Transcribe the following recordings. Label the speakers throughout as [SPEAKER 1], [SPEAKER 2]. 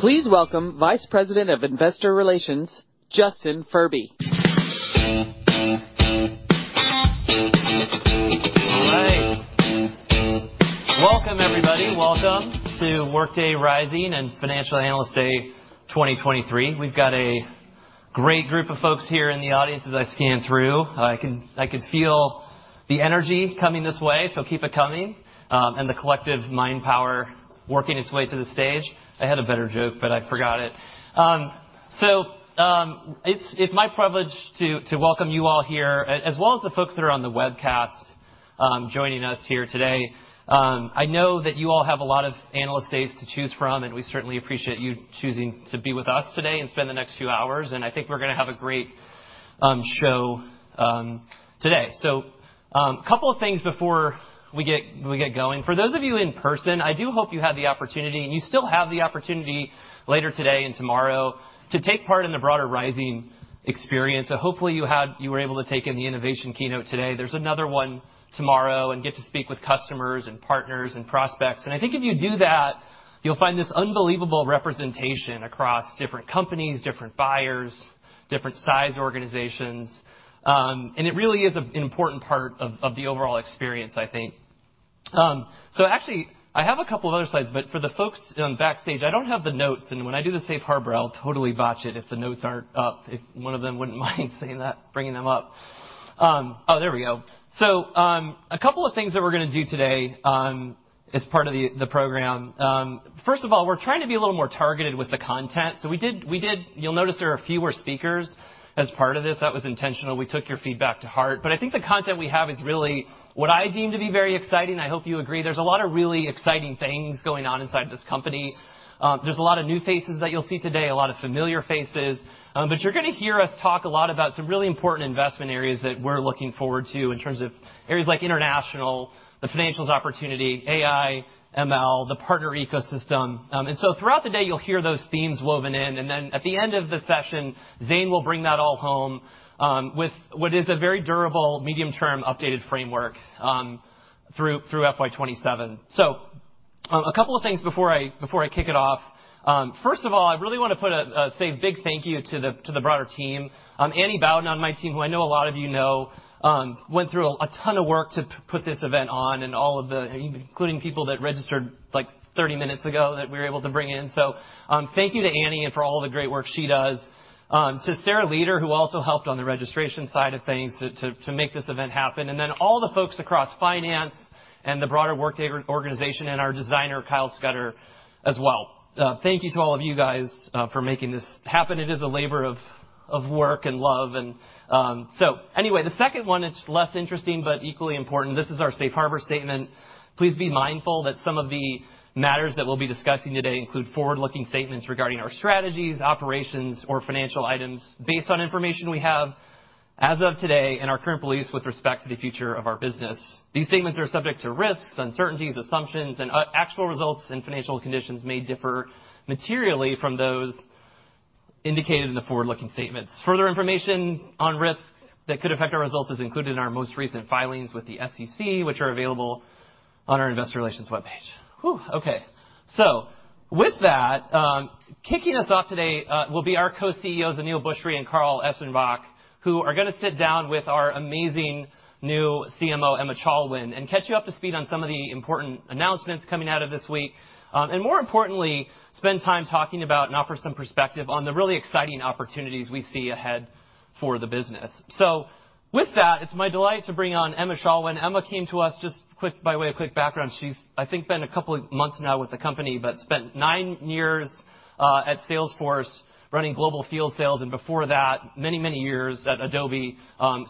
[SPEAKER 1] Please welcome Vice President of Investor Relations, Justin Furby.
[SPEAKER 2] All right. Welcome, everybody. Welcome to Workday Rising and Financial Analyst Day 2023. We've got a great group of folks here in the audience as I scan through. I can feel the energy coming this way, so keep it coming, and the collective mind power working its way to the stage. I had a better joke, but I forgot it. So, it's my privilege to welcome you all here, as well as the folks that are on the webcast, joining us here today. I know that you all have a lot of analyst days to choose from, and we certainly appreciate you choosing to be with us today and spend the next few hours, and I think we're gonna have a great show today. So, a couple of things before we get going. For those of you in person, I do hope you had the opportunity, and you still have the opportunity later today and tomorrow, to take part in the broader Rising experience. So hopefully, you were able to take in the Innovation Keynote today. There's another one tomorrow, and get to speak with customers and partners and prospects. And I think if you do that, you'll find this unbelievable representation across different companies, different buyers, different size organizations, and it really is an important part of the overall experience, I think. So actually, I have a couple of other slides, but for the folks on backstage, I don't have the notes, and when I do the safe harbor, I'll totally botch it if the notes aren't up. If one of them wouldn't mind seeing that, bringing them up. Oh, there we go. So, a couple of things that we're gonna do today, as part of the program. First of all, we're trying to be a little more targeted with the content. So we did. You'll notice there are fewer speakers as part of this. That was intentional. We took your feedback to heart, but I think the content we have is really what I deem to be very exciting. I hope you agree. There's a lot of really exciting things going on inside this company. There's a lot of new faces that you'll see today, a lot of familiar faces. But you're gonna hear us talk a lot about some really important investment areas that we're looking forward to in terms of areas like International, the Financials opportunity, AI, ML, the partner ecosystem. And so throughout the day, you'll hear those themes woven in, and then at the end of the session, Zane will bring that all home, with what is a very durable medium-term updated framework, through FY 2027. So, a couple of things before I kick it off. First of all, I really want to put a say a big thank you to the broader team. Annie Bowden on my team, who I know a lot of you know, went through a ton of work to put this event on, and all of the people that registered, like, 30 minutes ago, that we were able to bring in. So, thank you to Annie and for all the great work she does. To Sarah Leder, who also helped on the registration side of things, to make this event happen, and then all the folks across finance and the broader Workday organization, and our designer, Kyle Scudder, as well. Thank you to all of you guys for making this happen. It is a labor of work and love. So anyway, the second one is less interesting but equally important. This is our safe harbor statement. Please be mindful that some of the matters that we'll be discussing today include forward-looking statements regarding our strategies, operations, or financial items. Based on information we have as of today and our current beliefs with respect to the future of our business. These statements are subject to risks, uncertainties, assumptions, and actual results and financial conditions may differ materially from those indicated in the forward-looking statements. Further information on risks that could affect our results is included in our most recent filings with the SEC, which are available on our investor relations webpage. Whew! Okay. So with that, kicking us off today, will be our co-CEOs, Aneel Bhusri and Carl Eschenbach, who are gonna sit down with our amazing new CMO, Emma Chalwin, and catch you up to speed on some of the important announcements coming out of this week. And more importantly, spend time talking about and offer some perspective on the really exciting opportunities we see ahead for the business. So with that, it's my delight to bring on Emma Chalwin. Emma came to us by way of quick background, she's, I think, been a couple of months now with the company, but spent nine years at Salesforce running global field sales, and before that, many, many years at Adobe.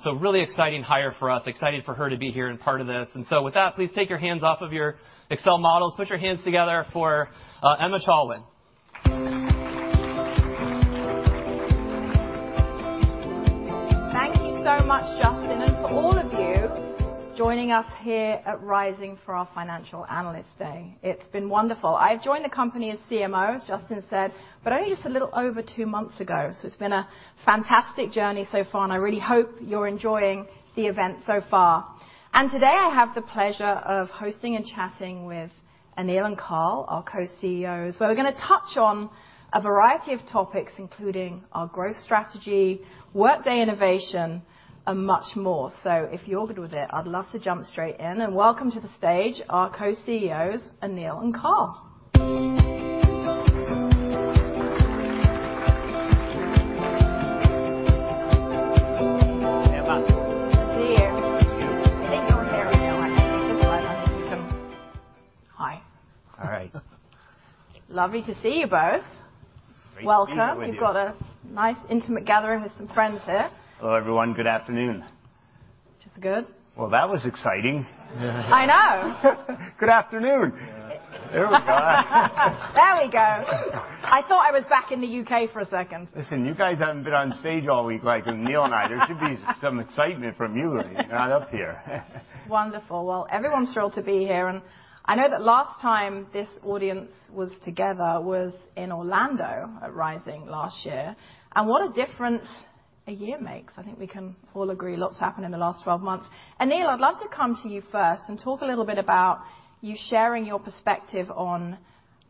[SPEAKER 2] So really exciting hire for us. Excited for her to be here and part of this. And so with that, please take your hands off of your Excel models. Put your hands together for Emma Chalwin.
[SPEAKER 3] Thank you so much, Justin, and for all of you joining us here at Rising for our Financial Analyst Day. It's been wonderful. I've joined the company as CMO, as Justin said, but only just a little over two months ago, so it's been a fantastic journey so far, and I really hope you're enjoying the event so far. And today I have the pleasure of hosting and chatting with Aneel and Carl, our co-CEOs, where we're gonna touch on a variety of topics, including our growth strategy, Workday innovation, and much more. So if you're good with it, I'd love to jump straight in, and welcome to the stage our co-CEOs, Aneel and Carl.
[SPEAKER 1] Hey, Emma.
[SPEAKER 3] Good to see you.
[SPEAKER 1] Thank you.
[SPEAKER 3] I think you're here, actually. This way. Hi.
[SPEAKER 2] All right.
[SPEAKER 3] Lovely to see you both.
[SPEAKER 2] Great to be with you.
[SPEAKER 3] Welcome. You've got a nice, intimate gathering with some friends here.
[SPEAKER 2] Hello, everyone. Good afternoon.
[SPEAKER 3] Which is good.
[SPEAKER 1] Well, that was exciting.
[SPEAKER 3] I know.
[SPEAKER 1] Good afternoon.
[SPEAKER 2] Yeah.
[SPEAKER 1] There we go.
[SPEAKER 3] There we go. I thought I was back in the UK for a second.
[SPEAKER 1] Listen, you guys haven't been on stage all week like Aneel and I. There should be some excitement from you lot up here.
[SPEAKER 3] Wonderful. Well, everyone's thrilled to be here, and I know that last time this audience was together was in Orlando at Rising last year, and what a difference a year makes. I think we can all agree a lot's happened in the last 12 months. Aneel, I'd love to come to you first and talk a little bit about you sharing your perspective on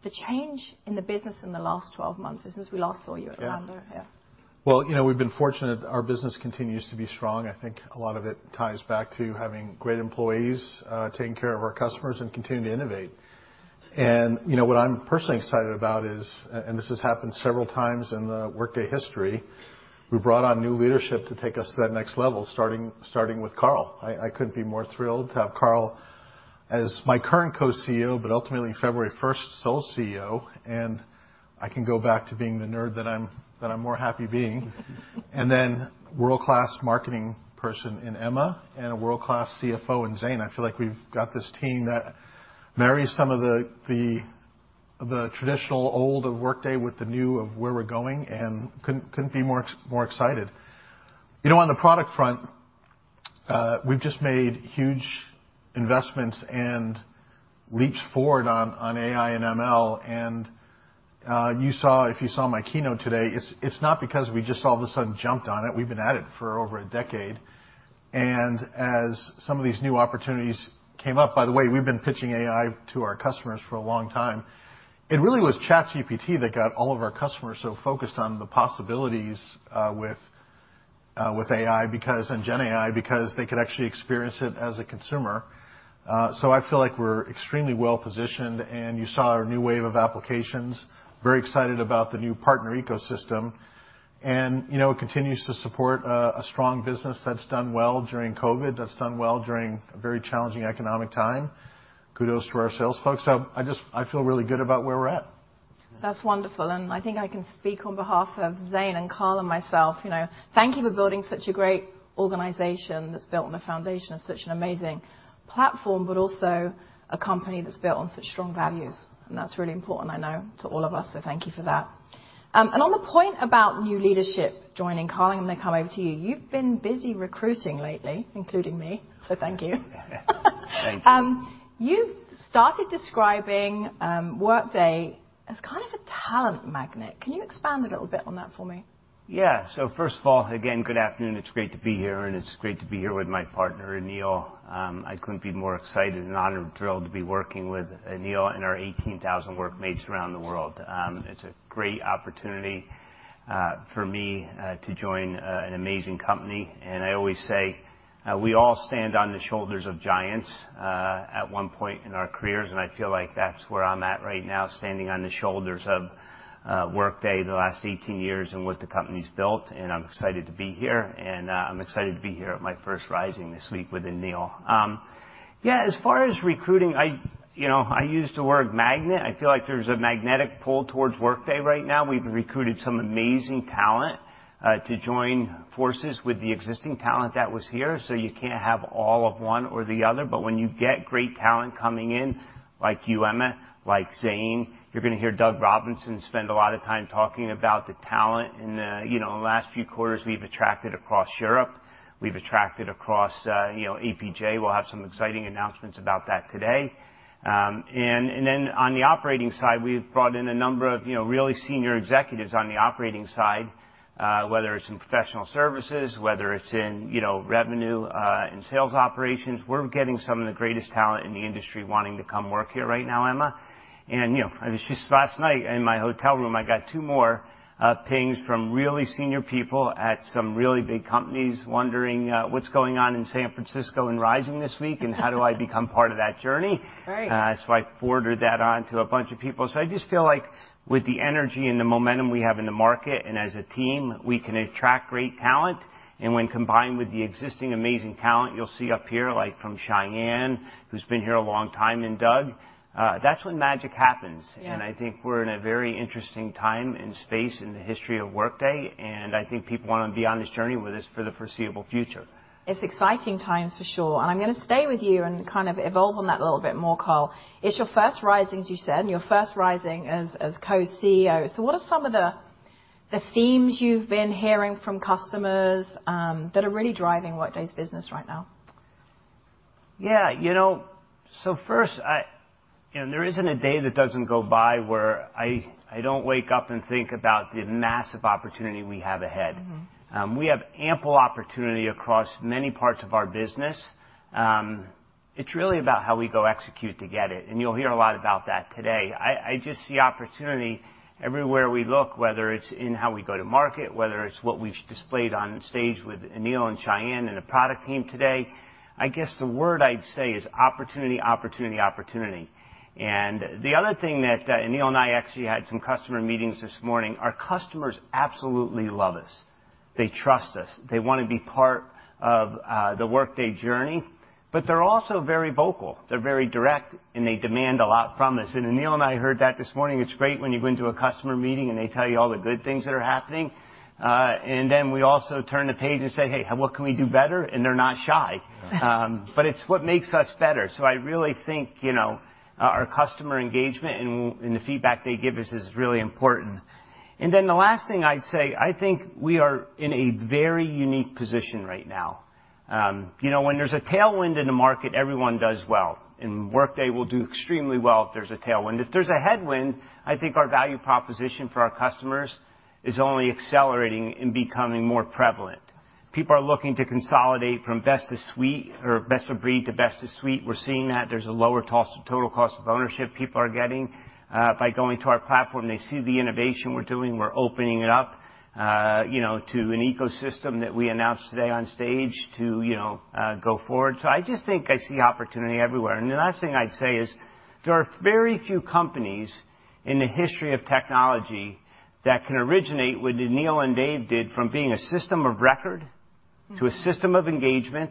[SPEAKER 3] the change in the business in the last 12 months since we last saw you at Orlando.
[SPEAKER 4] Yeah.
[SPEAKER 3] Yeah.
[SPEAKER 4] Well, you know, we've been fortunate. Our business continues to be strong. I think a lot of it ties back to having great employees, taking care of our customers and continuing to innovate. And, you know, what I'm personally excited about is, and this has happened several times in the Workday history, we brought on new leadership to take us to that next level, starting with Carl. I couldn't be more thrilled to have Carl as my current co-CEO, but ultimately, February first, sole CEO, and I can go back to being the nerd that I'm more happy being. And then world-class marketing person in Emma and a world-class CFO in Zane. I feel like we've got this team that marries some of the traditional old of Workday with the new of where we're going, and couldn't be more excited. You know, on the product front, we've just made huge investments and leaps forward on AI and ML, and you if you saw my keynote today, it's not because we just all of a sudden jumped on it. We've been at it for over a decade, and as some of these new opportunities came up by the way, we've been pitching AI to our customers for a long time. It really was ChatGPT that got all of our customers so focused on the possibilities with AI because and GenAI because they could actually experience it as a consumer. So I feel like we're extremely well positioned, and you saw our new wave of applications. Very excited about the new partner ecosystem. And, you know, it continues to support a strong business that's done well during COVID, that's done well during a very challenging economic time. Kudos to our sales folks. So I just, I feel really good about where we're at.
[SPEAKER 3] That's wonderful, and I think I can speak on behalf of Zane and Carl and myself, you know, thank you for building such a great organization that's built on a foundation of such an amazing platform, but also a company that's built on such strong values, and that's really important, I know, to all of us, so thank you for that. And on the point about new leadership joining, Carl, I'm going to come over to you. You've been busy recruiting lately, including me, so thank you.
[SPEAKER 1] Thank you.
[SPEAKER 3] You've started describing Workday as kind of a talent magnet. Can you expand a little bit on that for me?
[SPEAKER 1] Yeah. So first of all, again, good afternoon. It's great to be here, and it's great to be here with my partner, Aneel. I couldn't be more excited and honored and thrilled to be working with Aneel and our 18,000 workmates around the world. It's a great opportunity for me to join an amazing company, and I always say we all stand on the shoulders of giants at one point in our careers, and I feel like that's where I'm at right now, standing on the shoulders of Workday, the last 18 years and what the company's built, and I'm excited to be here, and I'm excited to be here at my first Rising this week with Aneel. Yeah, as far as recruiting, I, you know, I use the word magnet. I feel like there's a magnetic pull towards Workday right now. We've recruited some amazing talent, to join forces with the existing talent that was here, so you can't have all of one or the other, but when you get great talent coming in, like you, Emma, like Zane, you're gonna hear Doug Robinson spend a lot of time talking about the talent in the, you know, last few quarters we've attracted across Europe. We've attracted across, you know, APJ. We'll have some exciting announcements about that today. And then on the operating side, we've brought in a number of, you know, really senior executives on the operating side, whether it's in professional services, whether it's in, you know, revenue, and sales operations. We're getting some of the greatest talent in the industry wanting to come work here right now, Emma, and, you know, it was just last night in my hotel room, I got 2 more pings from really senior people at some really big companies wondering, what's going on in San Francisco and Rising this week and how do I become part of that journey?
[SPEAKER 3] Great.
[SPEAKER 1] So I forwarded that on to a bunch of people. So I just feel like with the energy and the momentum we have in the market and as a team, we can attract great talent, and when combined with the existing amazing talent you'll see up here, like from Sayan, who's been here a long time, and Doug, that's when magic happens.
[SPEAKER 3] Yeah.
[SPEAKER 1] I think we're in a very interesting time and space in the history of Workday, and I think people wanna be on this journey with us for the foreseeable future.
[SPEAKER 3] It's exciting times for sure, and I'm gonna stay with you and kind of evolve on that a little bit more, Carl. It's your first Rising, as you said, and your first Rising as co-CEO. So what are some of the themes you've been hearing from customers that are really driving Workday's business right now?
[SPEAKER 1] Yeah. You know, so first, I know, there isn't a day that doesn't go by where I don't wake up and think about the massive opportunity we have ahead.
[SPEAKER 3] Mm-hmm.
[SPEAKER 1] We have ample opportunity across many parts of our business. It's really about how we go execute to get it, and you'll hear a lot about that today. I, I just see opportunity everywhere we look, whether it's in how we go to market, whether it's what we've displayed on stage with Aneel and Sayan and the product team today. I guess the word I'd say is opportunity, opportunity, opportunity. The other thing that Aneel and I actually had some customer meetings this morning, our customers absolutely love us. They trust us. They want to be part of the Workday journey, but they're also very vocal, they're very direct, and they demand a lot from us, and Aneel and I heard that this morning. It's great when you go into a customer meeting, and they tell you all the good things that are happening, and then we also turn the page and say, "Hey, what can we do better?" They're not shy.
[SPEAKER 3] Right.
[SPEAKER 1] But it's what makes us better. So I really think, you know, our customer engagement and, and the feedback they give us is really important. And then the last thing I'd say, I think we are in a very unique position right now. You know, when there's a tailwind in the market, everyone does well, and Workday will do extremely well if there's a tailwind. If there's a headwind, I think our value proposition for our customers is only accelerating and becoming more prevalent. People are looking to consolidate from best of suite or best of breed to best of suite. We're seeing that. There's a lower cost, total cost of ownership people are getting, by going to our platform. They see the innovation we're doing. We're opening it up, you know, to an ecosystem that we announced today on stage to, you know, go forward. So I just think I see opportunity everywhere. And the last thing I'd say is there are very few companies in the history of technology that can originate what Aneel and Dave did from being a system of record to a system of engagement,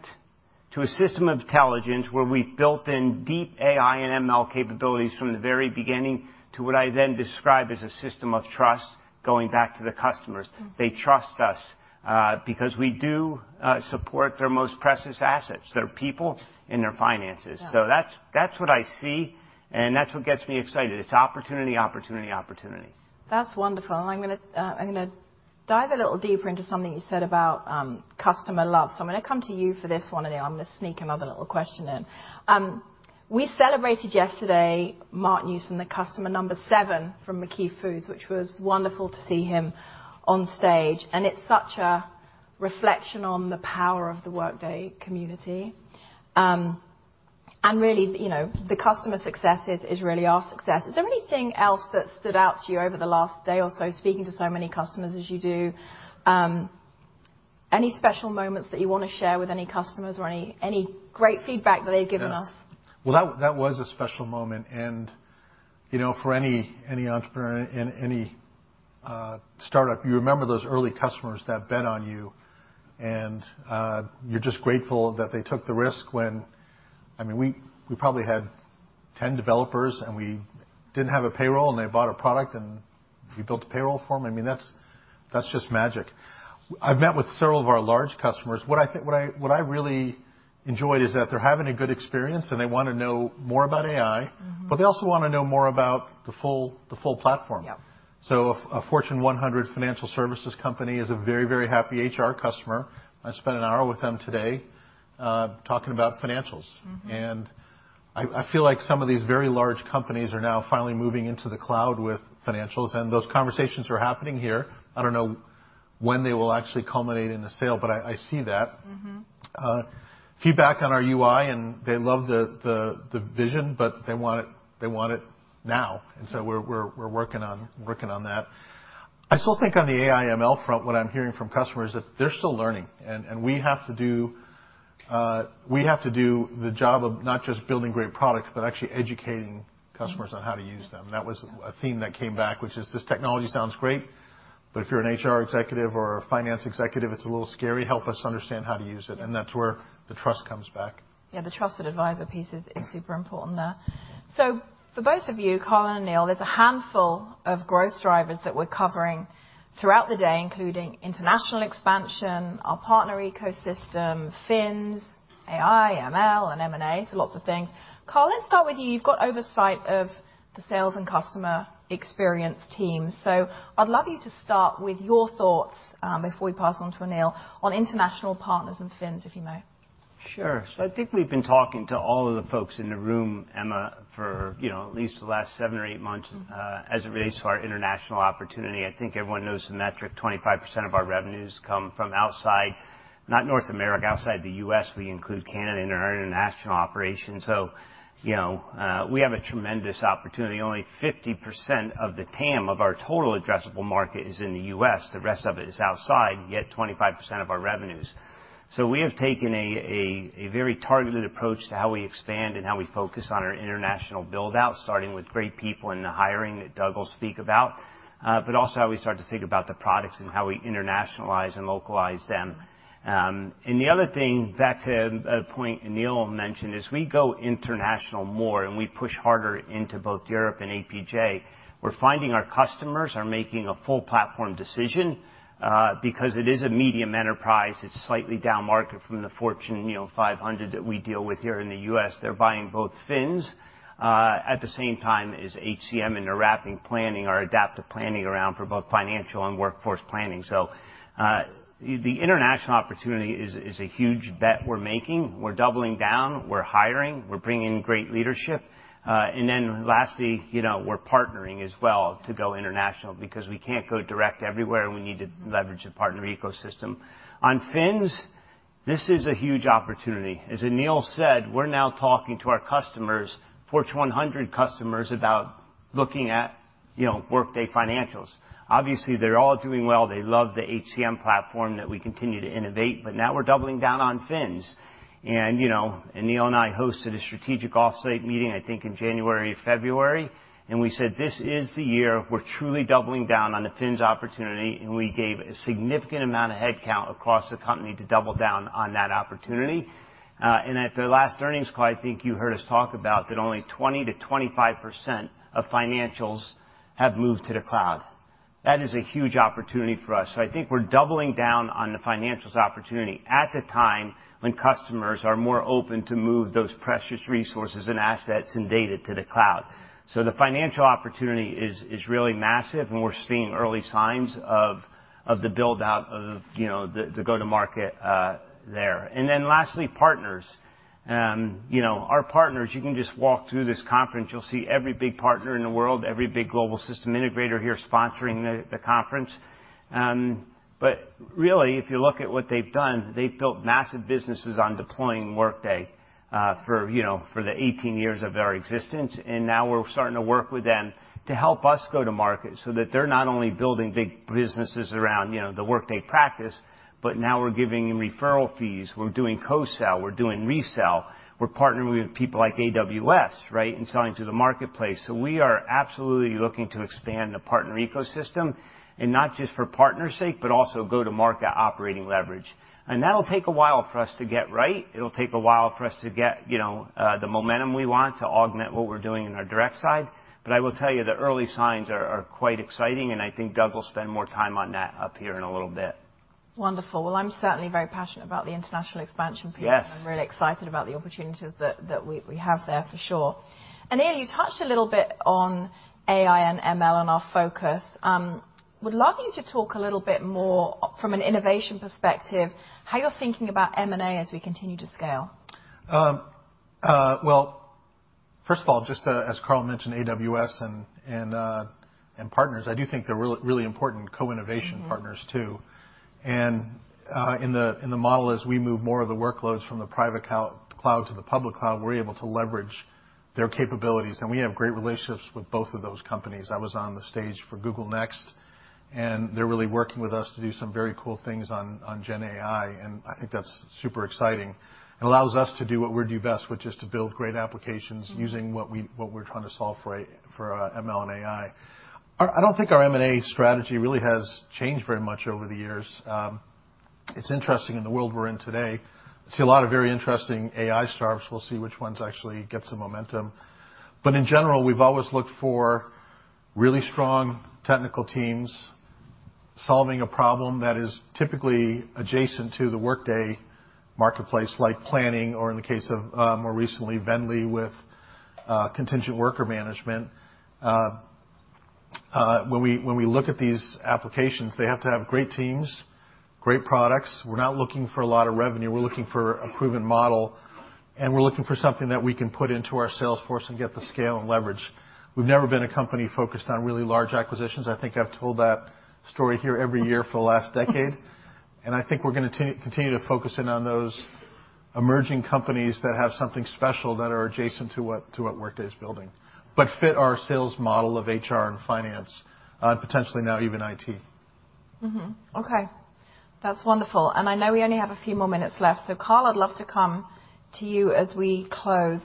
[SPEAKER 1] to a system of intelligence, where we built in deep AI and ML capabilities from the very beginning, to what I then describe as a system of trust, going back to the customers.
[SPEAKER 3] Mm.
[SPEAKER 1] They trust us, because we do support their most precious assets, their people and their finances.
[SPEAKER 3] Yeah.
[SPEAKER 1] That's, that's what I see, and that's what gets me excited. It's opportunity, opportunity, opportunity.
[SPEAKER 3] That's wonderful, and I'm gonna dive a little deeper into something you said about customer love. So I'm gonna come to you for this one, Aneel. I'm gonna sneak another little question in. We celebrated yesterday, Mark Newsome, the customer number seven from McKee Foods, which was wonderful to see him on stage, and it's such a reflection on the power of the Workday community. And really, you know, the customer success is really our success. Is there anything else that stood out to you over the last day or so, speaking to so many customers as you do? Any special moments that you wanna share with any customers or any great feedback that they've given us?
[SPEAKER 4] Yeah. Well, that, that was a special moment, and, you know, for any, any entrepreneur in, in any, startup, you remember those early customers that bet on you, and, you're just grateful that they took the risk when I mean, we, we probably had 10 developers, and we didn't have a payroll, and they bought a product, and we built the payroll for them. I mean, that's, that's just magic. I've met with several of our large customers. What I really enjoyed is that they're having a good experience, and they want to know more about AI.
[SPEAKER 3] Mm-hmm.
[SPEAKER 4] But they also want to know more about the full platform.
[SPEAKER 3] Yeah.
[SPEAKER 4] So a Fortune 100 financial services company is a very, very happy HR customer. I spent an hour with them today, talking about Financials.
[SPEAKER 3] Mm-hmm.
[SPEAKER 4] I, I feel like some of these very large companies are now finally moving into the cloud with Financials, and those conversations are happening here. I don't know when they will actually culminate in a sale, but I, I see that.
[SPEAKER 3] Mm-hmm.
[SPEAKER 4] Feedback on our UI, and they love the vision, but they want it, they want it now. And so we're working on that. I still think on the AI/ML front, what I'm hearing from customers, that they're still learning, and we have to do the job of not just building great products but actually educating customers-
[SPEAKER 3] Mm
[SPEAKER 4] on how to use them.
[SPEAKER 3] Yeah.
[SPEAKER 4] That was a theme that came back, which is this technology sounds great, but if you're an HR executive or a finance executive, it's a little scary. Help us understand how to use it, and that's where the trust comes back.
[SPEAKER 3] Yeah, the trusted advisor piece is super important there. So for both of you, Carl and Aneel, there's a handful of growth drivers that we're covering throughout the day, including International expansion, our partner ecosystem, Fins, AI, ML, and M&A, so lots of things. Carl, let's start with you. You've got oversight of the sales and customer experience team, so I'd love you to start with your thoughts before we pass on to Aneel, on International partners and Fins, if you may.
[SPEAKER 1] Sure. So I think we've been talking to all of the folks in the room, Emma, for, you know, at least the last 7 or 8 months-
[SPEAKER 3] Mm-hmm
[SPEAKER 1] As it relates to our International opportunity. I think everyone knows the metric, 25% of our revenues come from outside, not North America, outside the US. We include Canada in our International operations. So you know, we have a tremendous opportunity. Only 50% of the TAM of our total addressable market is in the US. The rest of it is outside, yet 25% of our revenues. So we have taken a very targeted approach to how we expand and how we focus on our International build-out, starting with great people in the hiring that Doug will speak about, but also how we start to think about the products and how we internationalize and localize them. And the other thing, back to a point Aneel mentioned, as we go International more and we push harder into both Europe and APJ, we're finding our customers are making a full platform decision, because it is a medium enterprise. It's slightly downmarket from the Fortune, you know, 500 that we deal with here in the US. They're buying both Fins at the same time as HCM, and they're wrapping planning or Adaptive Planning around for both financial and workforce planning. So, the International opportunity is a huge bet we're making. We're doubling down. We're hiring. We're bringing in great leadership. And then lastly, you know, we're partnering as well to go International because we can't go direct everywhere, and we need to leverage the partner ecosystem. On Fins, this is a huge opportunity. As Aneel said, we're now talking to our customers, Fortune 100 customers, about looking at, you know, Workday Financials. Obviously, they're all doing well. They love the HCM platform that we continue to innovate, but now we're doubling down on Fins. And, you know, Aneel and I hosted a strategic off-site meeting, I think in January or February, and we said, "This is the year we're truly doubling down on the Fins opportunity," and we gave a significant amount of headcount across the company to double down on that opportunity. And at the last earnings call, I think you heard us talk about that only 20%-25% of Financials have moved to the cloud. That is a huge opportunity for us. So I think we're doubling down on the Financials opportunity at the time when customers are more open to move those precious resources and assets and data to the cloud. So the financial opportunity is really massive, and we're seeing early signs of the build-out of, you know, the go-to-market there. And then lastly, partners. You know, our partners, you can just walk through this conference, you'll see every big partner in the world, every big global system integrator here sponsoring the conference. But really, if you look at what they've done, they've built massive businesses on deploying Workday for, you know, for the 18 years of their existence, and now we're starting to work with them to help us go to market so that they're not only building big businesses around, you know, the Workday practice, but now we're giving them referral fees. We're doing co-sell, we're doing resell. We're partnering with people like AWS, right, and selling to the marketplace. So we are absolutely looking to expand the partner ecosystem, and not just for partner's sake, but also go-to-market operating leverage. And that'll take a while for us to get right. It'll take a while for us to get, you know, the momentum we want to augment what we're doing in our direct side. But I will tell you, the early signs are quite exciting, and I think Doug will spend more time on that up here in a little bit.
[SPEAKER 3] Wonderful. Well, I'm certainly very passionate about the International expansion piece.
[SPEAKER 1] Yes!
[SPEAKER 3] I'm really excited about the opportunities that we have there, for sure. And Aneel, you touched a little bit on AI and ML and our focus. Would love you to talk a little bit more from an innovation perspective, how you're thinking about M&A as we continue to scale.
[SPEAKER 4] Well, first of all, just, as Carl mentioned, AWS and partners, I do think they're really, really important co-innovation-
[SPEAKER 3] Mm-hmm
[SPEAKER 4] Partners, too. In the model, as we move more of the workloads from the private cloud to the public cloud, we're able to leverage their capabilities, and we have great relationships with both of those companies. I was on the stage for Google Next, and they're really working with us to do some very cool things on GenAI, and I think that's super exciting. It allows us to do what we do best, which is to build great applications-
[SPEAKER 3] Mm.
[SPEAKER 4] using what we, what we're trying to solve for, ML and AI. I don't think our M&A strategy really has changed very much over the years. It's interesting, in the world we're in today, I see a lot of very interesting AI startups. We'll see which ones actually get some momentum. But in general, we've always looked for really strong technical teams solving a problem that is typically adjacent to the Workday marketplace, like planning, or in the case of, more recently, VNDLY, with, contingent worker management. When we look at these applications, they have to have great teams, great products. We're not looking for a lot of revenue. We're looking for a proven model, and we're looking for something that we can put into our sales force and get the scale and leverage. We've never been a company focused on really large acquisitions. I think I've told that story here every year for the last decade. I think we're gonna continue to focus in on those emerging companies that have something special that are adjacent to what Workday is building, but fit our sales model of HR and finance, potentially now even IT.
[SPEAKER 3] Mm-hmm. Okay, that's wonderful. And I know we only have a few more minutes left, so Carl, I'd love to come to you as we close.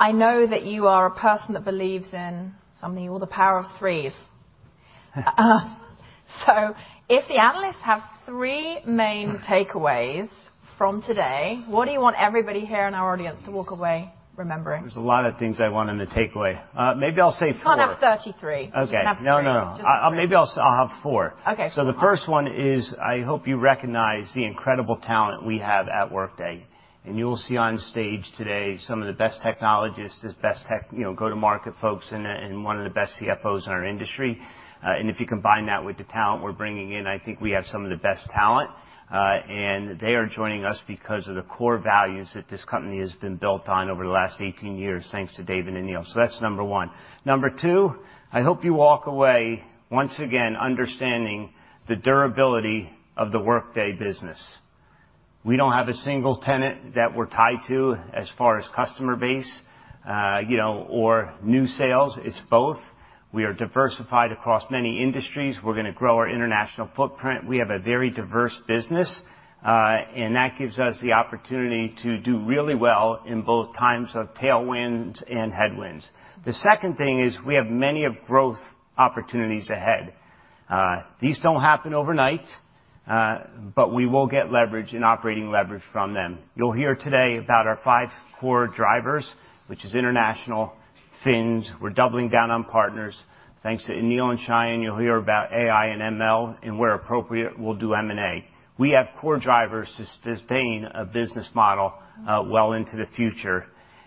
[SPEAKER 3] I know that you are a person that believes in something... You call the power of threes. So if the analysts have three main takeaways from today, what do you want everybody here in our audience to walk away remembering?
[SPEAKER 1] There's a lot of things I want them to take away. Maybe I'll say four.
[SPEAKER 3] Can't have 33.
[SPEAKER 1] Okay.
[SPEAKER 3] You can have three.
[SPEAKER 1] No, no.
[SPEAKER 3] Just three.
[SPEAKER 1] Maybe I'll have four.
[SPEAKER 3] Okay.
[SPEAKER 1] So the first one is, I hope you recognize the incredible talent we have at Workday, and you will see on stage today some of the best technologists, as best tech, you know, go-to-market folks, and, and one of the best CFOs in our industry. And if you combine that with the talent we're bringing in, I think we have some of the best talent, and they are joining us because of the core values that this company has been built on over the last 18 years, thanks to David and Aneel. So that's number one. Number two, I hope you walk away, once again, understanding the durability of the Workday business. We don't have a single tenant that we're tied to as far as customer base, you know, or new sales. It's both. We are diversified across many industries. We're gonna grow our International footprint. We have a very diverse business, and that gives us the opportunity to do really well in both times of tailwinds and headwinds. The second thing is, we have many of growth opportunities ahead. These don't happen overnight, but we will get leverage and operating leverage from them. You'll hear today about our five core drivers, which is International, fins. We're doubling down on partners. Thanks to Aneel and Sayan, you'll hear about AI and ML, and where appropriate, we'll do M&A. We have core drivers to sustain a business model-
[SPEAKER 3] Mm
[SPEAKER 1] Well into the future.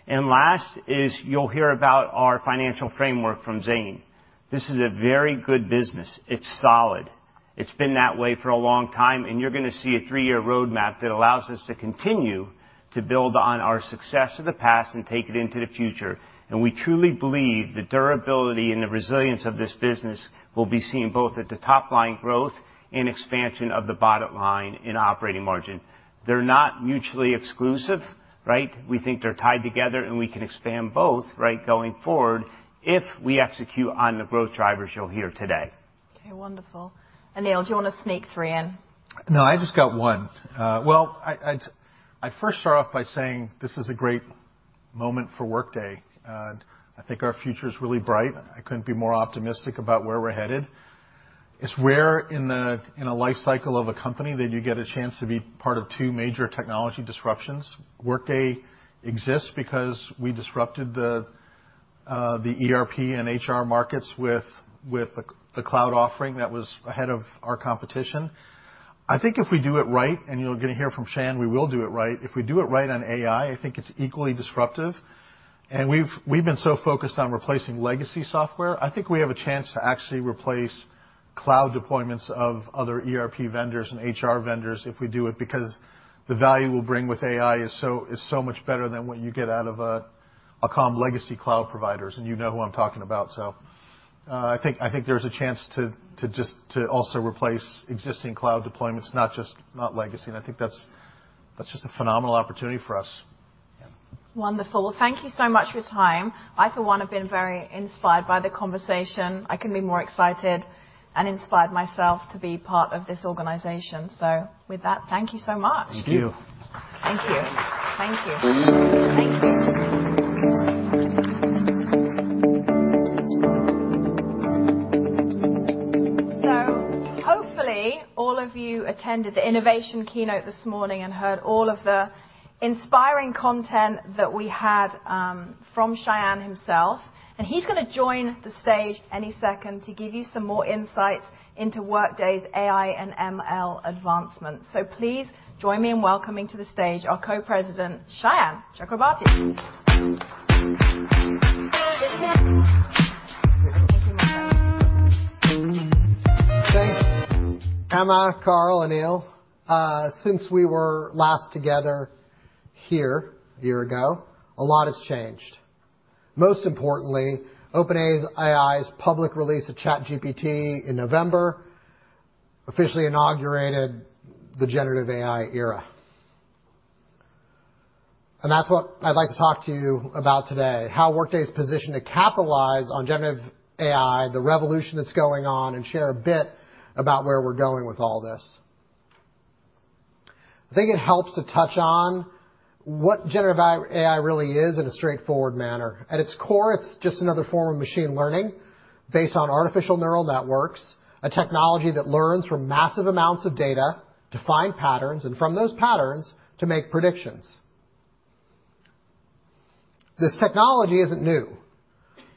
[SPEAKER 1] And last is you'll hear about our financial framework from Zane. This is a very good business. It's solid. It's been that way for a long time, and you're gonna see a three-year roadmap that allows us to continue to build on our success of the past and take it into the future. And we truly believe the durability and the resilience of this business will be seen both at the top line growth and expansion of the bottom line in operating margin. They're not mutually exclusive, right? We think they're tied together, and we can expand both, right, going forward, if we execute on the growth drivers you'll hear today.
[SPEAKER 3] Okay, wonderful. Aneel, do you want to sneak three in?
[SPEAKER 4] No, I just got one. Well, I'd first start off by saying this is a great moment for Workday. I think our future is really bright. I couldn't be more optimistic about where we're headed. It's rare in the life cycle of a company that you get a chance to be part of two major technology disruptions. Workday exists because we disrupted the ERP and HR markets with a cloud offering that was ahead of our competition. I think if we do it right, and you're gonna hear from Sayan, we will do it right. If we do it right on AI, I think it's equally disruptive, and we've been so focused on replacing legacy software. I think we have a chance to actually replace... Cloud deployments of other ERP vendors and HR vendors, if we do it, because the value we'll bring with AI is so much better than what you get out of a commodity legacy cloud providers, and you know who I'm talking about. So, I think there's a chance to just also replace existing cloud deployments, not just not legacy, and I think that's just a phenomenal opportunity for us.
[SPEAKER 3] Wonderful. Thank you so much for your time. I, for one, have been very inspired by the conversation. I couldn't be more excited and inspired myself to be part of this organization. So with that, thank you so much.
[SPEAKER 4] Thank you.
[SPEAKER 3] Thank you. Thank you. Thank you. So hopefully, all of you attended the Innovation Keynote this morning and heard all of the inspiring content that we had from Sayan himself, and he's going to join the stage any second to give you some more insights into Workday's AI and ML advancements. So please join me in welcoming to the stage our Co-President, Sayan Chakraborty.
[SPEAKER 5] Thanks, Emma, Carl, Aneel. Since we were last together here a year ago, a lot has changed. Most importantly, OpenAI's public release of ChatGPT in November officially inaugurated the generative AI era. And that's what I'd like to talk to you about today, how Workday is positioned to capitalize on generative AI, the revolution that's going on, and share a bit about where we're going with all this. I think it helps to touch on what generative AI really is in a straightforward manner. At its core, it's just another form of machine learning based on artificial neural networks, a technology that learns from massive amounts of data to find patterns, and from those patterns, to make predictions. This technology isn't new,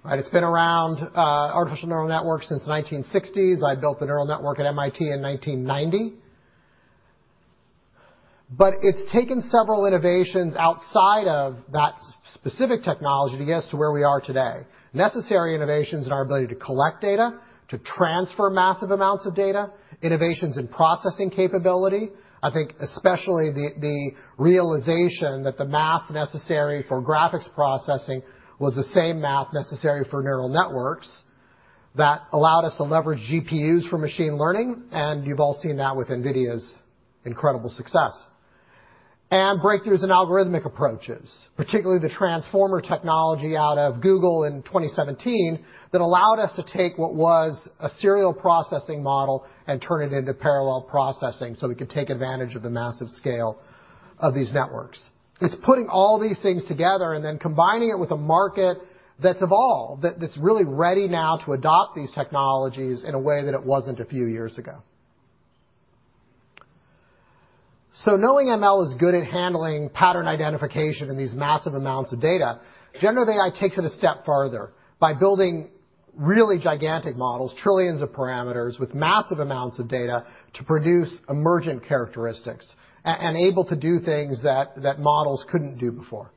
[SPEAKER 5] right? It's been around, artificial neural networks since the 1960s. I built a neural network at MIT in 1990. But it's taken several innovations outside of that specific technology to get us to where we are today. Necessary innovations in our ability to collect data, to transfer massive amounts of data, innovations in processing capability. I think especially the realization that the math necessary for graphics processing was the same math necessary for neural networks that allowed us to leverage GPUs for machine learning, and you've all seen that with NVIDIA's incredible success. And breakthroughs in algorithmic approaches, particularly the transformer technology out of Google in 2017, that allowed us to take what was a serial processing model and turn it into parallel processing, so we could take advantage of the massive scale of these networks. It's putting all these things together and then combining it with a market that's evolved, that's really ready now to adopt these technologies in a way that it wasn't a few years ago. So knowing ML is good at handling pattern identification in these massive amounts of data, generative AI takes it a step farther by building really gigantic models, trillions of parameters, with massive amounts of data to produce emergent characteristics, and able to do things that models couldn't do before. ...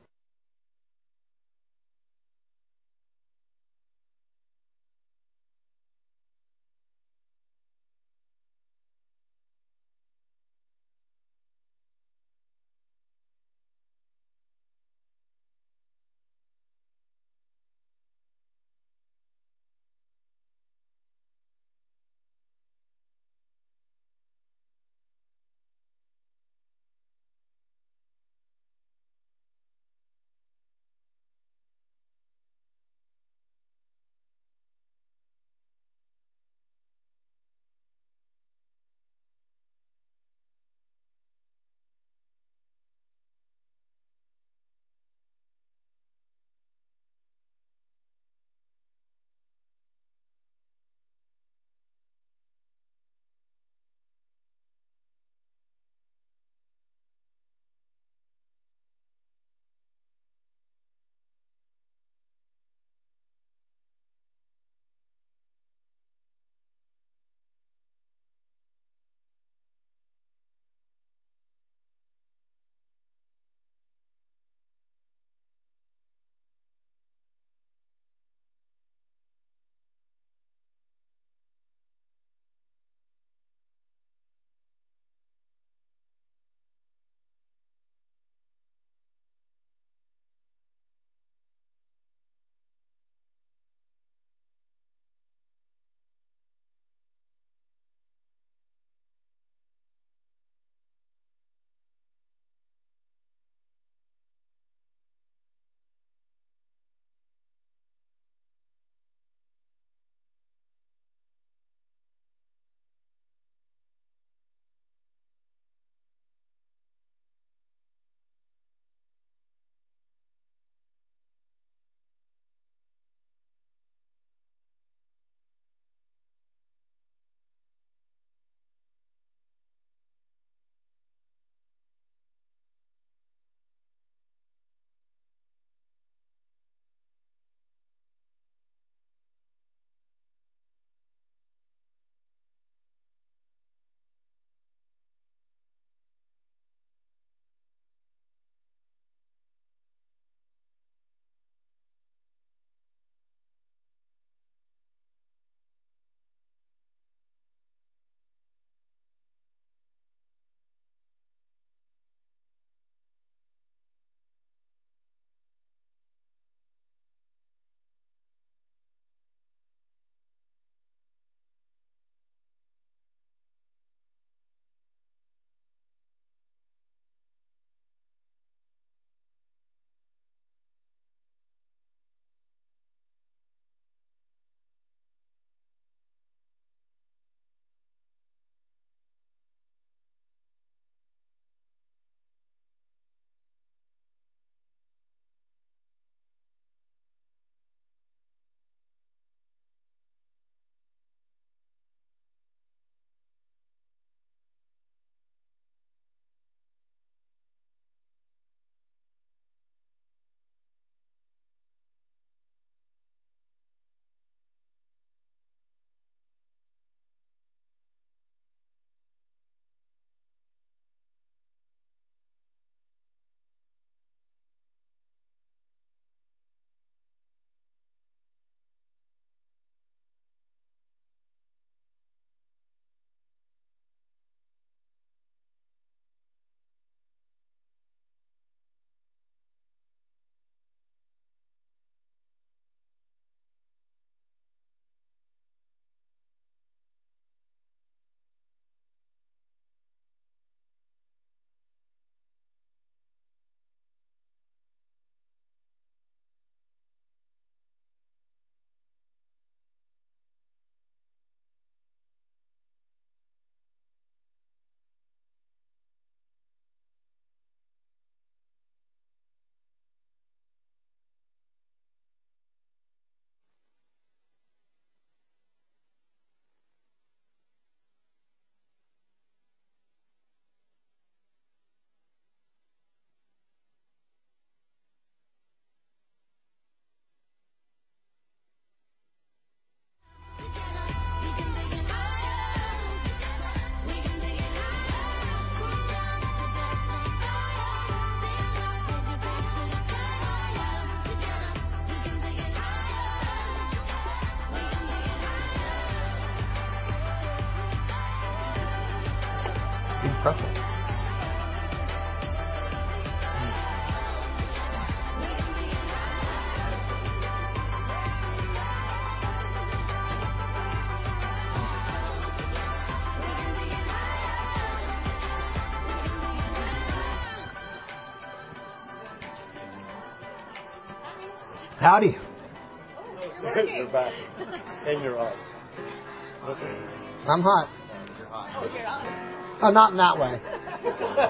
[SPEAKER 6] I have to say you like I. I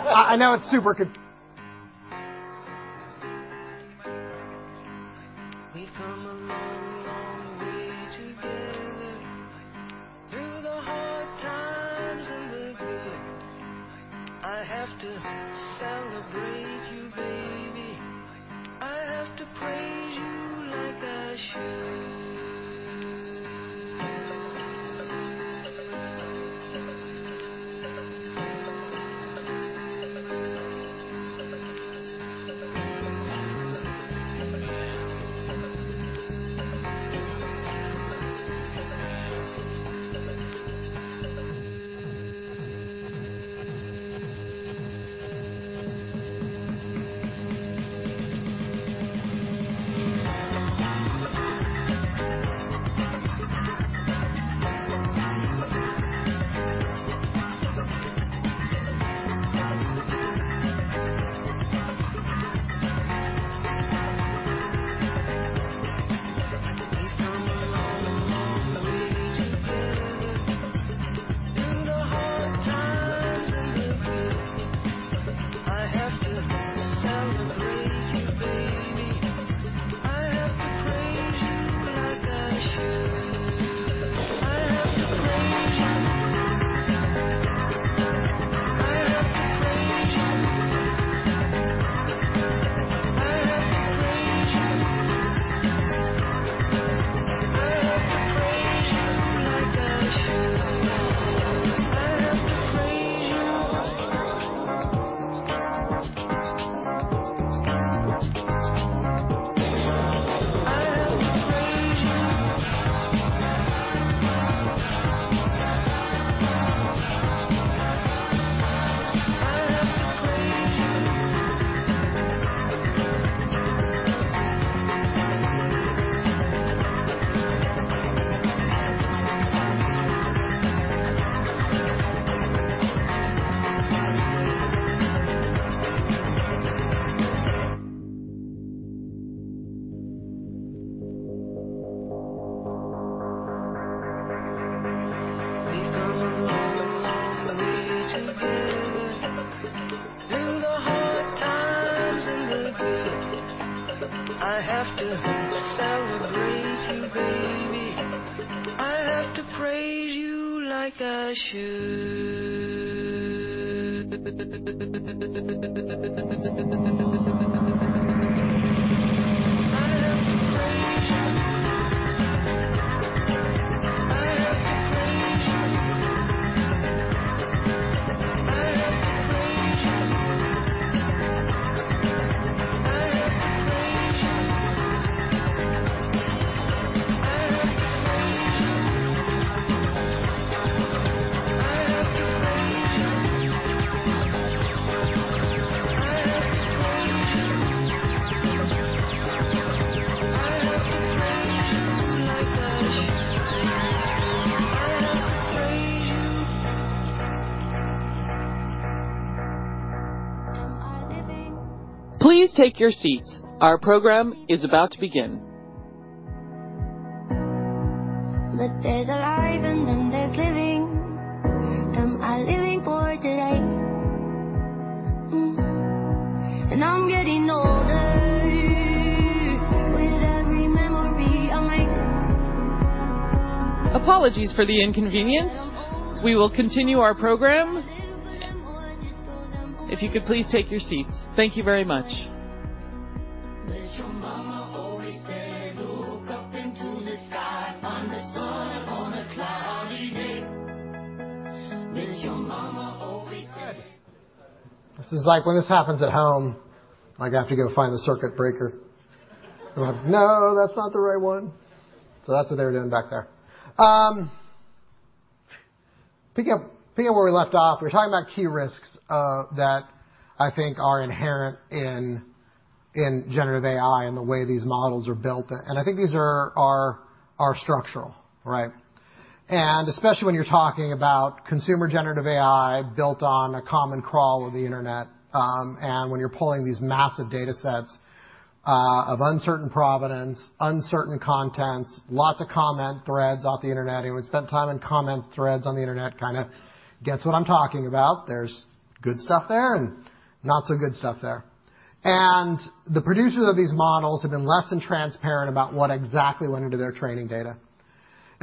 [SPEAKER 6] have to say you.
[SPEAKER 7] Please take your seats. Our program is about to begin.
[SPEAKER 6] But there's alive, and then there's living. Am I living for today? Mm. I'm getting older with every memory I make.
[SPEAKER 7] Apologies for the inconvenience. We will continue our program. If you could please take your seats. Thank you very much.
[SPEAKER 6] Did your mama always say, "Look up into the sky, find the sun on a cloudy day?" Did your mama always say-
[SPEAKER 5] This is like when this happens at home, like, I have to go find the circuit breaker. No, that's not the right one. So that's what they're doing back there. Picking up where we left off, we're talking about key risks that I think are inherent in generative AI and the way these models are built. And I think these are structural, right? And especially when you're talking about consumer generative AI built on a common crawl of the internet, and when you're pulling these massive datasets of uncertain provenance, uncertain contents, lots of comment threads off the internet. Anyone spent time in comment threads on the internet kind a gets what I'm talking about. There's good stuff there and not so good stuff there. The producers of these models have been less than transparent about what exactly went into their training data.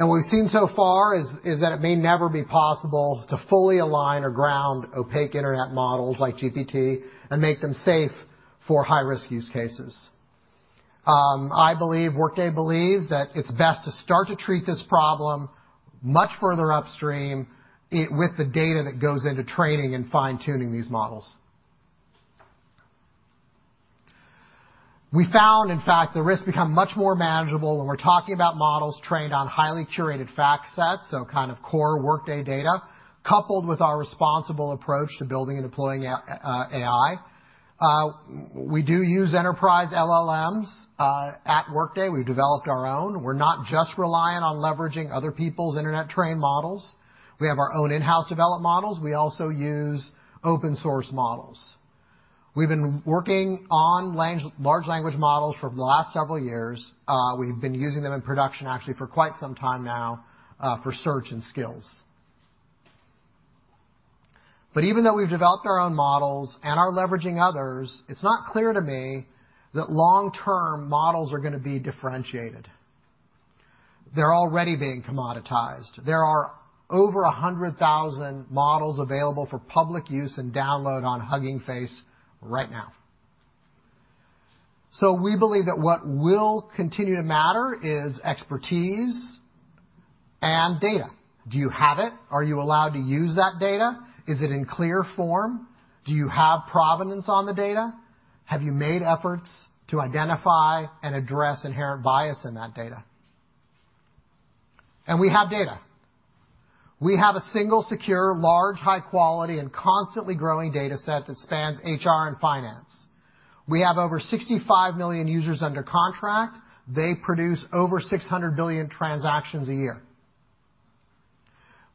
[SPEAKER 5] What we've seen so far is that it may never be possible to fully align or ground opaque internet models like GPT and make them safe for high-risk use cases. I believe, Workday believes that it's best to start to treat this problem much further upstream, with the data that goes into training and fine-tuning these models. We found, in fact, the risks become much more manageable when we're talking about models trained on highly curated fact sets, so kind of core Workday data, coupled with our responsible approach to building and deploying, AI. We do use enterprise LLMs, at Workday. We've developed our own. We're not just reliant on leveraging other people's internet-trained models. We have our own in-house developed models. We also use open-source models. We've been working on large language models for the last several years. We've been using them in production actually for quite some time now, for search and skills. But even though we've developed our own models and are leveraging others, it's not clear to me that long-term models are gonna be differentiated. They're already being commoditized. There are over 100,000 models available for public use and download on Hugging Face right now. So we believe that what will continue to matter is expertise and data. Do you have it? Are you allowed to use that data? Is it in clear form? Do you have provenance on the data? Have you made efforts to identify and address inherent bias in that data? And we have data. We have a single, secure, large, high quality, and constantly growing dataset that spans HR and finance. We have over 65 million users under contract. They produce over 600 billion transactions a year.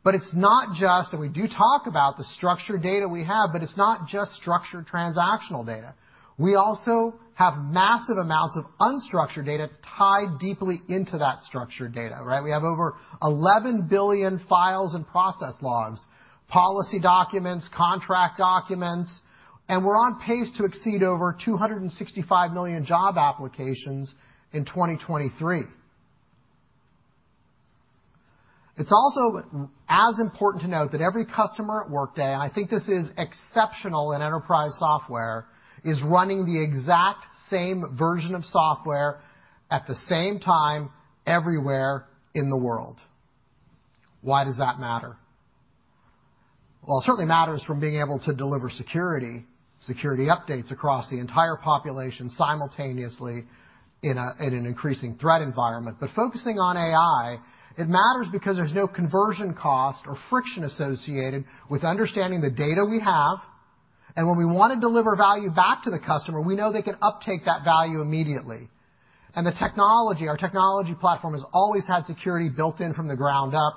[SPEAKER 5] But it's not just we do talk about the structured data we have, but it's not just structured transactional data. We also have massive amounts of unstructured data tied deeply into that structured data, right? We have over 11 billion files and process logs, policy documents, contract documents, and we're on pace to exceed over 265 million job applications in 2023. It's also as important to note that every customer at Workday, and I think this is exceptional in enterprise software, is running the exact same version of software at the same time everywhere in the world. Why does that matter? Well, it certainly matters from being able to deliver security, security updates across the entire population simultaneously in an increasing threat environment. But focusing on AI, it matters because there's no conversion cost or friction associated with understanding the data we have, and when we want to deliver value back to the customer, we know they can uptake that value immediately. And the technology, our technology platform, has always had security built in from the ground up,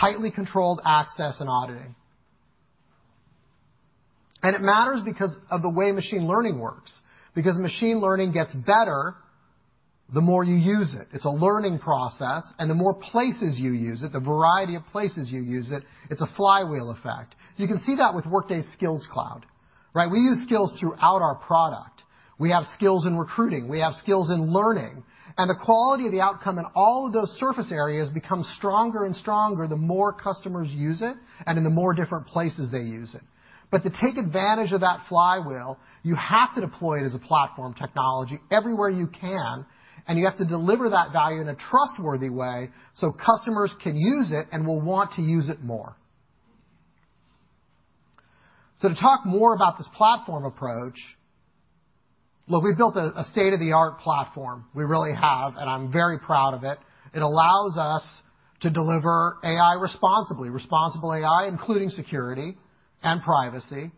[SPEAKER 5] tightly controlled access and auditing. And it matters because of the way machine learning works, because machine learning gets better the more you use it. It's a learning process, and the more places you use it, the variety of places you use it, it's a flywheel effect. You can see that with Workday Skills Cloud, right? We use skills throughout our product. We have skills in recruiting, we have skills in learning, and the quality of the outcome in all of those surface areas becomes stronger and stronger the more customers use it and in the more different places they use it. But to take advantage of that flywheel, you have to deploy it as a platform technology everywhere you can, and you have to deliver that value in a trustworthy way so customers can use it and will want to use it more. So to talk more about this platform approach, look, we've built a state-of-the-art platform. We really have, and I'm very proud of it. It allows us to deliver AI responsibly, responsible AI, including security and privacy.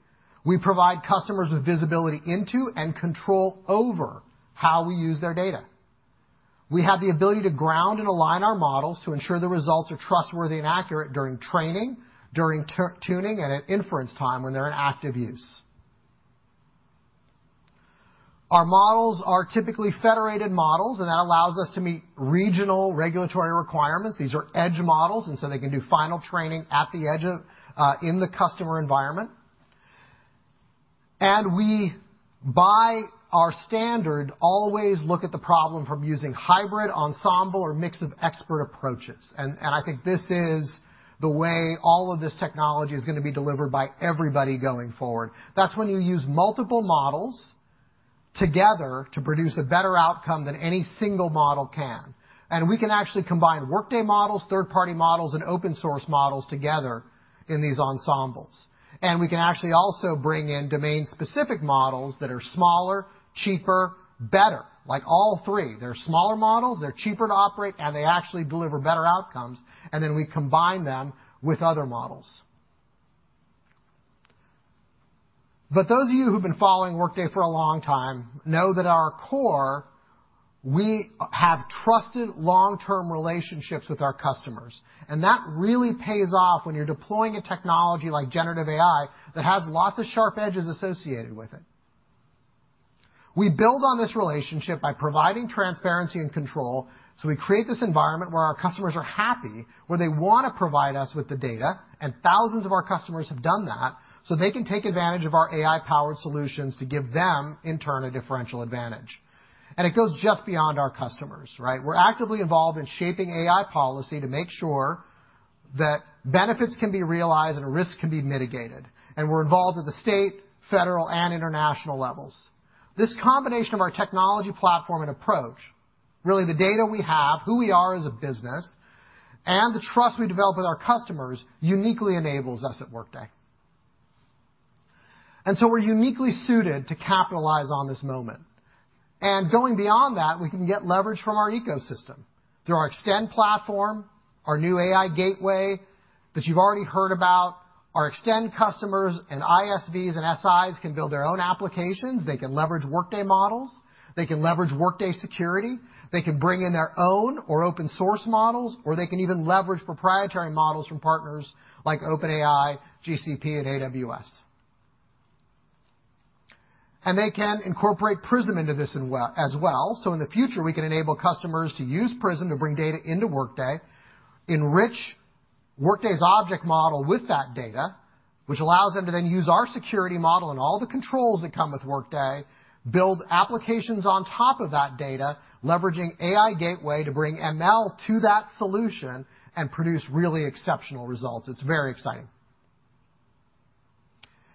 [SPEAKER 5] We provide customers with visibility into and control over how we use their data. We have the ability to ground and align our models to ensure the results are trustworthy and accurate during training, during fine-tuning, and at inference time when they're in active use. Our models are typically federated models, and that allows us to meet regional regulatory requirements. These are edge models, and so they can do final training at the edge of in the customer environment. And we, by our standard, always look at the problem from using hybrid, ensemble, or mix of expert approaches, and I think this is the way all of this technology is gonna be delivered by everybody going forward. That's when you use multiple models together to produce a better outcome than any single model can. And we can actually combine Workday models, third-party models, and open source models together in these ensembles. And we can actually also bring in domain-specific models that are smaller, cheaper, better, like all three. They're smaller models, they're cheaper to operate, and they actually deliver better outcomes, and then we combine them with other models. But those of you who've been following Workday for a long time know that at our core, we have trusted long-term relationships with our customers, and that really pays off when you're deploying a technology like generative AI that has lots of sharp edges associated with it. We build on this relationship by providing transparency and control, so we create this environment where our customers are happy, where they wanna provide us with the data, and thousands of our customers have done that, so they can take advantage of our AI-powered solutions to give them, in turn, a differential advantage. And it goes just beyond our customers, right? We're actively involved in shaping AI policy to make sure that benefits can be realized and risks can be mitigated. We're involved at the state, federal, and International levels. This combination of our technology platform and approach, really the data we have, who we are as a business, and the trust we develop with our customers, uniquely enables us at Workday. So we're uniquely suited to capitalize on this moment. Going beyond that, we can get leverage from our ecosystem. Through our Extend platform, our new AI Gateway that you've already heard about, our Extend customers and ISVs and SIs can build their own applications. They can leverage Workday models, they can leverage Workday security, they can bring in their own or open source models, or they can even leverage proprietary models from partners like OpenAI, GCP, and AWS. And they can incorporate Prism into this as well, so in the future, we can enable customers to use Prism to bring data into Workday, enrich Workday's object model with that data, which allows them to then use our security model and all the controls that come with Workday, build applications on top of that data, leveraging AI Gateway to bring ML to that solution and produce really exceptional results. It's very exciting.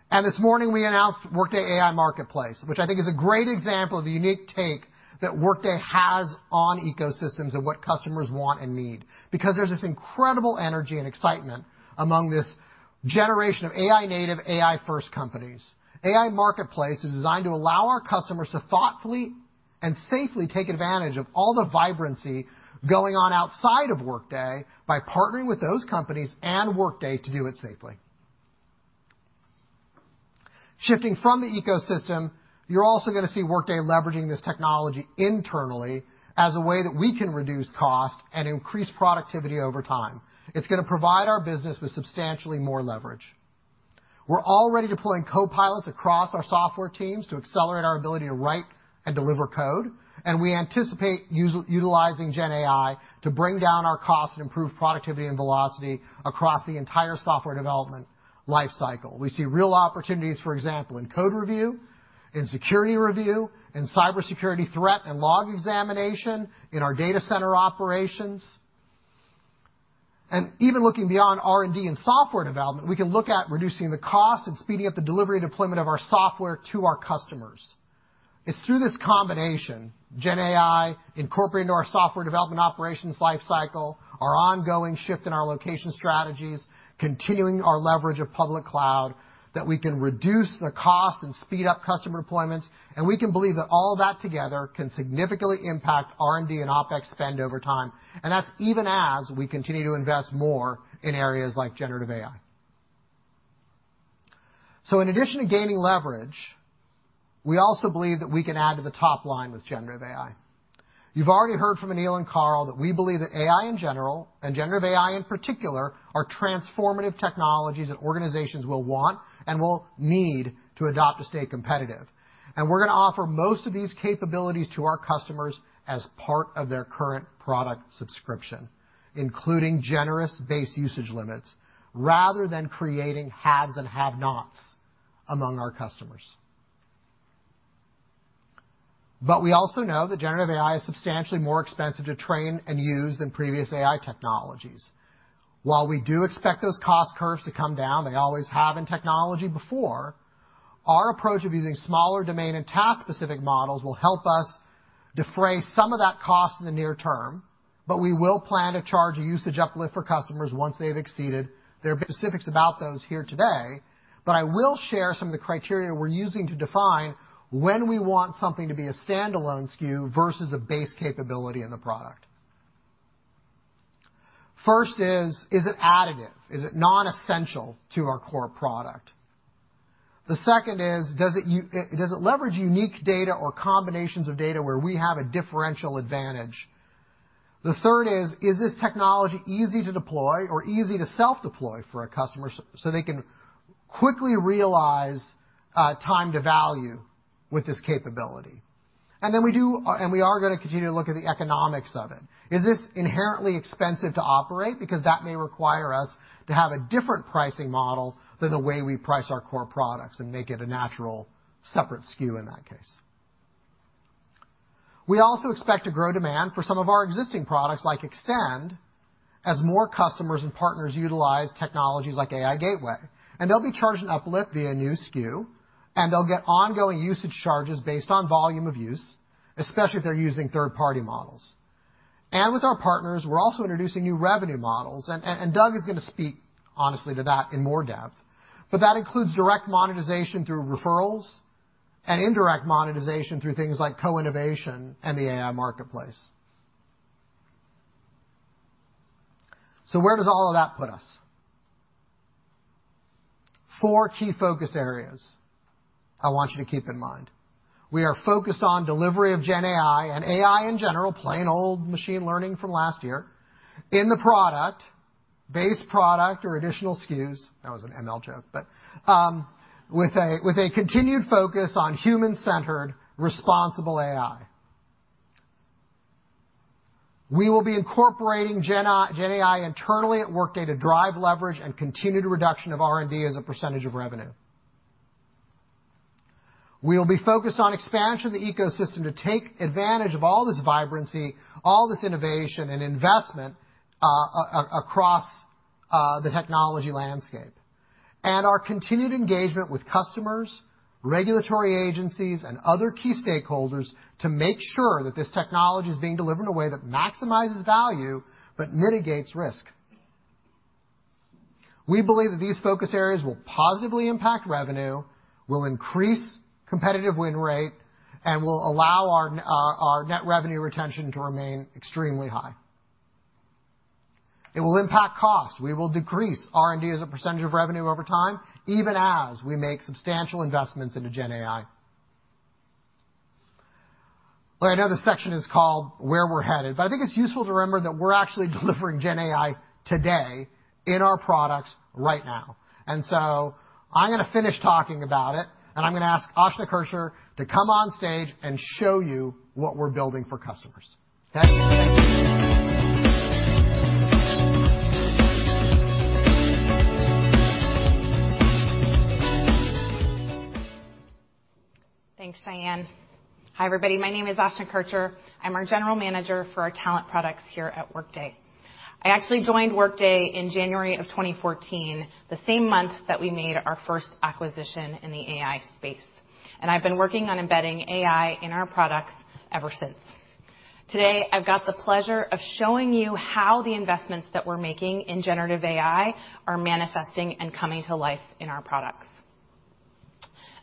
[SPEAKER 5] And this morning, we announced Workday AI Marketplace, which I think is a great example of the unique take that Workday has on ecosystems and what customers want and need. Because there's this incredible energy and excitement among this generation of AI native, AI first companies. AI Marketplace is designed to allow our customers to thoughtfully and safely take advantage of all the vibrancy going on outside of Workday by partnering with those companies and Workday to do it safely. Shifting from the ecosystem, you're also gonna see Workday leveraging this technology internally as a way that we can reduce cost and increase productivity over time. It's gonna provide our business with substantially more leverage. We're already deploying copilots across our software teams to accelerate our ability to write and deliver code, and we anticipate utilizing GenAI to bring down our costs and improve productivity and velocity across the entire software development life cycle. We see real opportunities, for example, in code review, in security review, in cybersecurity threat and log examination, in our data center operations. Even looking beyond R&D and software development, we can look at reducing the cost and speeding up the delivery and deployment of our software to our customers. It's through this combination, GenAI, incorporating our software development operations life cycle, our ongoing shift in our location strategies, continuing our leverage of public cloud, that we can reduce the cost and speed up customer deployments, and we can believe that all of that together can significantly impact R&D and OpEx spend over time. That's even as we continue to invest more in areas like generative AI. In addition to gaining leverage, we also believe that we can add to the top line with generative AI. You've already heard from Aneel and Carl that we believe that AI in general, and generative AI in particular, are transformative technologies that organizations will want and will need to adopt to stay competitive. We're gonna offer most of these capabilities to our customers as part of their current product subscription, including generous base usage limits, rather than creating haves and have-nots among our customers. But we also know that generative AI is substantially more expensive to train and use than previous AI technologies. While we do expect those cost curves to come down, they always have in technology before, our approach of using smaller domain and task-specific models will help us defray some of that cost in the near term, but we will plan to charge a usage uplift for customers once they've exceeded. There are specifics about those here today, but I will share some of the criteria we're using to define when we want something to be a standalone SKU versus a base capability in the product. First is, is it additive? Is it non-essential to our core product? The second is, does it leverage unique data or combinations of data where we have a differential advantage? The third is, is this technology easy to deploy or easy to self-deploy for our customers so they can quickly realize time to value with this capability? And then we are gonna continue to look at the economics of it. Is this inherently expensive to operate? Because that may require us to have a different pricing model than the way we price our core products, and make it a natural, separate SKU in that case. We also expect to grow demand for some of our existing products, like Extend, as more customers and partners utilize technologies like AI Gateway, and they'll be charged an uplift via new SKU, and they'll get ongoing usage charges based on volume of use, especially if they're using third-party models. And with our partners, we're also introducing new revenue models, and Doug is going to speak honestly to that in more depth. But that includes direct monetization through referrals and indirect monetization through things like co-innovation and the AI marketplace. So where does all of that put us? Four key focus areas I want you to keep in mind. We are focused on delivery of GenAI and AI in general, plain old machine learning from last year, in the product, base product or additional SKUs. That was an ML joke, but with a continued focus on human-centered responsible AI. We will be incorporating GenAI internally at Workday to drive leverage and continued reduction of R&D as a percentage of revenue. We'll be focused on expansion of the ecosystem to take advantage of all this vibrancy, all this innovation and investment across the technology landscape, and our continued engagement with customers, regulatory agencies, and other key stakeholders to make sure that this technology is being delivered in a way that maximizes value, but mitigates risk. We believe that these focus areas will positively impact revenue, will increase competitive win rate, and will allow our net revenue retention to remain extremely high. It will impact cost. We will decrease R&D as a percentage of revenue over time, even as we make substantial investments into GenAI. Look, I know this section is called Where We're Headed, but I think it's useful to remember that we're actually delivering GenAI today in our products right now. So I'm gonna finish talking about it, and I'm gonna ask Aashna Kircher to come on stage and show you what we're building for customers. Okay?
[SPEAKER 8] Thanks, Sayan. Hi, everybody. My name is Aashna Kircher. I'm our general manager for our talent products here at Workday. I actually joined Workday in January of 2014, the same month that we made our first acquisition in the AI space, and I've been working on embedding AI in our products ever since. Today, I've got the pleasure of showing you how the investments that we're making in generative AI are manifesting and coming to life in our products.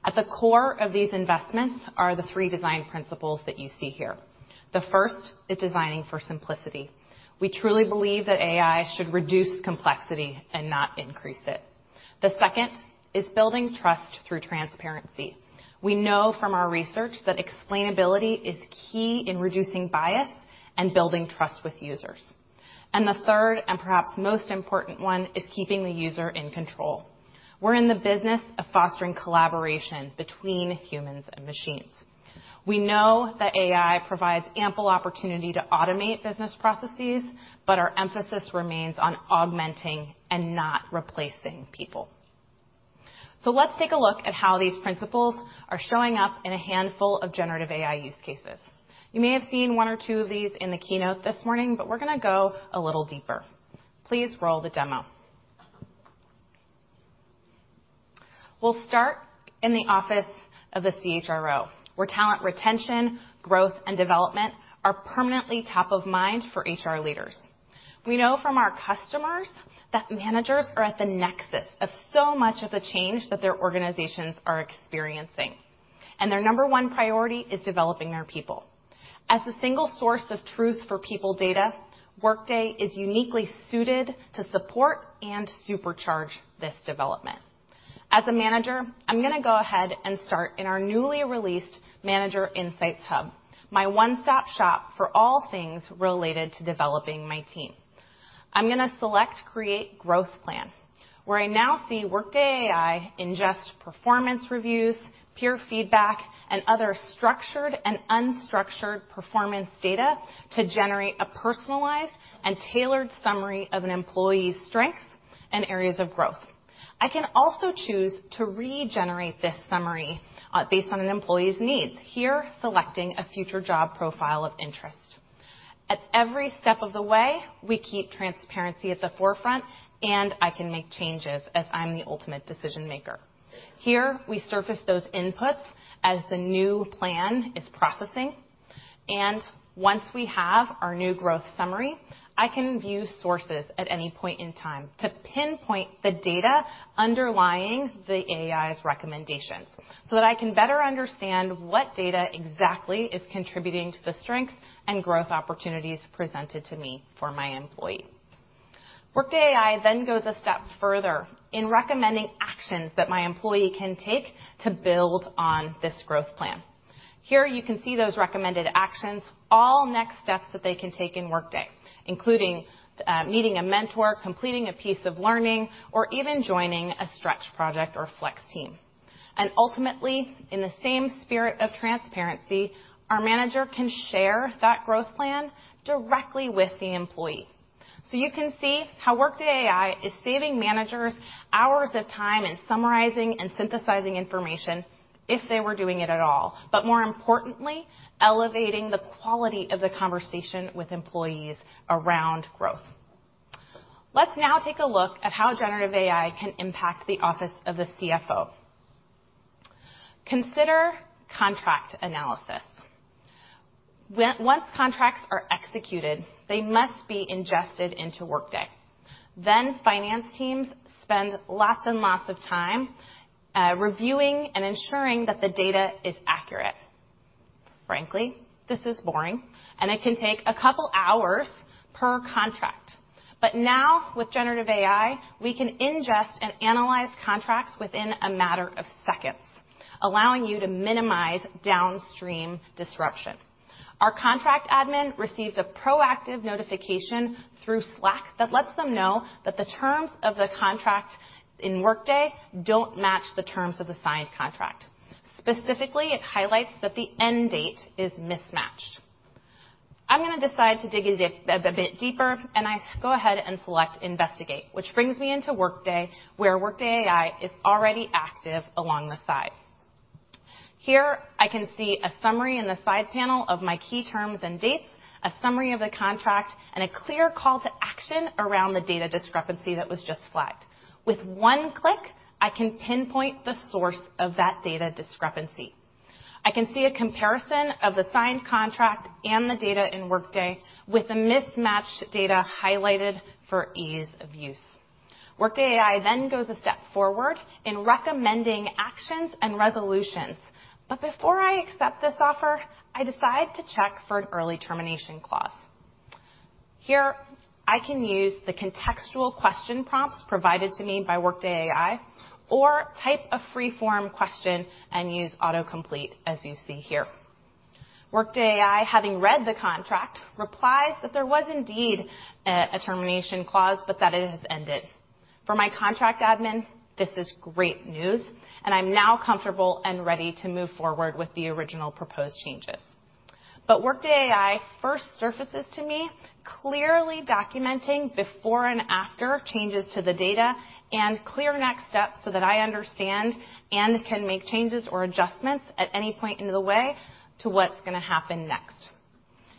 [SPEAKER 8] At the core of these investments are the three design principles that you see here. The first is designing for simplicity. We truly believe that AI should reduce complexity and not increase it. The second is building trust through transparency. We know from our research that explainability is key in reducing bias and building trust with users. And the third, and perhaps most important one, is keeping the user in control. We're in the business of fostering collaboration between humans and machines. We know that AI provides ample opportunity to automate business processes, but our emphasis remains on augmenting and not replacing people. So let's take a look at how these principles are showing up in a handful of generative AI use cases. You may have seen one or two of these in the keynote this morning, but we're going to go a little deeper. Please roll the demo. We'll start in the office of the CHRO, where talent, retention, growth, and development are permanently top of mind for HR leaders. We know from our customers that managers are at the nexus of so much of the change that their organizations are experiencing, and their number one priority is developing their people. As the single source of truth for people data, Workday is uniquely suited to support and supercharge this development. As a manager, I'm going to go ahead and start in our newly released Manager Insights Hub, my one-stop shop for all things related to developing my team. I'm going to select Create Growth Plan, where I now see Workday AI ingest performance reviews, peer feedback, and other structured and unstructured performance data to generate a personalized and tailored summary of an employee's strengths and areas of growth. I can also choose to regenerate this summary, based on an employee's needs. Here, selecting a future job profile of interest. At every step of the way, we keep transparency at the forefront, and I can make changes as I'm the ultimate decision maker. Here, we surface those inputs as the new plan is processing, and once we have our new growth summary, I can view sources at any point in time to pinpoint the data underlying the AI's recommendations, so that I can better understand what data exactly is contributing to the strengths and growth opportunities presented to me for my employee. Workday AI then goes a step further in recommending actions that my employee can take to build on this growth plan. Here, you can see those recommended actions, all next steps that they can take in Workday, including meeting a mentor, completing a piece of learning, or even joining a stretch project or flex team. Ultimately, in the same spirit of transparency, our manager can share that growth plan directly with the employee. So you can see how Workday AI is saving managers hours of time in summarizing and synthesizing information if they were doing it at all, but more importantly, elevating the quality of the conversation with employees around growth. Let's now take a look at how generative AI can impact the office of the CFO. Consider contract analysis. Once contracts are executed, they must be ingested into Workday. Then, finance teams spend lots and lots of time, reviewing and ensuring that the data is accurate. Frankly, this is boring, and it can take a couple hours per contract. But now, with generative AI, we can ingest and analyze contracts within a matter of seconds, allowing you to minimize downstream disruption. Our contract admin receives a proactive notification through Slack that lets them know that the terms of the contract in Workday don't match the terms of the signed contract. Specifically, it highlights that the end date is mismatched. I'm gonna decide to dig a bit deeper, and I go ahead and select Investigate, which brings me into Workday, where Workday AI is already active along the side. Here, I can see a summary in the side panel of my key terms and dates, a summary of the contract, and a clear call to action around the data discrepancy that was just flagged. With one click, I can pinpoint the source of that data discrepancy. I can see a comparison of the signed contract and the data in Workday, with the mismatched data highlighted for ease of use. Workday AI then goes a step forward in recommending actions and resolutions. But before I accept this offer, I decide to check for an early termination clause. Here, I can use the contextual question prompts provided to me by Workday AI, or type a free-form question and use autocomplete, as you see here. Workday AI, having read the contract, replies that there was indeed a termination clause, but that it has ended. For my contract admin, this is great news, and I'm now comfortable and ready to move forward with the original proposed changes. But Workday AI first surfaces to me, clearly documenting before and after changes to the data and clear next steps so that I understand and can make changes or adjustments at any point in the way to what's gonna happen next.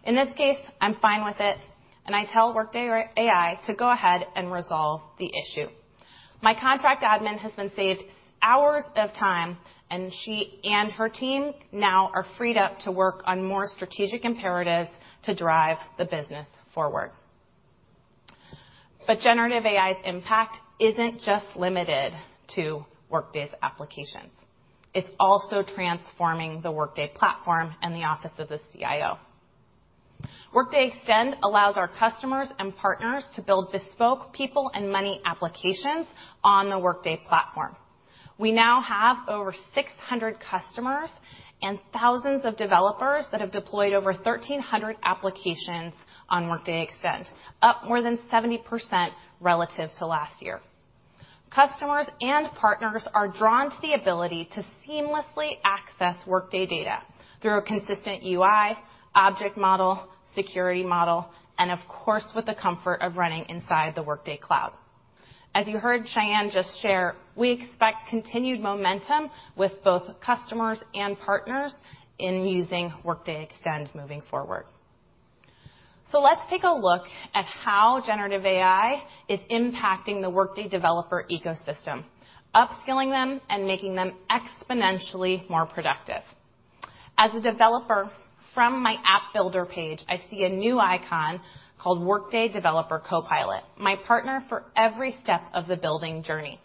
[SPEAKER 8] In this case, I'm fine with it, and I tell Workday AI to go ahead and resolve the issue. My contract admin has been saved hours of time, and she and her team now are freed up to work on more strategic imperatives to drive the business forward. But generative AI's impact isn't just limited to Workday's applications. It's also transforming the Workday platform and the office of the CIO. Workday Extend allows our customers and partners to build bespoke people and money applications on the Workday platform. We now have over 600 customers and thousands of developers that have deployed over 1,300 applications on Workday Extend, up more than 70% relative to last year. Customers and partners are drawn to the ability to seamlessly access Workday data through a consistent UI, object model, security model, and of course, with the comfort of running inside the Workday cloud. As you heard Sayan just share, we expect continued momentum with both customers and partners in using Workday Extend moving forward. Let's take a look at how generative AI is impacting the Workday developer ecosystem, upskilling them and making them exponentially more productive. As a developer, from my app builder page, I see a new icon called Workday Developer Copilot, my partner for every step of the building journey.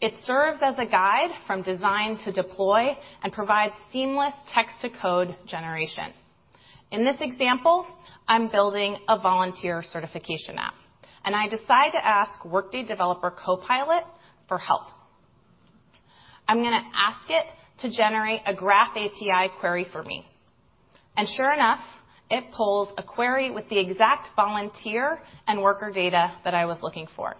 [SPEAKER 8] It serves as a guide from design to deploy and provides seamless text to code generation. In this example, I'm building a volunteer certification app, and I decide to ask Workday Developer Copilot for help. I'm gonna ask it to generate a Graph API query for me, and sure enough, it pulls a query with the exact volunteer and worker data that I was looking for.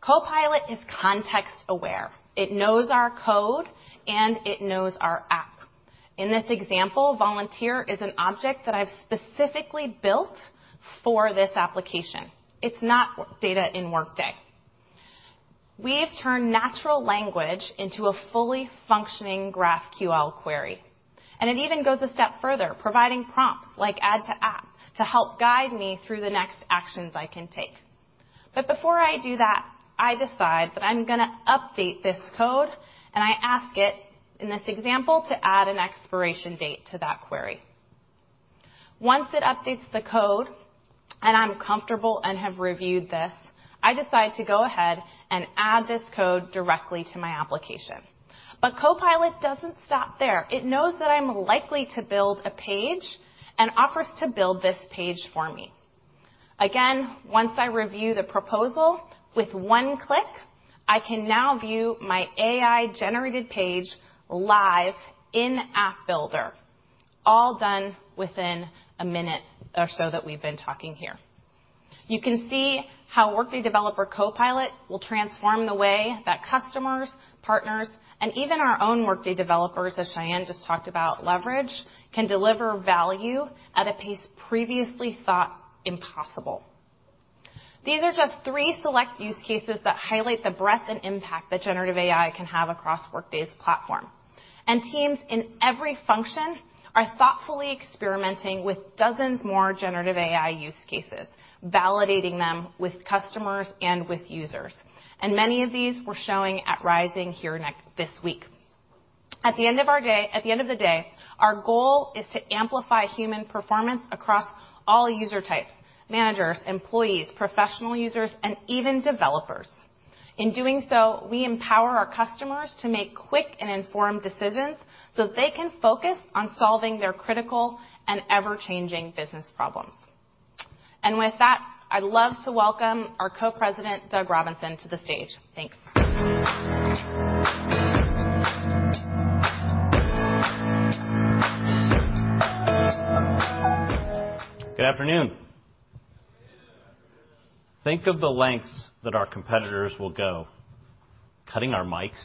[SPEAKER 8] Copilot is context-aware. It knows our code, and it knows our app. In this example, volunteer is an object that I've specifically built for this application. It's not data in Workday. We've turned natural language into a fully functioning GraphQL query, and it even goes a step further, providing prompts like Add to App to help guide me through the next actions I can take. But before I do that, I decide that I'm going to update this code, and I ask it, in this example, to add an expiration date to that query. Once it updates the code, and I'm comfortable and have reviewed this, I decide to go ahead and add this code directly to my application. But Copilot doesn't stop there. It knows that I'm likely to build a page and offers to build this page for me. Again, once I review the proposal, with one click, I can now view my AI-generated page live in App Builder, all done within a minute or so that we've been talking here. You can see how Workday Developer Copilot will transform the way that customers, partners, and even our own Workday developers, as Sayan just talked about, leverage, can deliver value at a pace previously thought impossible. These are just three select use cases that highlight the breadth and impact that generative AI can have across Workday's platform. Teams in every function are thoughtfully experimenting with dozens more generative AI use cases, validating them with customers and with users. Many of these we're showing at Rising here next, this week. At the end of the day, our goal is to amplify human performance across all user types, managers, employees, professional users, and even developers. In doing so, we empower our customers to make quick and informed decisions so they can focus on solving their critical and ever-changing business problems. With that, I'd love to welcome our Co-President, Doug Robinson, to the stage. Thanks.
[SPEAKER 9] Good afternoon.
[SPEAKER 6] Good afternoon.
[SPEAKER 9] Think of the lengths that our competitors will go. Cutting our mics?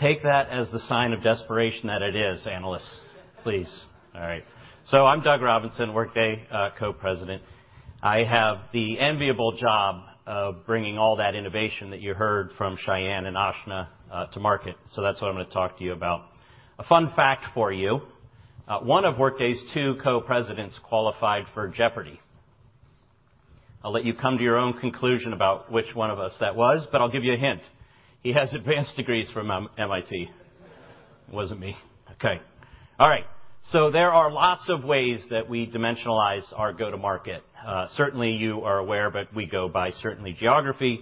[SPEAKER 9] Take that as the sign of desperation that it is, analysts, please. All right. So I'm Doug Robinson, Workday Co-President. I have the enviable job of bringing all that innovation that you heard from Sayan and Aashna to market. So that's what I'm going to talk to you about. A fun fact for you. One of Workday's two co-presidents qualified for Jeopardy! I'll let you come to your own conclusion about which one of us that was, but I'll give you a hint. He has advanced degrees from MIT. It wasn't me. Okay. All right. So there are lots of ways that we dimensionalize our go-to-market. Certainly, you are aware, but we go by certainly geography,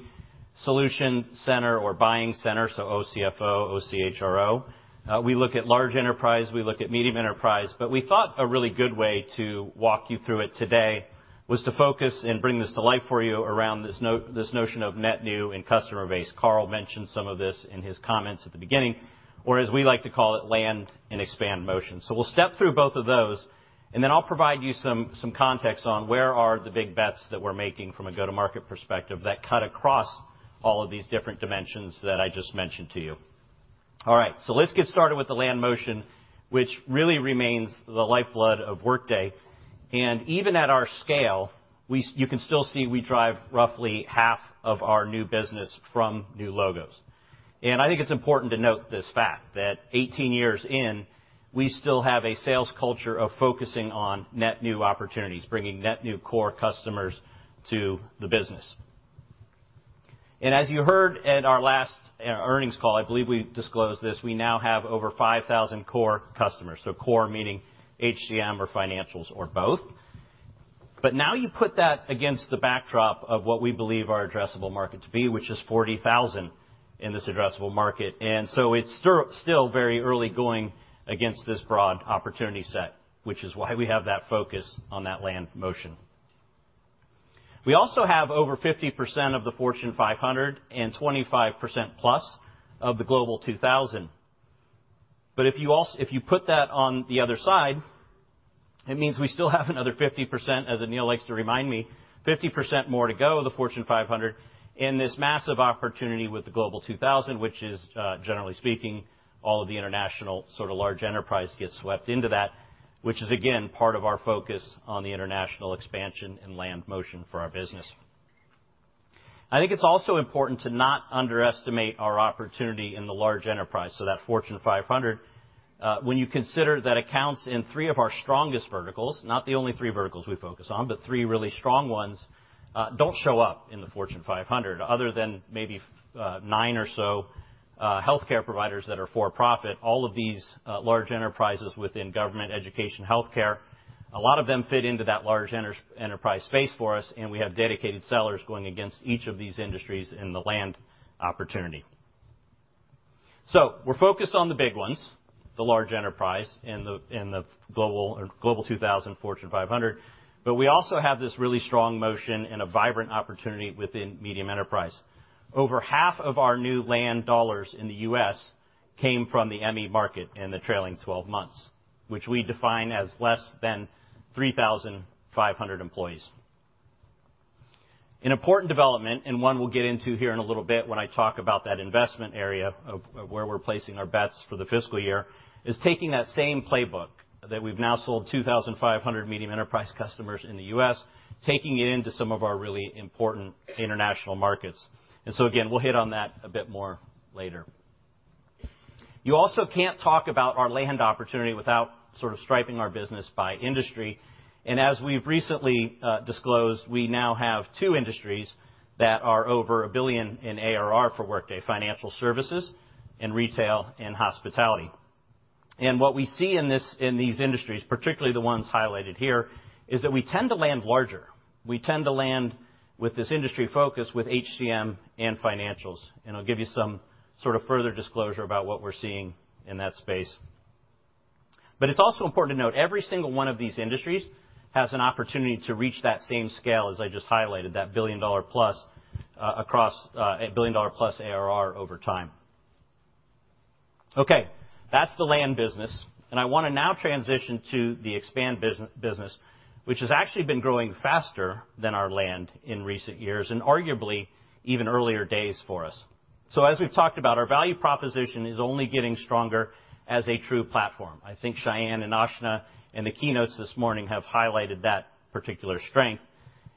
[SPEAKER 9] solution center or buying center, so OCFO, Office of the CHRO. We look at large enterprise, we look at medium enterprise, but we thought a really good way to walk you through it today was to focus and bring this to life for you around this notion of net new and customer base. Carl mentioned some of this in his comments at the beginning, or as we like to call it, land and expand motion. So we'll step through both of those, and then I'll provide you some context on where are the big bets that we're making from a go-to-market perspective that cut across all of these different dimensions that I just mentioned to you. All right, so let's get started with the land motion, which really remains the lifeblood of Workday. And even at our scale, we, you can still see we drive roughly half of our new business from new logos. I think it's important to note this fact that 18 years in, we still have a sales culture of focusing on net new opportunities, bringing net new core customers to the business. As you heard at our last earnings call, I believe we disclosed this, we now have over 5,000 core customers. So core meaning HCM or Financials or both. But now you put that against the backdrop of what we believe our addressable market to be, which is 40,000 in this addressable market, and so it's still, still very early going against this broad opportunity set, which is why we have that focus on that land motion. We also have over 50% of the Fortune 500 and 25% plus of the Global 2000. But if you put that on the other side, it means we still have another 50%, as Aneel likes to remind me, 50% more to go of the Fortune 500 in this massive opportunity with the Global 2000, which is, generally speaking, all of the International sort of large enterprise gets swept into that, which is, again, part of our focus on the International expansion and land motion for our business. I think it's also important to not underestimate our opportunity in the large enterprise, so that Fortune 500, when you consider that accounts in three of our strongest verticals, not the only three verticals we focus on, but three really strong ones, don't show up in the Fortune 500, other than maybe nine or so healthcare providers that are for-profit. All of these large enterprises within government, education, healthcare, a lot of them fit into that large enterprise space for us, and we have dedicated sellers going against each of these industries in the land opportunity. So we're focused on the big ones, the large enterprise and the Global 2000, Fortune 500, but we also have this really strong motion and a vibrant opportunity within medium enterprise. Over half of our new land dollars in the US came from the ME market in the trailing twelve months, which we define as less than 3,500 employees. An important development, and one we'll get into here in a little bit when I talk about that investment area of, of where we're placing our bets for the fiscal year, is taking that same playbook that we've now sold 2,500 medium enterprise customers in the U.S., taking it into some of our really important International markets. And so again, we'll hit on that a bit more later. You also can't talk about our land opportunity without sort of striping our business by industry. And as we've recently disclosed, we now have two industries that are over $1 billion in ARR for Workday: financial services and retail and hospitality. And what we see in this, in these industries, particularly the ones highlighted here, is that we tend to land larger. We tend to land with this industry focus with HCM and FinancialsFinancials, and I'll give you some sort of further disclosure about what we're seeing in that space. But it's also important to note, every single one of these industries has an opportunity to reach that same scale as I just highlighted, that billion-dollar plus, across, a billion-dollar plus ARR over time. Okay, that's the land business, and I want to now transition to the expand business, which has actually been growing faster than our land in recent years, and arguably, even earlier days for us. So as we've talked about, our value proposition is only getting stronger as a true platform. I think Sayan and Aashna in the keynotes this morning have highlighted that particular strength,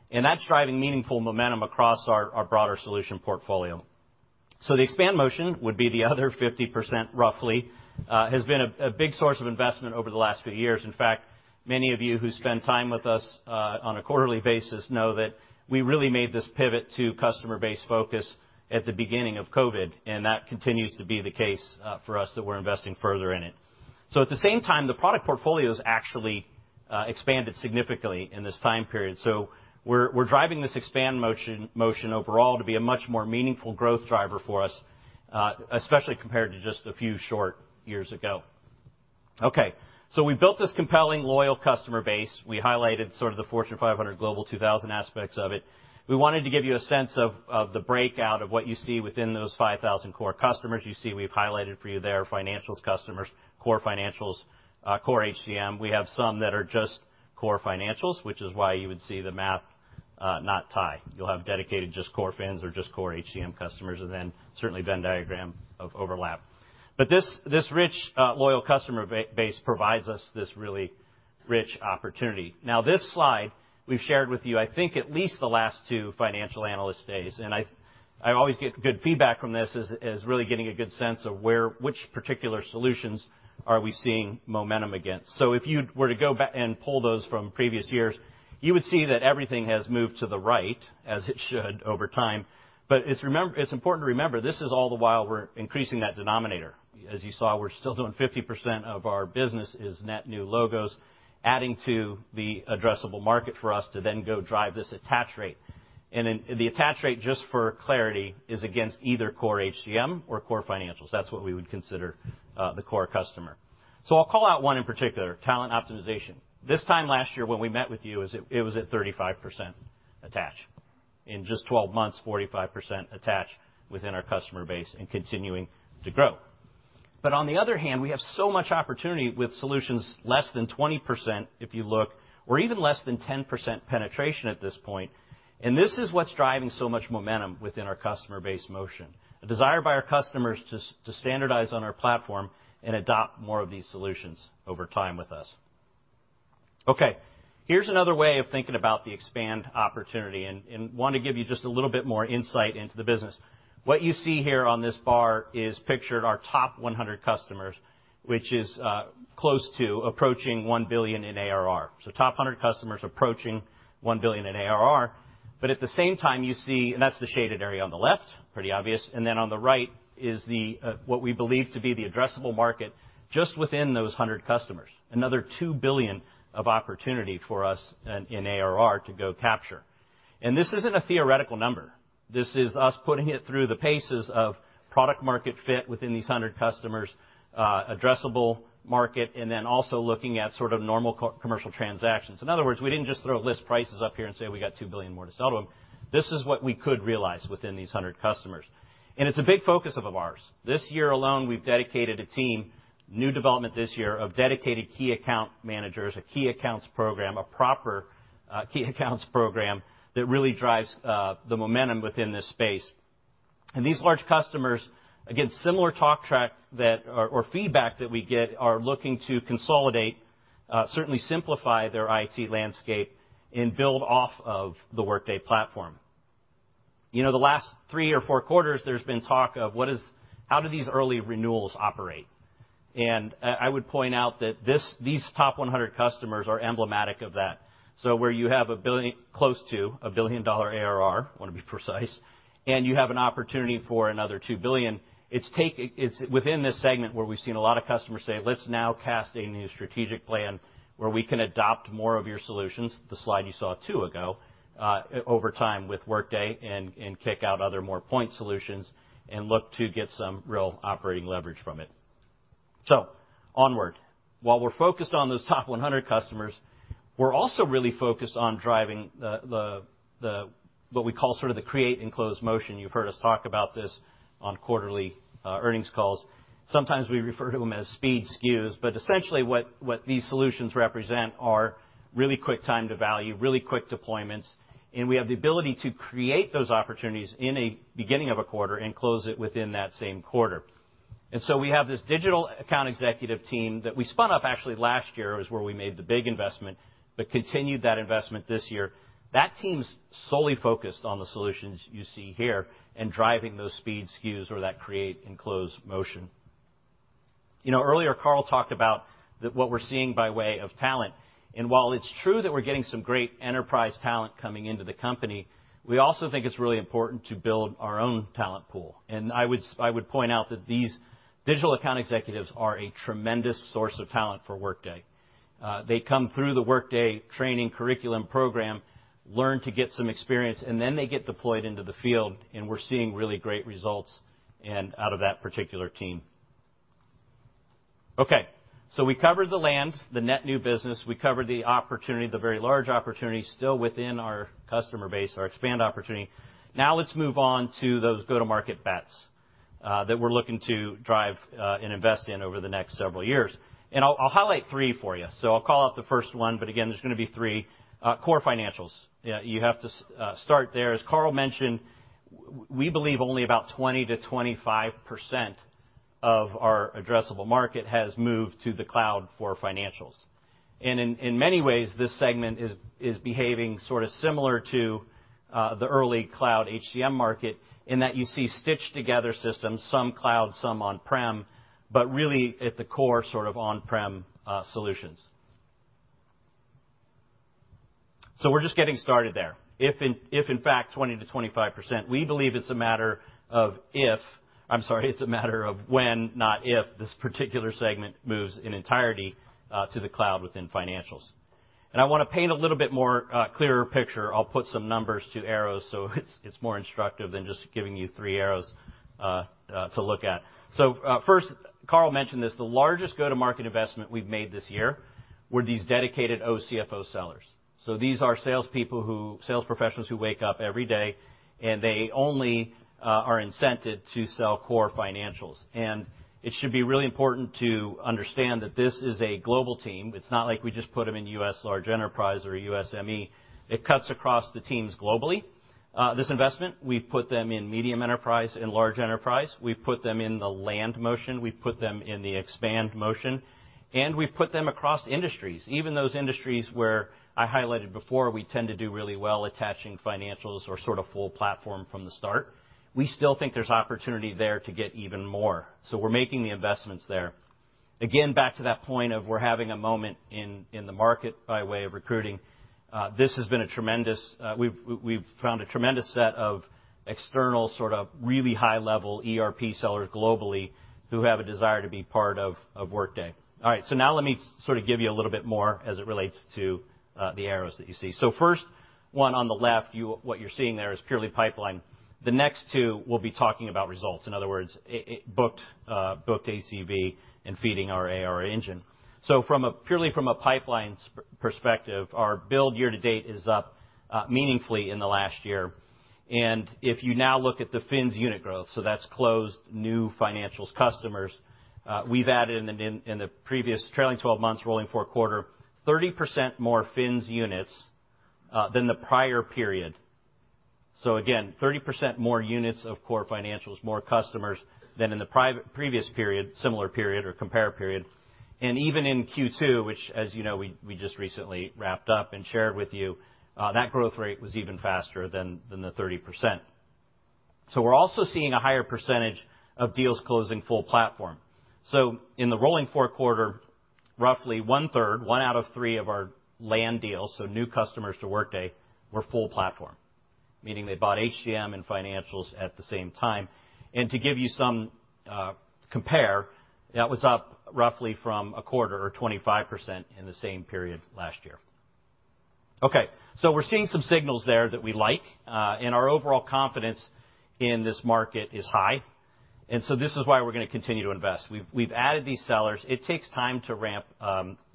[SPEAKER 9] and that's driving meaningful momentum across our, our broader solution portfolio. So the expand motion would be the other 50%, roughly, has been a big source of investment over the last few years. In fact, many of you who spend time with us on a quarterly basis know that we really made this pivot to customer-base focus at the beginning of COVID, and that continues to be the case for us, that we're investing further in it. So at the same time, the product portfolio's actually expanded significantly in this time period. So we're driving this expand motion overall to be a much more meaningful growth driver for us, especially compared to just a few short years ago. Okay, so we built this compelling, loyal customer base. We highlighted sort of the Fortune 500, Global 2000 aspects of it. We wanted to give you a sense of, of the breakout of what you see within those 5,000 core customers. You see, we've highlighted for you there Financials customers, core Financials, core HCM. We have some that are just core Financials, which is why you would see the map not tie. You'll have dedicated just core fins or just core HCM customers, and then certainly Venn diagram of overlap. But this, this rich, loyal customer base provides us this really rich opportunity. Now, this slide we've shared with you, I think, at least the last two financial analyst days, and I always get good feedback from this, is really getting a good sense of where which particular solutions are we seeing momentum against. So if you were to go back and pull those from previous years, you would see that everything has moved to the right, as it should over time. But it's important to remember, this is all the while we're increasing that denominator. As you saw, we're still doing 50% of our business is net new logos, adding to the addressable market for us to then go drive this attach rate. And then, and the attach rate, just for clarity, is against either core HCM or core Financials. That's what we would consider the core customer. So I'll call out one in particular, talent optimization. This time last year, when we met with you, it was at 35% attach. In just 12 months, 45% attach within our customer base and continuing to grow. But on the other hand, we have so much opportunity with solutions less than 20%, if you look, or even less than 10% penetration at this point. And this is what's driving so much momentum within our customer base motion, a desire by our customers to to standardize on our platform and adopt more of these solutions over time with us. Okay, here's another way of thinking about the expand opportunity, and want to give you just a little bit more insight into the business. What you see here on this bar is pictured our top 100 customers, which is close to approaching $1 billion in ARR. So top 100 customers approaching $1 billion in ARR, but at the same time, you see and that's the shaded area on the left, pretty obvious. Then on the right is the what we believe to be the addressable market just within those 100 customers. Another $2 billion of opportunity for us in, in ARR to go capture. And this isn't a theoretical number. This is us putting it through the paces of product-market fit within these 100 customers, addressable market, and then also looking at sort of normal co-commercial transactions. In other words, we didn't just throw list prices up here and say we got $2 billion more to sell to them. This is what we could realize within these 100 customers, and it's a big focus of ours. This year alone, we've dedicated a team, new development this year, of dedicated key account managers, a key accounts program, a proper key accounts program that really drives the momentum within this space. These large customers, again, similar talk track or feedback that we get are looking to consolidate, certainly simplify their IT landscape and build off of the Workday platform. You know, the last three or four quarters, there's been talk of what is, how do these early renewals operate? And, I would point out that this, these top 100 customers are emblematic of that. So where you have a billion, close to a $1 billion ARR, want to be precise, and you have an opportunity for another $2 billion, it's within this segment where we've seen a lot of customers say, "Let's now cast a new strategic plan where we can adopt more of your solutions," the slide you saw two ago, over time with Workday and kick out other more point solutions and look to get some real operating leverage from it. So onward. While we're focused on those top 100 customers, we're also really focused on driving the, the, what we call sort of the create and close motion. You've heard us talk about this on quarterly earnings calls. Sometimes we refer to them as speed SKUs, but essentially, what these solutions represent are really quick time to value, really quick deployments, and we have the ability to create those opportunities in a beginning of a quarter and close it within that same quarter. And so we have this digital account executive team that we spun up actually last year, was where we made the big investment, but continued that investment this year. That team's solely focused on the solutions you see here and driving those speed SKUs or that create and close motion... You know, earlier, Carl talked about the what we're seeing by way of talent. And while it's true that we're getting some great enterprise talent coming into the company, we also think it's really important to build our own talent pool. I would point out that these digital account executives are a tremendous source of talent for Workday. They come through the Workday training curriculum program, learn to get some experience, and then they get deployed into the field, and we're seeing really great results and out of that particular team. Okay, so we covered the land, the net new business. We covered the opportunity, the very large opportunity still within our customer base, our expand opportunity. Now, let's move on to those go-to-market bets that we're looking to drive and invest in over the next several years. I'll highlight three for you. I'll call out the first one, but again, there's gonna be three. Core Financials. Yeah, you have to start there. As Carl mentioned, we believe only about 20%-25% of our addressable market has moved to the cloud for Financials. In many ways, this segment is behaving sort of similar to the early cloud HCM market in that you see stitched together systems, some cloud, some on-prem, but really at the core, sort of on-prem solutions. So we're just getting started there. If in fact, 20%-25%, we believe it's a matter of when, not if, this particular segment moves in entirety to the cloud within Financials. And I wanna paint a little bit more clearer picture. I'll put some numbers to arrows, so it's more instructive than just giving you 3 arrows to look at. So, first, Carl mentioned this, the largest go-to-market investment we've made this year were these dedicated OCFO sellers. So these are sales professionals who wake up every day, and they only are incented to sell core Financials. It should be really important to understand that this is a global team. It's not like we just put them in U.S. large enterprise or USME. It cuts across the teams globally. This investment, we've put them in medium enterprise nd large enterprise. We've put them in the land motion, we've put them in the expand motion, and we've put them across industries. Even those industries where I highlighted before, we tend to do really well attaching Financials or sort of full platform from the start. We still think there's opportunity there to get even more, so we're making the investments there. Again, back to that point of we're having a moment in the market by way of recruiting, this has been a tremendous. We've found a tremendous set of external, sort of, really high-level ERP sellers globally who have a desire to be part of Workday. All right, so now let me sort of give you a little bit more as it relates to the arrows that you see. So first one on the left, what you're seeing there is purely pipeline. The next two, we'll be talking about results. In other words, it booked ACV and feeding our AR engine. So from a, purely from a pipeline perspective, our build year to date is up meaningfully in the last year. And if you now look at the FINS unit growth, so that's closed new Financials customers, we've added in, in the previous trailing twelve months, rolling four-quarter, 30% more FINS units than the prior period. So again, 30% more units of core Financials, more customers than in the previous period, similar period or compare period. And even in Q2, which, as you know, we just recently wrapped up and shared with you, that growth rate was even faster than the 30%. So we're also seeing a higher percentage of deals closing full platform. So in the rolling four-quarter, roughly one third, one out of three of our land deals, so new customers to Workday, were full platform, meaning they bought HCM and Financials at the same time. To give you some compare, that was up roughly from a quarter or 25% in the same period last year. Okay, so we're seeing some signals there that we like, and our overall confidence in this market is high. So this is why we're gonna continue to invest. We've added these sellers. It takes time to ramp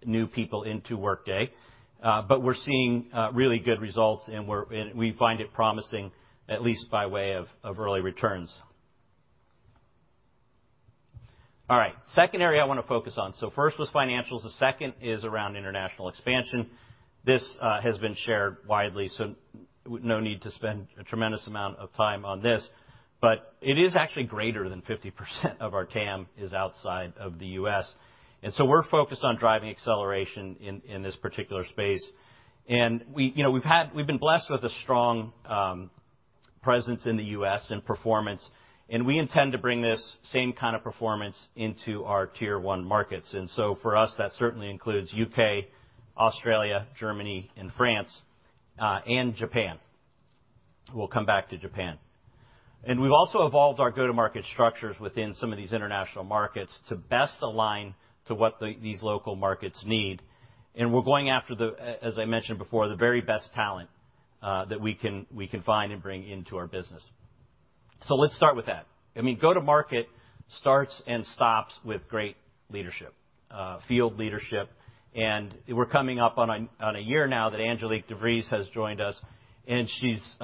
[SPEAKER 9] new people into Workday, but we're seeing really good results, and we find it promising, at least by way of early returns. All right, second area I want to focus on. First was Financials, the second is around International expansion. This has been shared widely, so no need to spend a tremendous amount of time on this, but it is actually greater than 50% of our TAM is outside of the U.S. And so we're focused on driving acceleration in this particular space. And we, you know, we've been blessed with a strong presence in the U.S. and performance, and we intend to bring this same kind of performance into our Tier One markets. And so for us, that certainly includes U.K., Australia, Germany, and France, and Japan. We'll come back to Japan. And we've also evolved our go-to-market structures within some of these International markets to best align to what these local markets need. And we're going after, as I mentioned before, the very best talent that we can find and bring into our business. So let's start with that. I mean, go-to-market starts and stops with great leadership, field leadership, and we're coming up on a year now that Angelique de Vries has joined us, and she's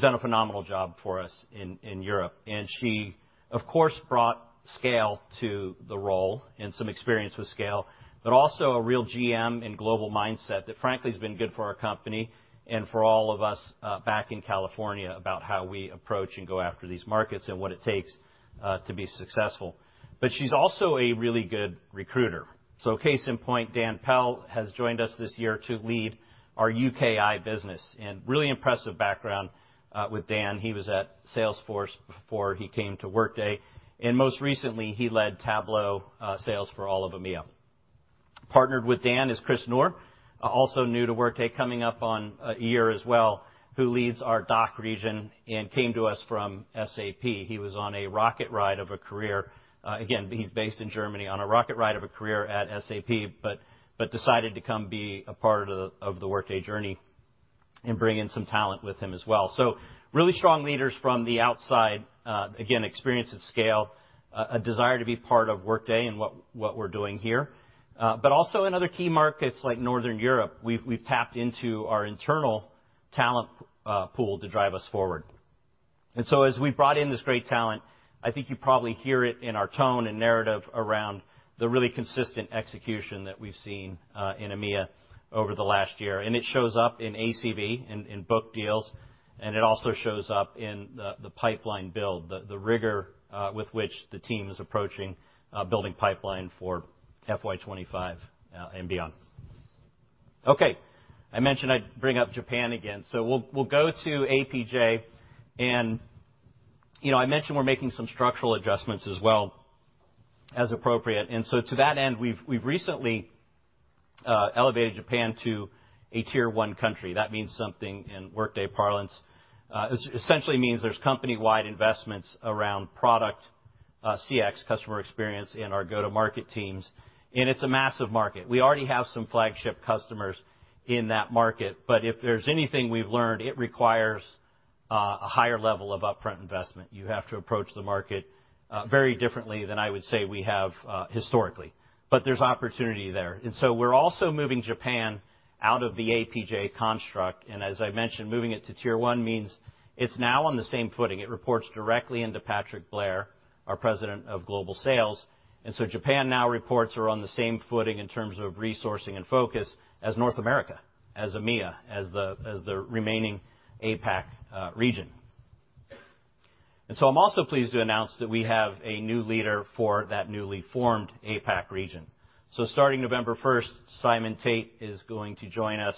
[SPEAKER 9] done a phenomenal job for us in Europe. And she, of course, brought scale to the role and some experience with scale, but also a real GM and global mindset that, frankly, has been good for our company and for all of us back in California about how we approach and go after these markets and what it takes to be successful. But she's also a really good recruiter. So case in point, Dan Pell has joined us this year to lead our UKI business, and really impressive background with Dan. He was at Salesforce before he came to Workday, and most recently, he led Tableau sales for all of EMEA. Partnered with Dan is Chris Noll, also new to Workday, coming up on a year as well, who leads our DACH region and came to us from SAP. He was on a rocket ride of a career. Again, he's based in Germany, on a rocket ride of a career at SAP, but decided to come be a part of the Workday journey and bring in some talent with him as well. So really strong leaders from the outside. Again, experience at scale, a desire to be part of Workday and what we're doing here. But also in other key markets like Northern Europe, we've tapped into our internal talent pool to drive us forward. And so as we've brought in this great talent, I think you probably hear it in our tone and narrative around the really consistent execution that we've seen in EMEA over the last year. And it shows up in ACV, in book deals, and it also shows up in the pipeline build, the rigor with which the team is approaching building pipeline for FY 2025 and beyond. Okay, I mentioned I'd bring up Japan again. So we'll go to APJ, and you know, I mentioned we're making some structural adjustments as well as appropriate. And so to that end, we've recently elevated Japan to a Tier One country. That means something in Workday parlance. Essentially, it means there's company-wide investments around product, CX, customer experience, and our go-to-market teams, and it's a massive market. We already have some flagship customers in that market, but if there's anything we've learned, it requires a higher level of upfront investment. You have to approach the market very differently than I would say we have historically, but there's opportunity there. And so we're also moving Japan out of the APJ construct, and as I mentioned, moving it to Tier One means it's now on the same footing. It reports directly into Patrick Blair, our President of Global Sales. And so Japan now reports are on the same footing in terms of resourcing and focus as North America, as EMEA, as the, as the remaining APAC region. And so I'm also pleased to announce that we have a new leader for that newly formed APAC region. So starting November first, Simon Tate is going to join us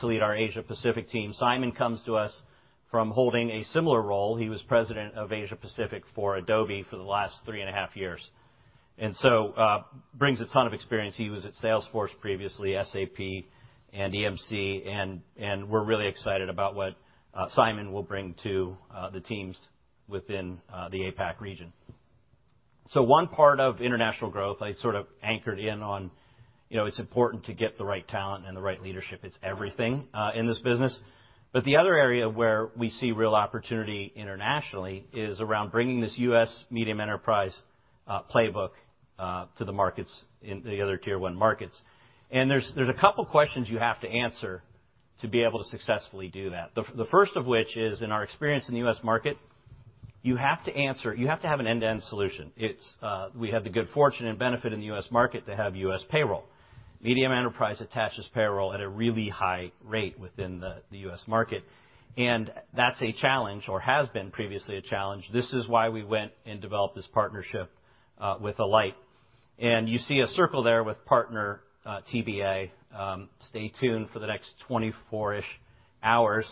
[SPEAKER 9] to lead our Asia Pacific team. Simon comes to us from holding a similar role. He was president of Asia Pacific for Adobe for the last 3.5 years, and so, brings a ton of experience. He was at Salesforce, previously, SAP and EMC, and, and we're really excited about what, Simon will bring to, the teams within, the APAC region. So one part of International growth, I sort of anchored in on, you know, it's important to get the right talent and the right leadership. It's everything, in this business. But the other area where we see real opportunity internationally is around bringing this U.S. medium enterprise, playbook, to the markets in the other Tier One markets. And there's, there's a couple questions you have to answer to be able to successfully do that. The first of which is, in our experience in the U.S. market, you have to have an end-to-end solution. It's, we have the good fortune and benefit in the U.S. market to have U.S. payroll. Medium enterprise attaches payroll at a really high rate within the U.S. market, and that's a challenge or has been previously a challenge. This is why we went and developed this partnership, with Alight. And you see a circle there with partner, TBA. Stay tuned for the next 24-ish hours.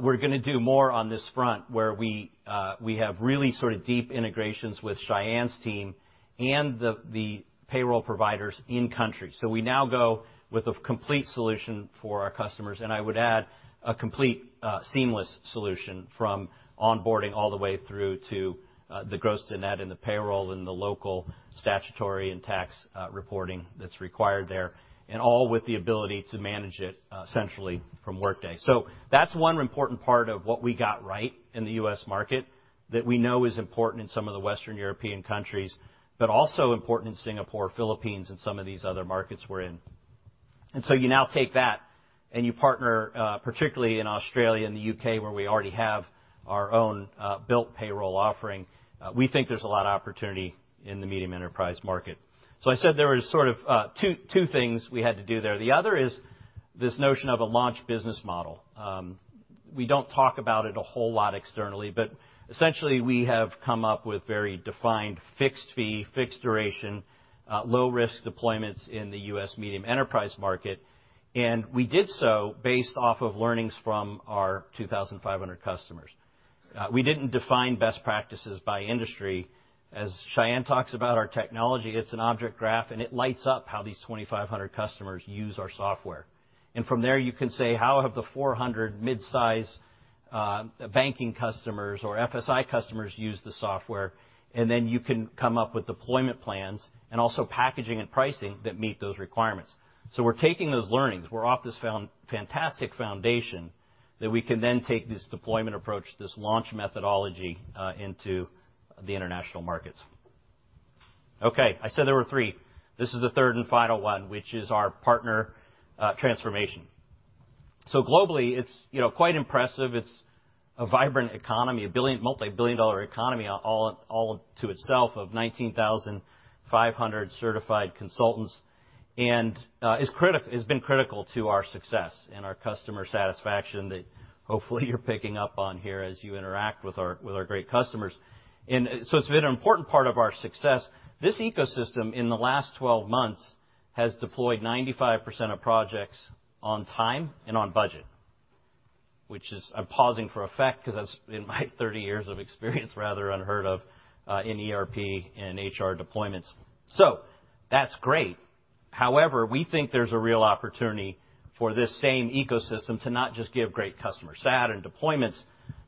[SPEAKER 9] We're gonna do more on this front, where we have really sort of deep integrations with Sayan's team and the payroll providers in country. So we now go with a complete solution for our customers, and I would add, a complete, seamless solution from onboarding all the way through to, the gross to net and the payroll and the local statutory and tax, reporting that's required there, and all with the ability to manage it, centrally from Workday. So that's one important part of what we got right in the U.S. market that we know is important in some of the Western European countries, but also important in Singapore, Philippines, and some of these other markets we're in. And so you now take that, and you partner, particularly in Australia and the U.K., where we already have our own, built payroll offering. We think there's a lot of opportunity in the medium enterprise market. So I said there was sort of two, two things we had to do there. The other is this notion of a launch business model. We don't talk about it a whole lot externally, but essentially, we have come up with very defined, fixed fee, fixed duration, low-risk deployments in the US medium enterprise market, and we did so based off of learnings from our 2,500 customers. We didn't define best practices by industry. As Sayan talks about our technology, it's an object graph, and it lights up how these 2,500 customers use our software. And from there, you can say, "How have the 400 mid-size banking customers or FSI customers used the software?" And then you can come up with deployment plans and also packaging and pricing that meet those requirements. So we're taking those learnings. We're off this fantastic foundation that we can then take this deployment approach, this launch methodology, into the International markets. Okay, I said there were three. This is the third and final one, which is our partner transformation. So globally, it's, you know, quite impressive. It's a vibrant economy, a multi-billion dollar economy all to itself of 19,500 certified consultants. And it's been critical to our success and our customer satisfaction that hopefully you're picking up on here as you interact with our great customers. And so it's been an important part of our success. This ecosystem, in the last 12 months, has deployed 95% of projects on time and on budget, which is, I'm pausing for effect because that's, in my 30 years of experience, rather unheard of in ERP and HR deployments. So that's great. However, we think there's a real opportunity for this same ecosystem to not just give great customer sat and deployments,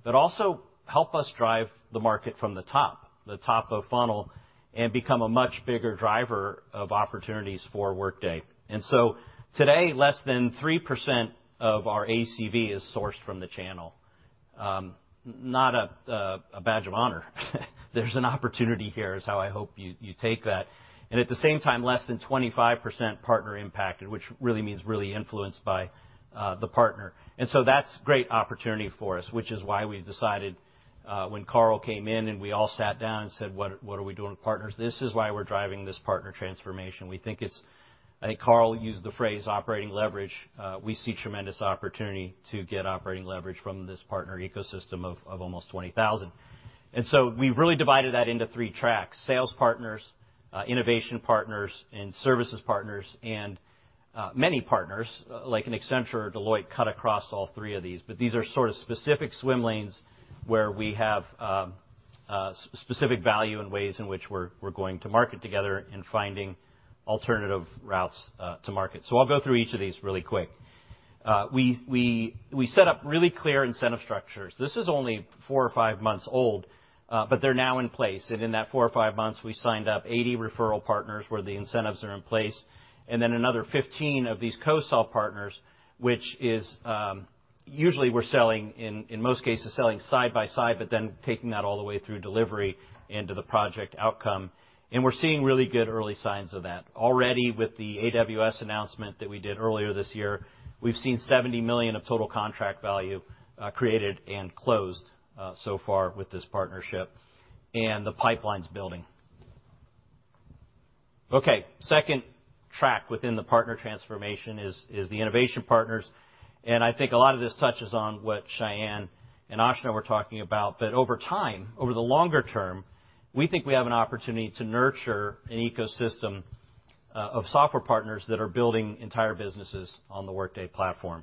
[SPEAKER 9] but also help us drive the market from the top, the top of funnel, and become a much bigger driver of opportunities for Workday. And so today, less than 3% of our ACV is sourced from the channel. Not a, a badge of honor. There's an opportunity here, is how I hope you, you take that. And at the same time, less than 25% partner impacted, which really means really influenced by, the partner. And so that's great opportunity for us, which is why we decided, when Carl came in and we all sat down and said, "What are, what are we doing with partners?" This is why we're driving this partner transformation. We think it's... I think Carl used the phrase operating leverage. We see tremendous opportunity to get operating leverage from this partner ecosystem of almost 20,000. And so we've really divided that into three tracks: sales partners, innovation partners, and services partners. And many partners, like an Accenture or Deloitte, cut across all three of these, but these are sort of specific swim lanes where we have specific value and ways in which we're going to market together and finding alternative routes to market. So I'll go through each of these really quick. We set up really clear incentive structures. This is only four or five months old, but they're now in place. In that 4 or 5 months, we signed up 80 referral partners, where the incentives are in place, and then another 15 of these co-sell partners, which is usually we're selling, in, in most cases, selling side by side, but then taking that all the way through delivery into the project outcome, and we're seeing really good early signs of that. Already, with the AWS announcement that we did earlier this year, we've seen $70 million of total contract value created and closed so far with this partnership, and the pipeline's building. Okay, second track within the partner transformation is the innovation partners, and I think a lot of this touches on what Sayan and Aashna were talking about. But over time, over the longer term, we think we have an opportunity to nurture an ecosystem of software partners that are building entire businesses on the Workday platform.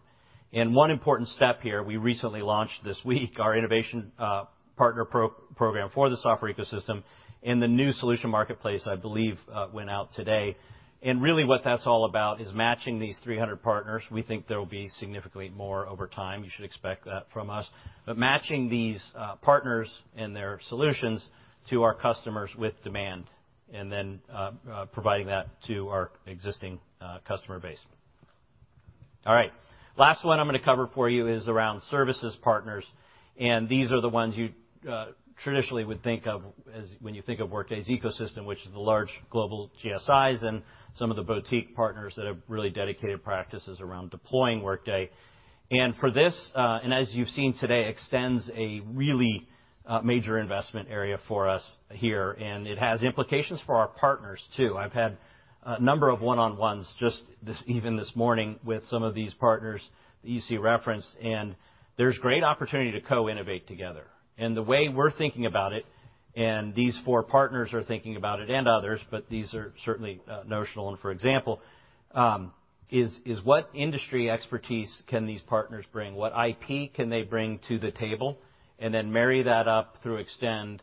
[SPEAKER 9] And one important step here, we recently launched this week, our Innovation Partner Program for the software ecosystem, and the new Solution Marketplace, I believe, went out today. And really, what that's all about is matching these 300 partners. We think there will be significantly more over time. You should expect that from us. But matching these partners and their solutions to our customers with demand, and then providing that to our existing customer base. All right. Last one I'm going to cover for you is around services partners, and these are the ones you traditionally would think of as... When you think of Workday's ecosystem, which is the large global GSIs and some of the boutique partners that have really dedicated practices around deploying Workday. And for this, and as you've seen today, Extend is a really, major investment area for us here, and it has implications for our partners, too. I've had a number of one-on-ones just this morning with some of these partners that you see referenced, and there's great opportunity to co-innovate together. And the way we're thinking about it, and these four partners are thinking about it and others, but these are certainly, notional and for example, what industry expertise can these partners bring? What IP can they bring to the table? And then marry that up through Extend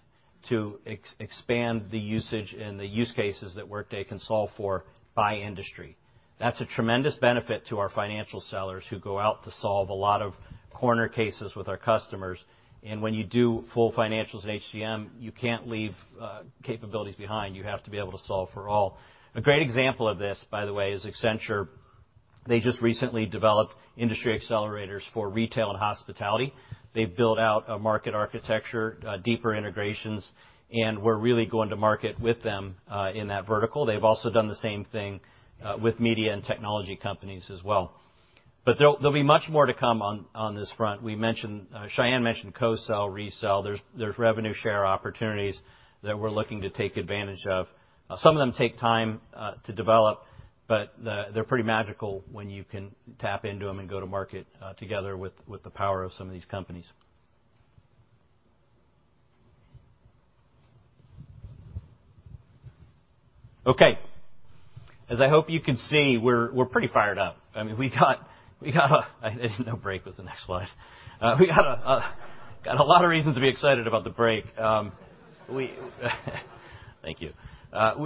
[SPEAKER 9] to expand the usage and the use cases that Workday can solve for by industry. That's a tremendous benefit to our financial sellers who go out to solve a lot of corner cases with our customers, and when you do full Financials and HCM, you can't leave capabilities behind. You have to be able to solve for all. A great example of this, by the way, is Accenture. They just recently developed industry accelerators for retail and hospitality. They've built out a market architecture, deeper integrations, and we're really going to market with them in that vertical. They've also done the same thing with media and technology companies as well. But there'll be much more to come on this front. We mentioned Sayan mentioned co-sell, resell. There's revenue share opportunities that we're looking to take advantage of. Some of them take time to develop, but they're pretty magical when you can tap into them and go to market together with the power of some of these companies. Okay. As I hope you can see, we're pretty fired up. I mean, I didn't know break was the next slide. We got a lot of reasons to be excited about the break. Thank you.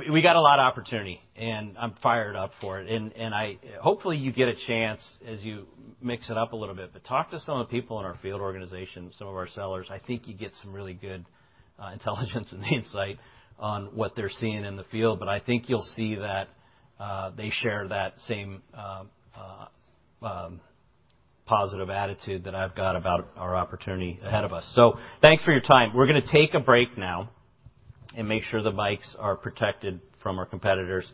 [SPEAKER 9] We got a lot of opportunity, and I'm fired up for it, and hopefully, you get a chance as you mix it up a little bit, but talk to some of the people in our field organization, some of our sellers. I think you get some really good intelligence and insight on what they're seeing in the field, but I think you'll see that they share that same positive attitude that I've got about our opportunity ahead of us. So thanks for your time. We're going to take a break now and make sure the mics are protected from our competitors.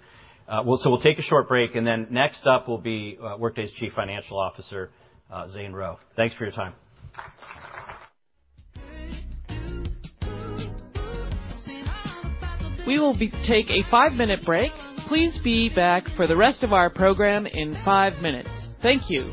[SPEAKER 9] We'll take a short break, and then next up will be Workday's Chief Financial Officer, Zane Rowe. Thanks for your time.
[SPEAKER 7] We will take a five-minute break. Please be back for the rest of our program in five minutes. Thank you!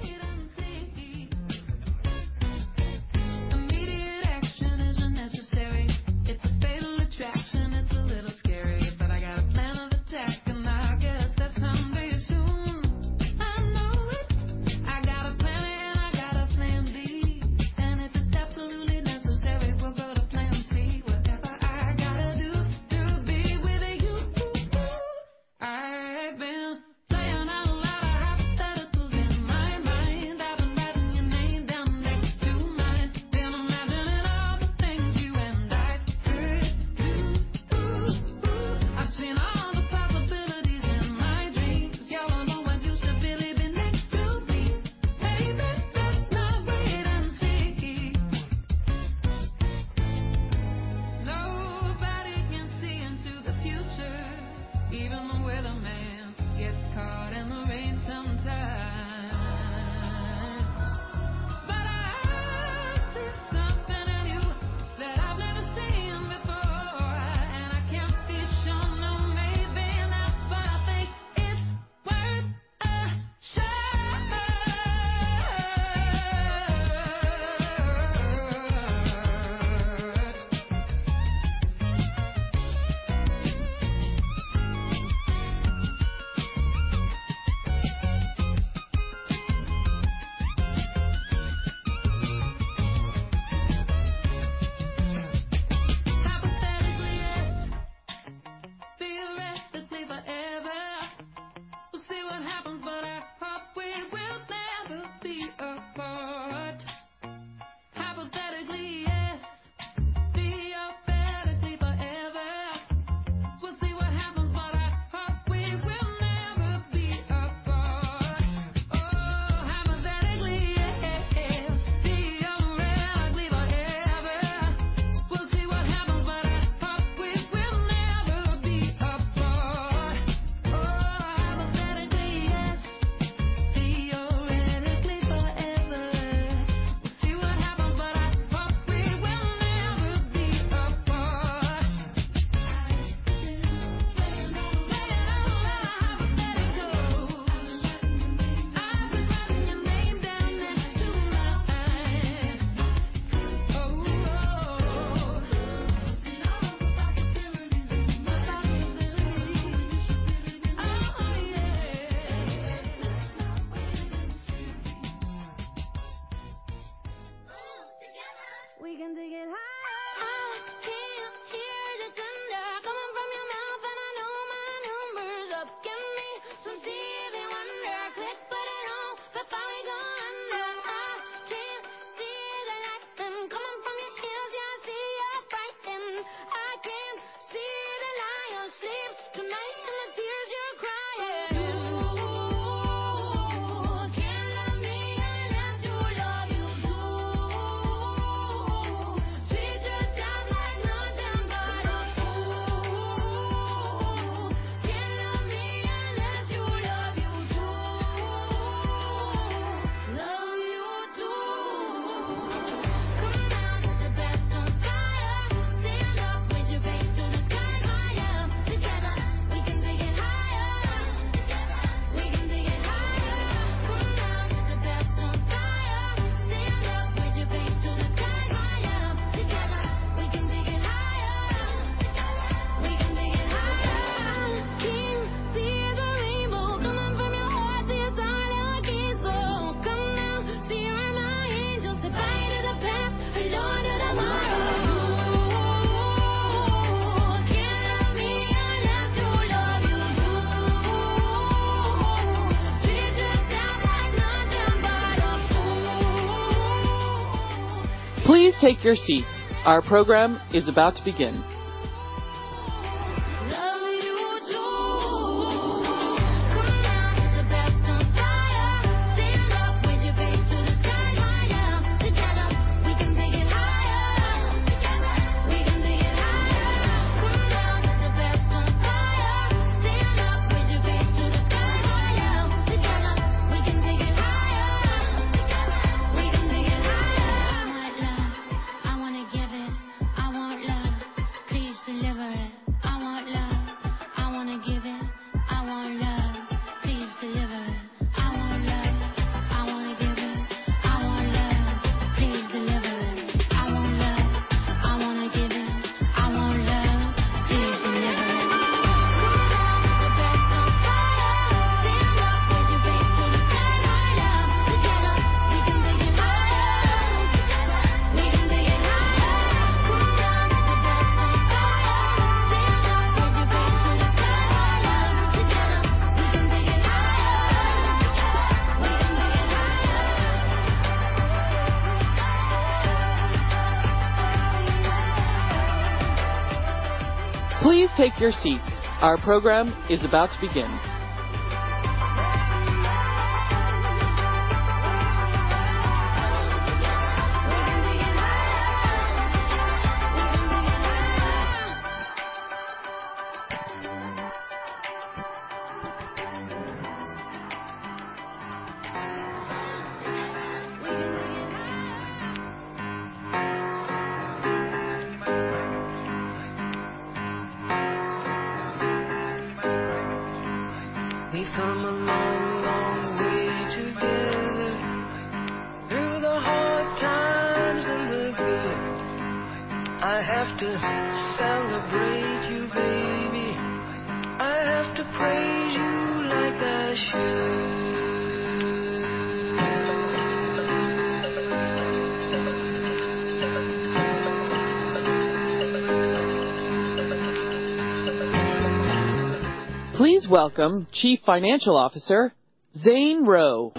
[SPEAKER 6] We can take it higher. We can take it higher! We come a long, long way together... I have to celebrate you, baby. I have to praise you like I should.
[SPEAKER 7] Please welcome Chief Financial Officer, Zane Rowe.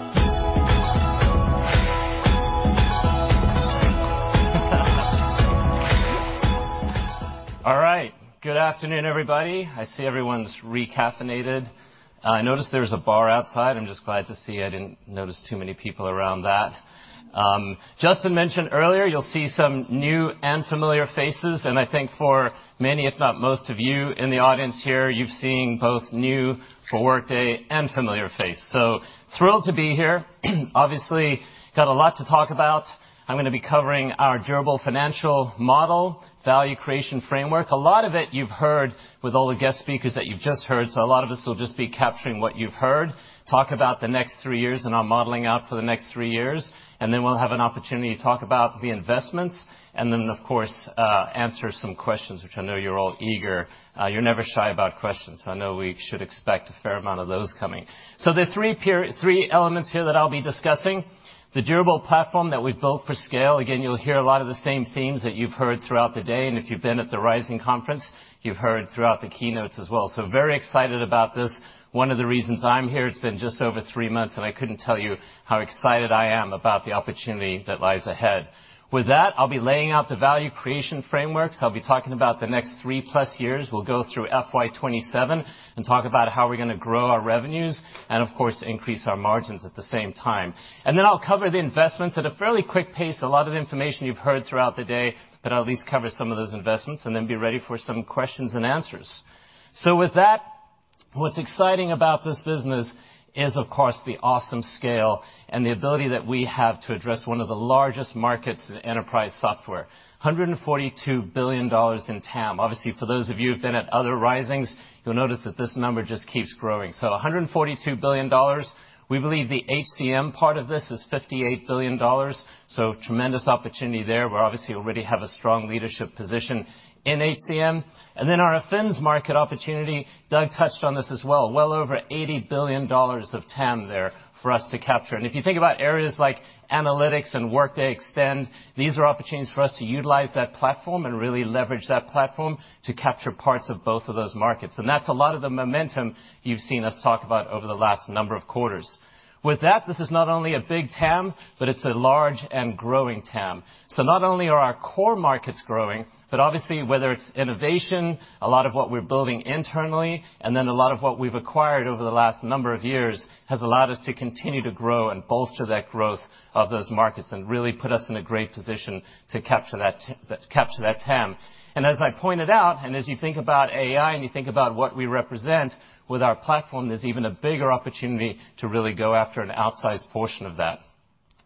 [SPEAKER 10] All right. Good afternoon, everybody. I see everyone's recaffeinated. I noticed there was a bar outside. I'm just glad to see I didn't notice too many people around that. Justin mentioned earlier, you'll see some new and familiar faces, and I think for many, if not most of you in the audience here, you've seen both new for Workday and familiar face. So thrilled to be here. Obviously, got a lot to talk about. I'm going to be covering our durable financial model, value creation framework. A lot of it you've heard with all the guest speakers that you've just heard, so a lot of this will just be capturing what you've heard. Talk about the next three years, and I'm modeling out for the next three years, and then we'll have an opportunity to talk about the investments and then, of course, answer some questions, which I know you're all eager. You're never shy about questions, so I know we should expect a fair amount of those coming. So there are three elements here that I'll be discussing. The durable platform that we've built for scale. Again, you'll hear a lot of the same themes that you've heard throughout the day, and if you've been at the Rising conference, you've heard throughout the keynotes as well. So very excited about this. One of the reasons I'm here, it's been just over three months, and I couldn't tell you how excited I am about the opportunity that lies ahead. With that, I'll be laying out the value creation frameworks. I'll be talking about the next 3+ years. We'll go through FY 2027 and talk about how we're going to grow our revenues and, of course, increase our margins at the same time. Then I'll cover the investments at a fairly quick pace. A lot of information you've heard throughout the day, but I'll at least cover some of those investments and then be ready for some questions and answers. With that, what's exciting about this business is, of course, the awesome scale and the ability that we have to address one of the largest markets in enterprise software, $142 billion in TAM. Obviously, for those of you who've been at other Risings, you'll notice that this number just keeps growing. So $142 billion, we believe the HCM part of this is $58 billion, so tremendous opportunity there, where obviously already have a strong leadership position in HCM. And then our Financials market opportunity, Doug touched on this as well. Well over $80 billion of TAM there for us to capture, and if you think about areas like analytics and Workday Extend, these are opportunities for us to utilize that platform and really leverage that platform to capture parts of both of those markets. And that's a lot of the momentum you've seen us talk about over the last number of quarters. With that, this is not only a big TAM, but it's a large and growing TAM. So not only are our core markets growing, but obviously, whether it's innovation, a lot of what we're building internally, and then a lot of what we've acquired over the last number of years, has allowed us to continue to grow and bolster that growth of those markets and really put us in a great position to capture that TAM. And as I pointed out, and as you think about AI, and you think about what we represent with our platform, there's even a bigger opportunity to really go after an outsized portion of that.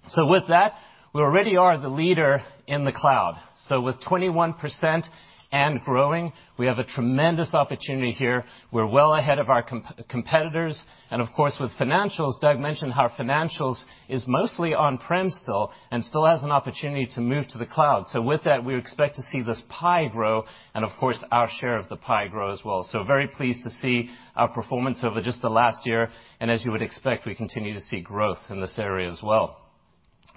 [SPEAKER 10] So with that, we already are the leader in the cloud. So with 21% and growing, we have a tremendous opportunity here. We're well ahead of our competitors, and of course, with Financials, Doug mentioned how Financials is mostly on-prem still and still has an opportunity to move to the cloud. So with that, we expect to see this pie grow, and of course, our share of the pie grow as well. So very pleased to see our performance over just the last year, and as you would expect, we continue to see growth in this area as well.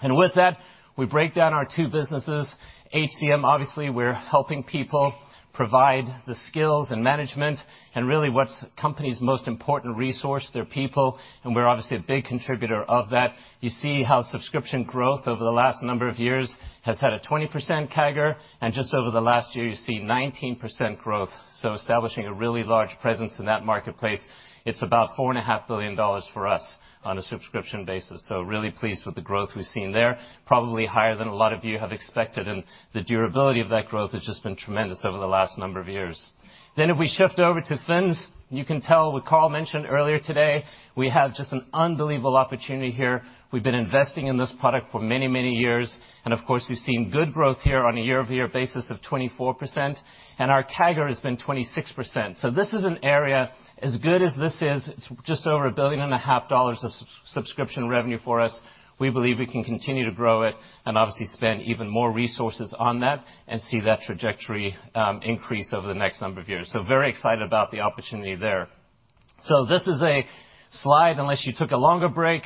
[SPEAKER 10] And with that, we break down our two businesses. HCM, obviously, we're helping people provide the skills and management and really what's company's most important resource, their people, and we're obviously a big contributor of that. You see how subscription growth over the last number of years has had a 20% CAGR, and just over the last year, you see 19% growth. So establishing a really large presence in that marketplace, it's about $4.5 billion for us on a subscription basis. So really pleased with the growth we've seen there. Probably higher than a lot of you have expected, and the durability of that growth has just been tremendous over the last number of years. Then, if we shift over to Fins, you can tell what Carl mentioned earlier today, we have just an unbelievable opportunity here. We've been investing in this product for many, many years, and of course, we've seen good growth here on a year-over-year basis of 24%, and our CAGR has been 26%. So this is an area as good as this is, it's just over $1.5 billion of sub-subscription revenue for us. We believe we can continue to grow it and obviously spend even more resources on that and see that trajectory, increase over the next number of years. So very excited about the opportunity there. So this is a slide, unless you took a longer break,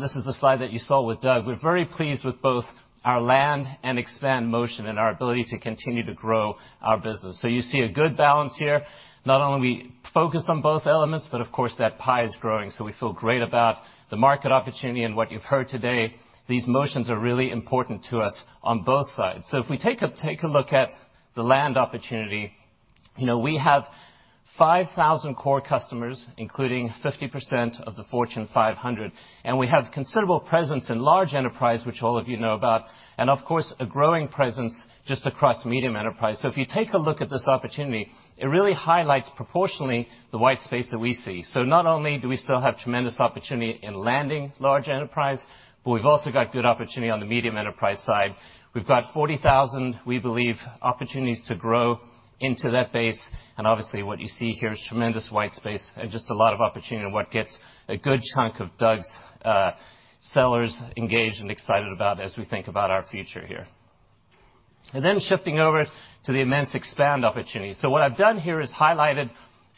[SPEAKER 10] this is the slide that you saw with Doug. We're very pleased with both our land and expand motion and our ability to continue to grow our business. So you see a good balance here. Not only are we focused on both elements, but of course, that pie is growing, so we feel great about the market opportunity and what you've heard today. These motions are really important to us on both sides. So if we take a look at the land opportunity, you know, we have 5,000 core customers, including 50% of the Fortune 500, and we have considerable presence in large enterprise, which all of you know about, and of course, a growing presence just across medium enterprise. So if you take a look at this opportunity, it really highlights proportionally the white space that we see. So not only do we still have tremendous opportunity in landing large enterprise, but we've also got good opportunity on the medium enterprise side. We've got 40,000, we believe, opportunities to grow into that base, and obviously, what you see here is tremendous white space and just a lot of opportunity and what gets a good chunk of Doug's sellers engaged and excited about as we think about our future here. And then shifting over to the immense expand opportunity. So what I've done here is highlighted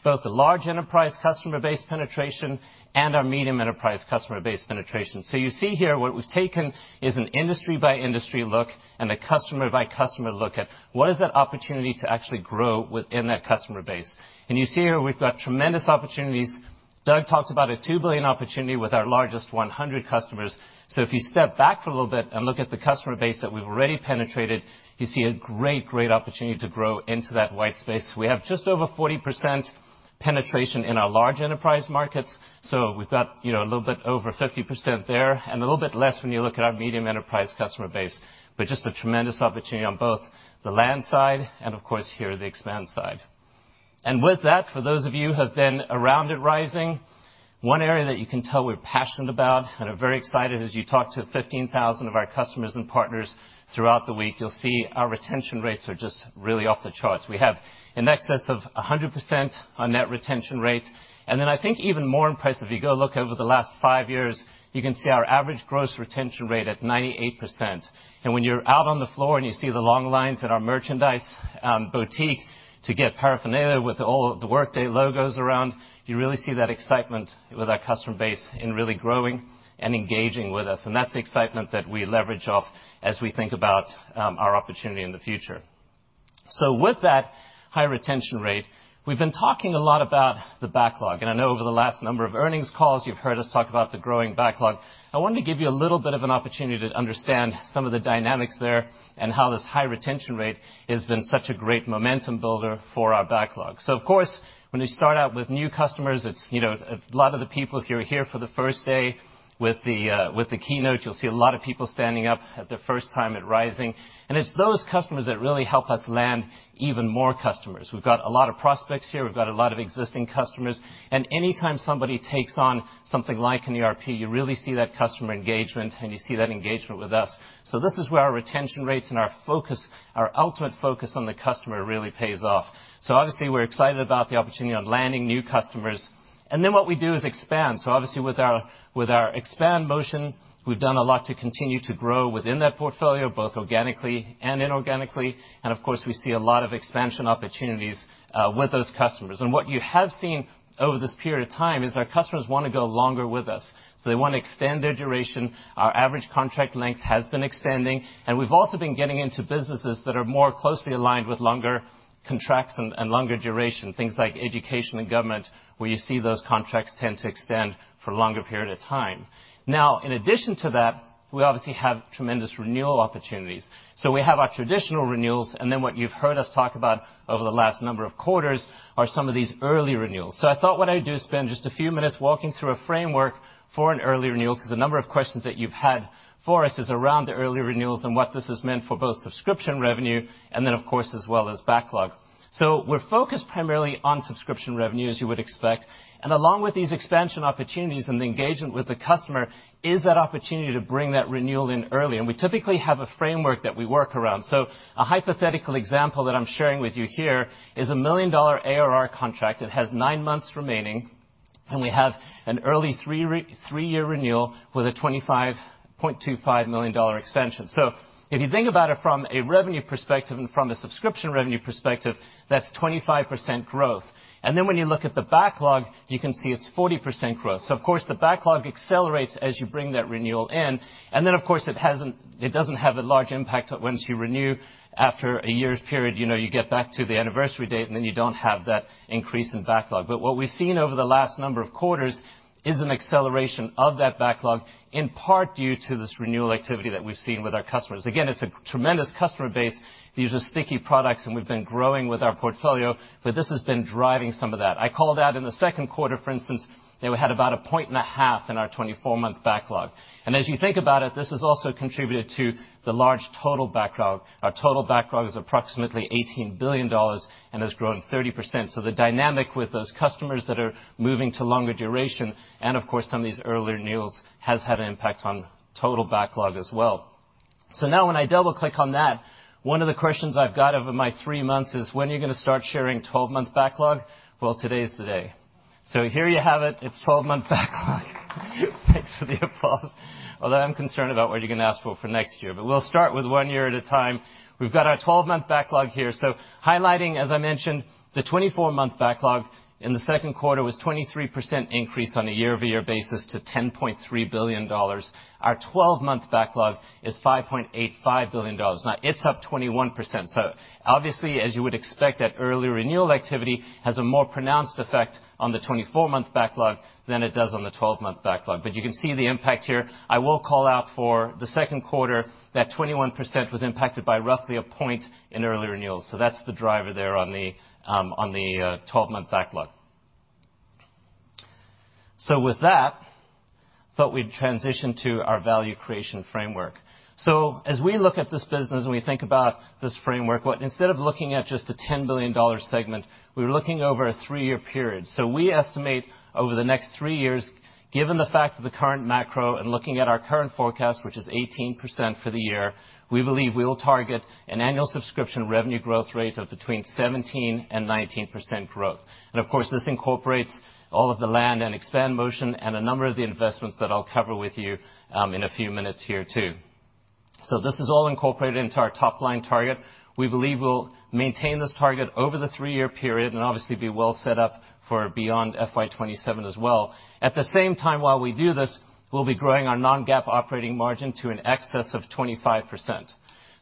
[SPEAKER 10] both the large enterprise customer base penetration and our medium enterprise customer base penetration. So you see here, what we've taken is an industry-by-industry look and a customer-by-customer look at what is that opportunity to actually grow within that customer base? You see here, we've got tremendous opportunities. Doug talked about a $2 billion opportunity with our largest 100 customers. If you step back for a little bit and look at the customer base that we've already penetrated, you see a great, great opportunity to grow into that white space. We have just over 40% penetration in our large enterprise markets, so we've got, you know, a little bit over 50% there, and a little bit less when you look at our medium enterprise customer base. But just a tremendous opportunity on both the land side and, of course, here, the expand side. With that, for those of you who have been around at Rising, one area that you can tell we're passionate about and are very excited as you talk to 15,000 of our customers and partners throughout the week, you'll see our retention rates are just really off the charts. We have in excess of 100% on net retention rate, and then I think even more impressive, if you go look over the last 5 years, you can see our average gross retention rate at 98%. When you're out on the floor, and you see the long lines at our merchandise boutique to get paraphernalia with all of the Workday logos around, you really see that excitement with our customer base in really growing and engaging with us, and that's the excitement that we leverage off as we think about our opportunity in the future. So with that high retention rate, we've been talking a lot about the backlog, and I know over the last number of earnings calls, you've heard us talk about the growing backlog. I wanted to give you a little bit of an opportunity to understand some of the dynamics there and how this high retention rate has been such a great momentum builder for our backlog. So of course, when we start out with new customers, it's, you know, a lot of the people, if you're here for the first day with the, with the keynote, you'll see a lot of people standing up at their first time at Rising, and it's those customers that really help us land even more customers. We've got a lot of prospects here. We've got a lot of existing customers, and anytime somebody takes on something like an ERP, you really see that customer engagement, and you see that engagement with us. So this is where our retention rates and our focus, our ultimate focus on the customer, really pays off. So obviously, we're excited about the opportunity on landing new customers, and then what we do is expand. So obviously, with our expand motion, we've done a lot to continue to grow within that portfolio, both organically and inorganically, and of course, we see a lot of expansion opportunities with those customers. And what you have seen over this period of time is our customers want to go longer with us, so they want to extend their duration. Our average contract length has been extending, and we've also been getting into businesses that are more closely aligned with longer contracts and longer duration, things like education and government, where you see those contracts tend to extend for a longer period of time. Now, in addition to that, we obviously have tremendous renewal opportunities. So we have our traditional renewals, and then what you've heard us talk about over the last number of quarters are some of these early renewals. I thought what I'd do is spend just a few minutes walking through a framework for an early renewal, because the number of questions that you've had for us is around the early renewals and what this has meant for both subscription revenue and then, of course, as well as backlog. We're focused primarily on subscription revenue, as you would expect, and along with these expansion opportunities and the engagement with the customer is that opportunity to bring that renewal in early, and we typically have a framework that we work around. A hypothetical example that I'm sharing with you here is a $1 million ARR contract. It has 9 months remaining, and we have an early 3-year renewal with a $25.25 million extension. So if you think about it from a revenue perspective and from a subscription revenue perspective, that's 25% growth. Then when you look at the backlog, you can see it's 40% growth. So of course, the backlog accelerates as you bring that renewal in, and then, of course, it hasn't, it doesn't have a large impact once you renew after a year period. You know, you get back to the anniversary date, and then you don't have that increase in backlog. But what we've seen over the last number of quarters is an acceleration of that backlog, in part due to this renewal activity that we've seen with our customers. Again, it's a tremendous customer base. These are sticky products, and we've been growing with our portfolio, but this has been driving some of that. I recall that in the Q2, for instance, that we had about 1.5 in our 24-month backlog. As you think about it, this has also contributed to the large total backlog. Our total backlog is approximately $18 billion and has grown 30%. The dynamic with those customers that are moving to longer duration and, of course, some of these early renewals, has had an impact on total backlog as well. Now when I double-click on that, one of the questions I've got over my 3 months is, "When are you gonna start sharing 12-month backlog?" Well, today is the day. Here you have it. It's 12-month backlog. Thanks for the applause. Although I'm concerned about what you're gonna ask for for next year, we'll start with one year at a time. We've got our 12-month backlog here. So highlighting, as I mentioned, the 24-month backlog in the Q2 was 23% increase on a year-over-year basis to $10.3 billion. Our 12-month backlog is $5.85 billion. Now it's up 21%. So obviously, as you would expect, that early renewal activity has a more pronounced effect on the 24-month backlog than it does on the 12-month backlog. But you can see the impact here. I will call out for the Q2 that 21% was impacted by roughly a point in early renewals, so that's the driver there on the 12-month backlog. So with that, I thought we'd transition to our value creation framework. So as we look at this business, and we think about this framework, what, instead of looking at just a $10 billion segment, we're looking over a 3-year period. So we estimate over the next three years, given the fact of the current macro and looking at our current forecast, which is 18% for the year, we believe we will target an annual subscription revenue growth rate of between 17% and 19% growth. And of course, this incorporates all of the land and expand motion and a number of the investments that I'll cover with you in a few minutes here, too. So this is all incorporated into our top line target. We believe we'll maintain this target over the three-year period, and obviously be well set up for beyond FY 2027 as well. At the same time, while we do this, we'll be growing our non-GAAP operating margin to an excess of 25%.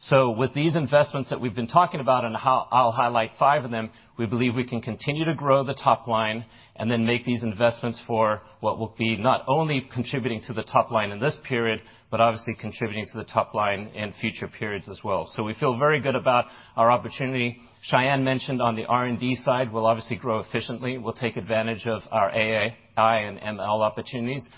[SPEAKER 10] So with these investments that we've been talking about, and I'll highlight five of them, we believe we can continue to grow the top line and then make these investments for what will be not only contributing to the top line in this period, but obviously contributing to the top line in future periods as well. So we feel very good about our opportunity. Sayan mentioned on the R&D side, we'll obviously grow efficiently. We'll take advantage of our AI and ML opportunities,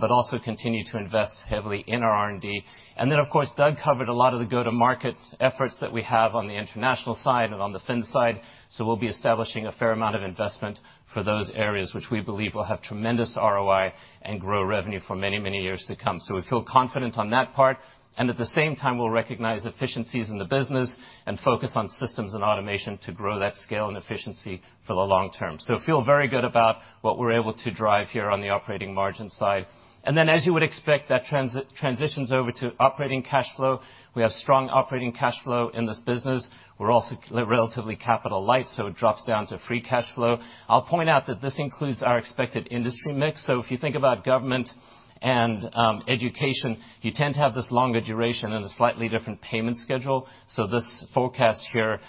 [SPEAKER 10] but also continue to invest heavily in our R&D. And then, of course, Doug covered a lot of the go-to-market efforts that we have on the International side and on the Fins side, so we'll be establishing a fair amount of investment for those areas, which we believe will have tremendous ROI and grow revenue for many, many years to come. So we feel confident on that part, and at the same time, we'll recognize efficiencies in the business and focus on systems and automation to grow that scale and efficiency for the long term. So feel very good about what we're able to drive here on the operating margin side. And then, as you would expect, that transitions over to operating cash flow. We have strong operating cash flow in this business. We're also relatively capital light, so it drops down to free cash flow. I'll point out that this includes our expected industry mix. So if you think about government and education, you tend to have this longer duration and a slightly different payment schedule. So this forecast here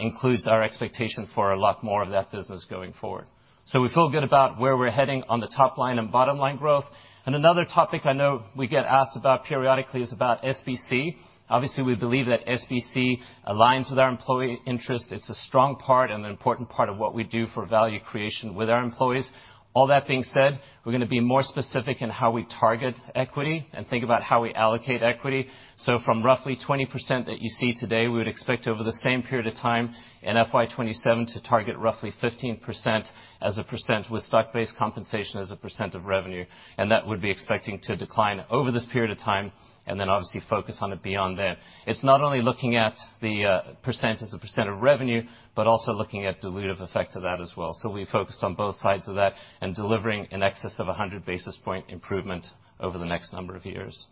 [SPEAKER 10] includes our expectation for a lot more of that business going forward. So we feel good about where we're heading on the top line and bottom line growth. And another topic I know we get asked about periodically is about SBC. Obviously, we believe that SBC aligns with our employee interest. It's a strong part and an important part of what we do for value creation with our employees. All that being said, we're gonna be more specific in how we target equity and think about how we allocate equity. So from roughly 20% that you see today, we would expect over the same period of time in FY 2027 to target roughly 15% as a percent, with stock-based compensation as a percent of revenue, and that would be expecting to decline over this period of time and then obviously focus on it beyond then. It's not only looking at the percent as a percent of revenue, but also looking at dilutive effect of that as well. So we focused on both sides of that and delivering in excess of 100 basis point improvement over the next number of years.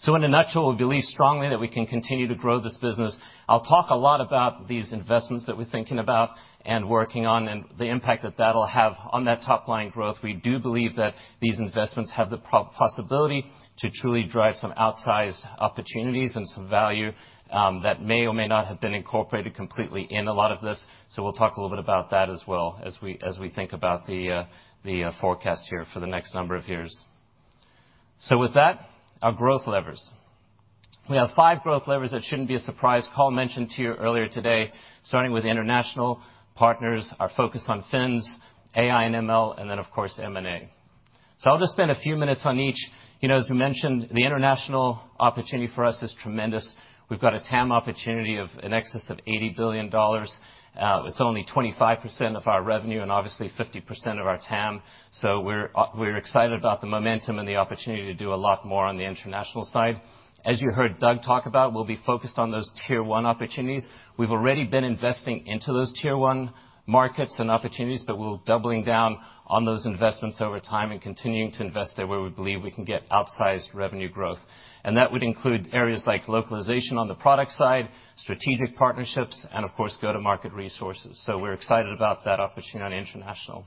[SPEAKER 10] So in a nutshell, we believe strongly that we can continue to grow this business. I'll talk a lot about these investments that we're thinking about and working on, and the impact that that'll have on that top-line growth. We do believe that these investments have the possibility to truly drive some outsized opportunities and some value that may or may not have been incorporated completely in a lot of this. So we'll talk a little bit about that as well, as we think about the forecast here for the next number of years. So with that, our growth levers. We have 5 growth levers that shouldn't be a surprise. Carl mentioned to you earlier today, starting with International partners, our focus on Fins, AI and ML, and then, of course, M&A. So I'll just spend a few minutes on each. You know, as we mentioned, the International opportunity for us is tremendous. We've got a TAM opportunity of in excess of $80 billion. It's only 25% of our revenue and obviously 50% of our TAM, so we're excited about the momentum and the opportunity to do a lot more on the International side. As you heard Doug talk about, we'll be focused on those Tier One opportunities. We've already been investing into those Tier One markets and opportunities, but we're doubling down on those investments over time and continuing to invest there, where we believe we can get outsized revenue growth. That would include areas like localization on the product side, strategic partnerships, and of course, go-to-market resources. We're excited about that opportunity on International.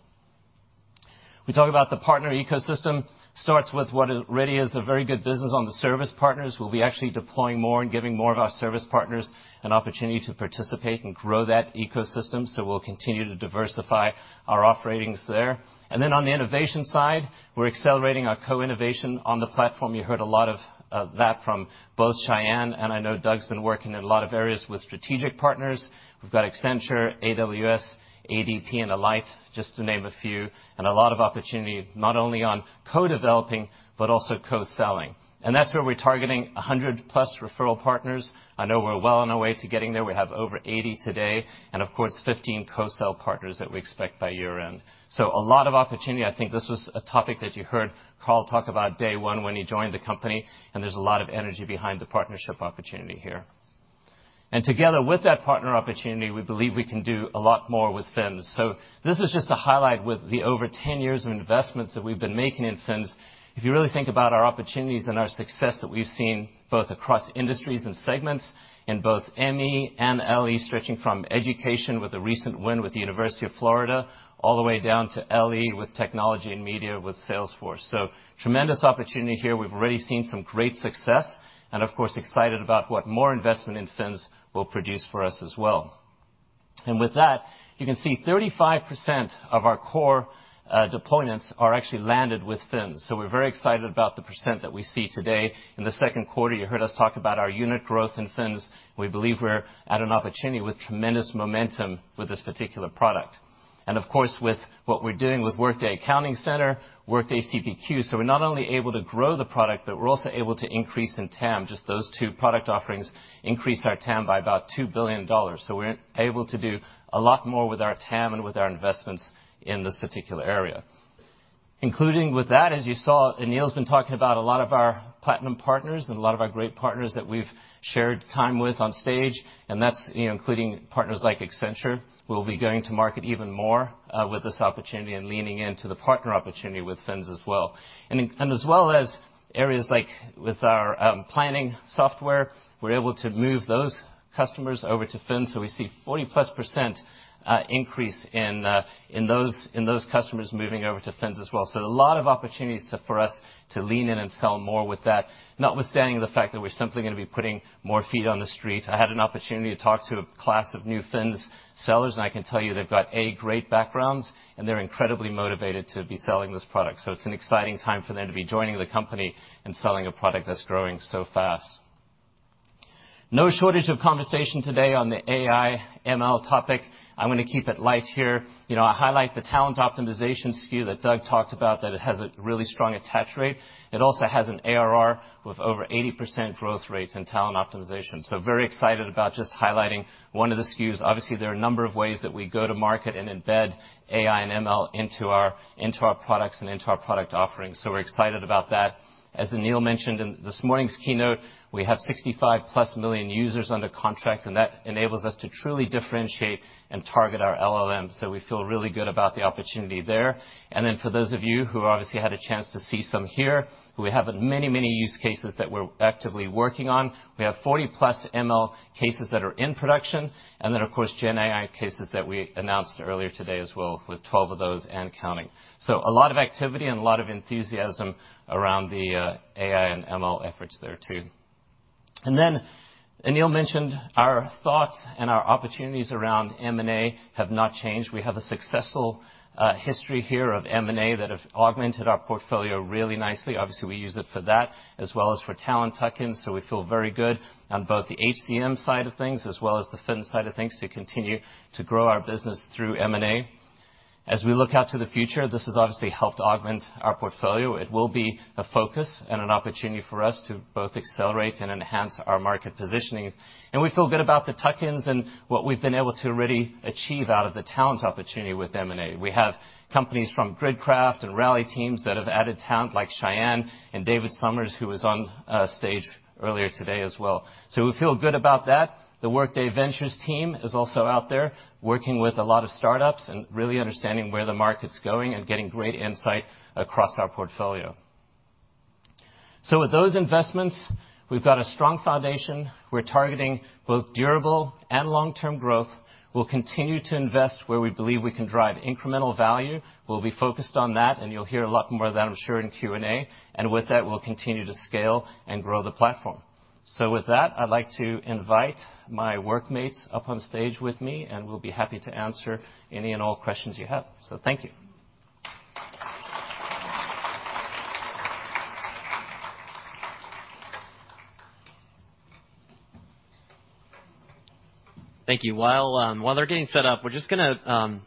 [SPEAKER 10] We talk about the partner ecosystem, starts with what is already a very good business on the service partners. We'll be actually deploying more and giving more of our service partners an opportunity to participate and grow that ecosystem, so we'll continue to diversify our offerings there. Then on the innovation side, we're accelerating our co-innovation on the platform. You heard a lot of that from both Sayan, and I know Doug's been working in a lot of areas with strategic partners. We've got Accenture, AWS, ADP, and Alight, just to name a few, and a lot of opportunity, not only on co-developing, but also co-selling. That's where we're targeting 100+ referral partners. I know we're well on our way to getting there. We have over 80 today, and of course, 15 co-sell partners that we expect by year-end. So a lot of opportunity. I think this was a topic that you heard Carl talk about day one when he joined the company, and there's a lot of energy behind the partnership opportunity here. Together with that partner opportunity, we believe we can do a lot more with Fins. So this is just a highlight with the over 10 years of investments that we've been making in Fins. If you really think about our opportunities and our success that we've seen, both across industries and segments, in both ME and LE, stretching from education with a recent win with the University of Florida, all the way down to LE with technology and media, with Salesforce. So tremendous opportunity here. We've already seen some great success, and of course, excited about what more investment in Fins will produce for us as well. And with that, you can see 35% of our core, deployments are actually landed with Fins, so we're very excited about the percent that we see today. In the Q2, you heard us talk about our unit growth in Fins. We believe we're at an opportunity with tremendous momentum with this particular product. And of course, with what we're doing with Workday Accounting Center, Workday CPQ, so we're not only able to grow the product, but we're also able to increase in TAM. Just those two product offerings increase our TAM by about $2 billion, so we're able to do a lot more with our TAM and with our investments in this particular area. Including with that, as you saw, Aneel's been talking about a lot of our platinum partners and a lot of our great partners that we've shared time with on stage, and that's, you know, including partners like Accenture, who will be going to market even more with this opportunity and leaning into the partner opportunity with Financials as well. And as well as areas like with our planning software, we're able to move those customers over to Financials. So we see 40+% increase in those customers moving over to Fins as well. So a lot of opportunities for us to lean in and sell more with that, notwithstanding the fact that we're simply gonna be putting more feet on the street. I had an opportunity to talk to a class of new Fins sellers, and I can tell you they've got great backgrounds, and they're incredibly motivated to be selling this product. So it's an exciting time for them to be joining the company and selling a product that's growing so fast. No shortage of conversation today on the AI ML topic. I'm gonna keep it light here. You know, I highlight the talent optimization SKU that Doug talked about, that it has a really strong attach rate. It also has an ARR with over 80% growth rates in talent optimization. So very excited about just highlighting one of the SKUs. Obviously, there are a number of ways that we go to market and embed AI and ML into our, into our products and into our product offerings, so we're excited about that. As Aneel mentioned in this morning's keynote, we have 65+ million users under contract, and that enables us to truly differentiate and target our LLM. So we feel really good about the opportunity there. And then for those of you who obviously had a chance to see some here, we have many, many use cases that we're actively working on. We have 40+ ML cases that are in production, and then, of course, GenAI cases that we announced earlier today as well, with 12 of those and counting. So a lot of activity and a lot of enthusiasm around the AI and ML efforts there, too. And then Aneel mentioned our thoughts and our opportunities around M&A have not changed. We have a successful history here of M&A that have augmented our portfolio really nicely. Obviously, we use it for that as well as for talent tuck-ins, so we feel very good on both the HCM side of things as well as the Fin side of things, to continue to grow our business through M&A. As we look out to the future, this has obviously helped augment our portfolio. It will be a focus and an opportunity for us to both accelerate and enhance our market positioning. And we feel good about the tuck-ins and what we've been able to already achieve out of the talent opportunity with M&A. We have companies from GridCraft and Rally Teams that have added talent, like Sayan and David Somers, who was on stage earlier today as well. So we feel good about that. The Workday Ventures team is also out there, working with a lot of startups and really understanding where the market's going and getting great insight across our portfolio. So with those investments, we've got a strong foundation. We're targeting both durable and long-term growth. We'll continue to invest where we believe we can drive incremental value. We'll be focused on that, and you'll hear a lot more of that, I'm sure, in Q&A. And with that, we'll continue to scale and grow the platform. So with that, I'd like to invite my workmates up on stage with me, and we'll be happy to answer any and all questions you have. So thank you.
[SPEAKER 2] Thank you. While they're getting set up, we're just gonna.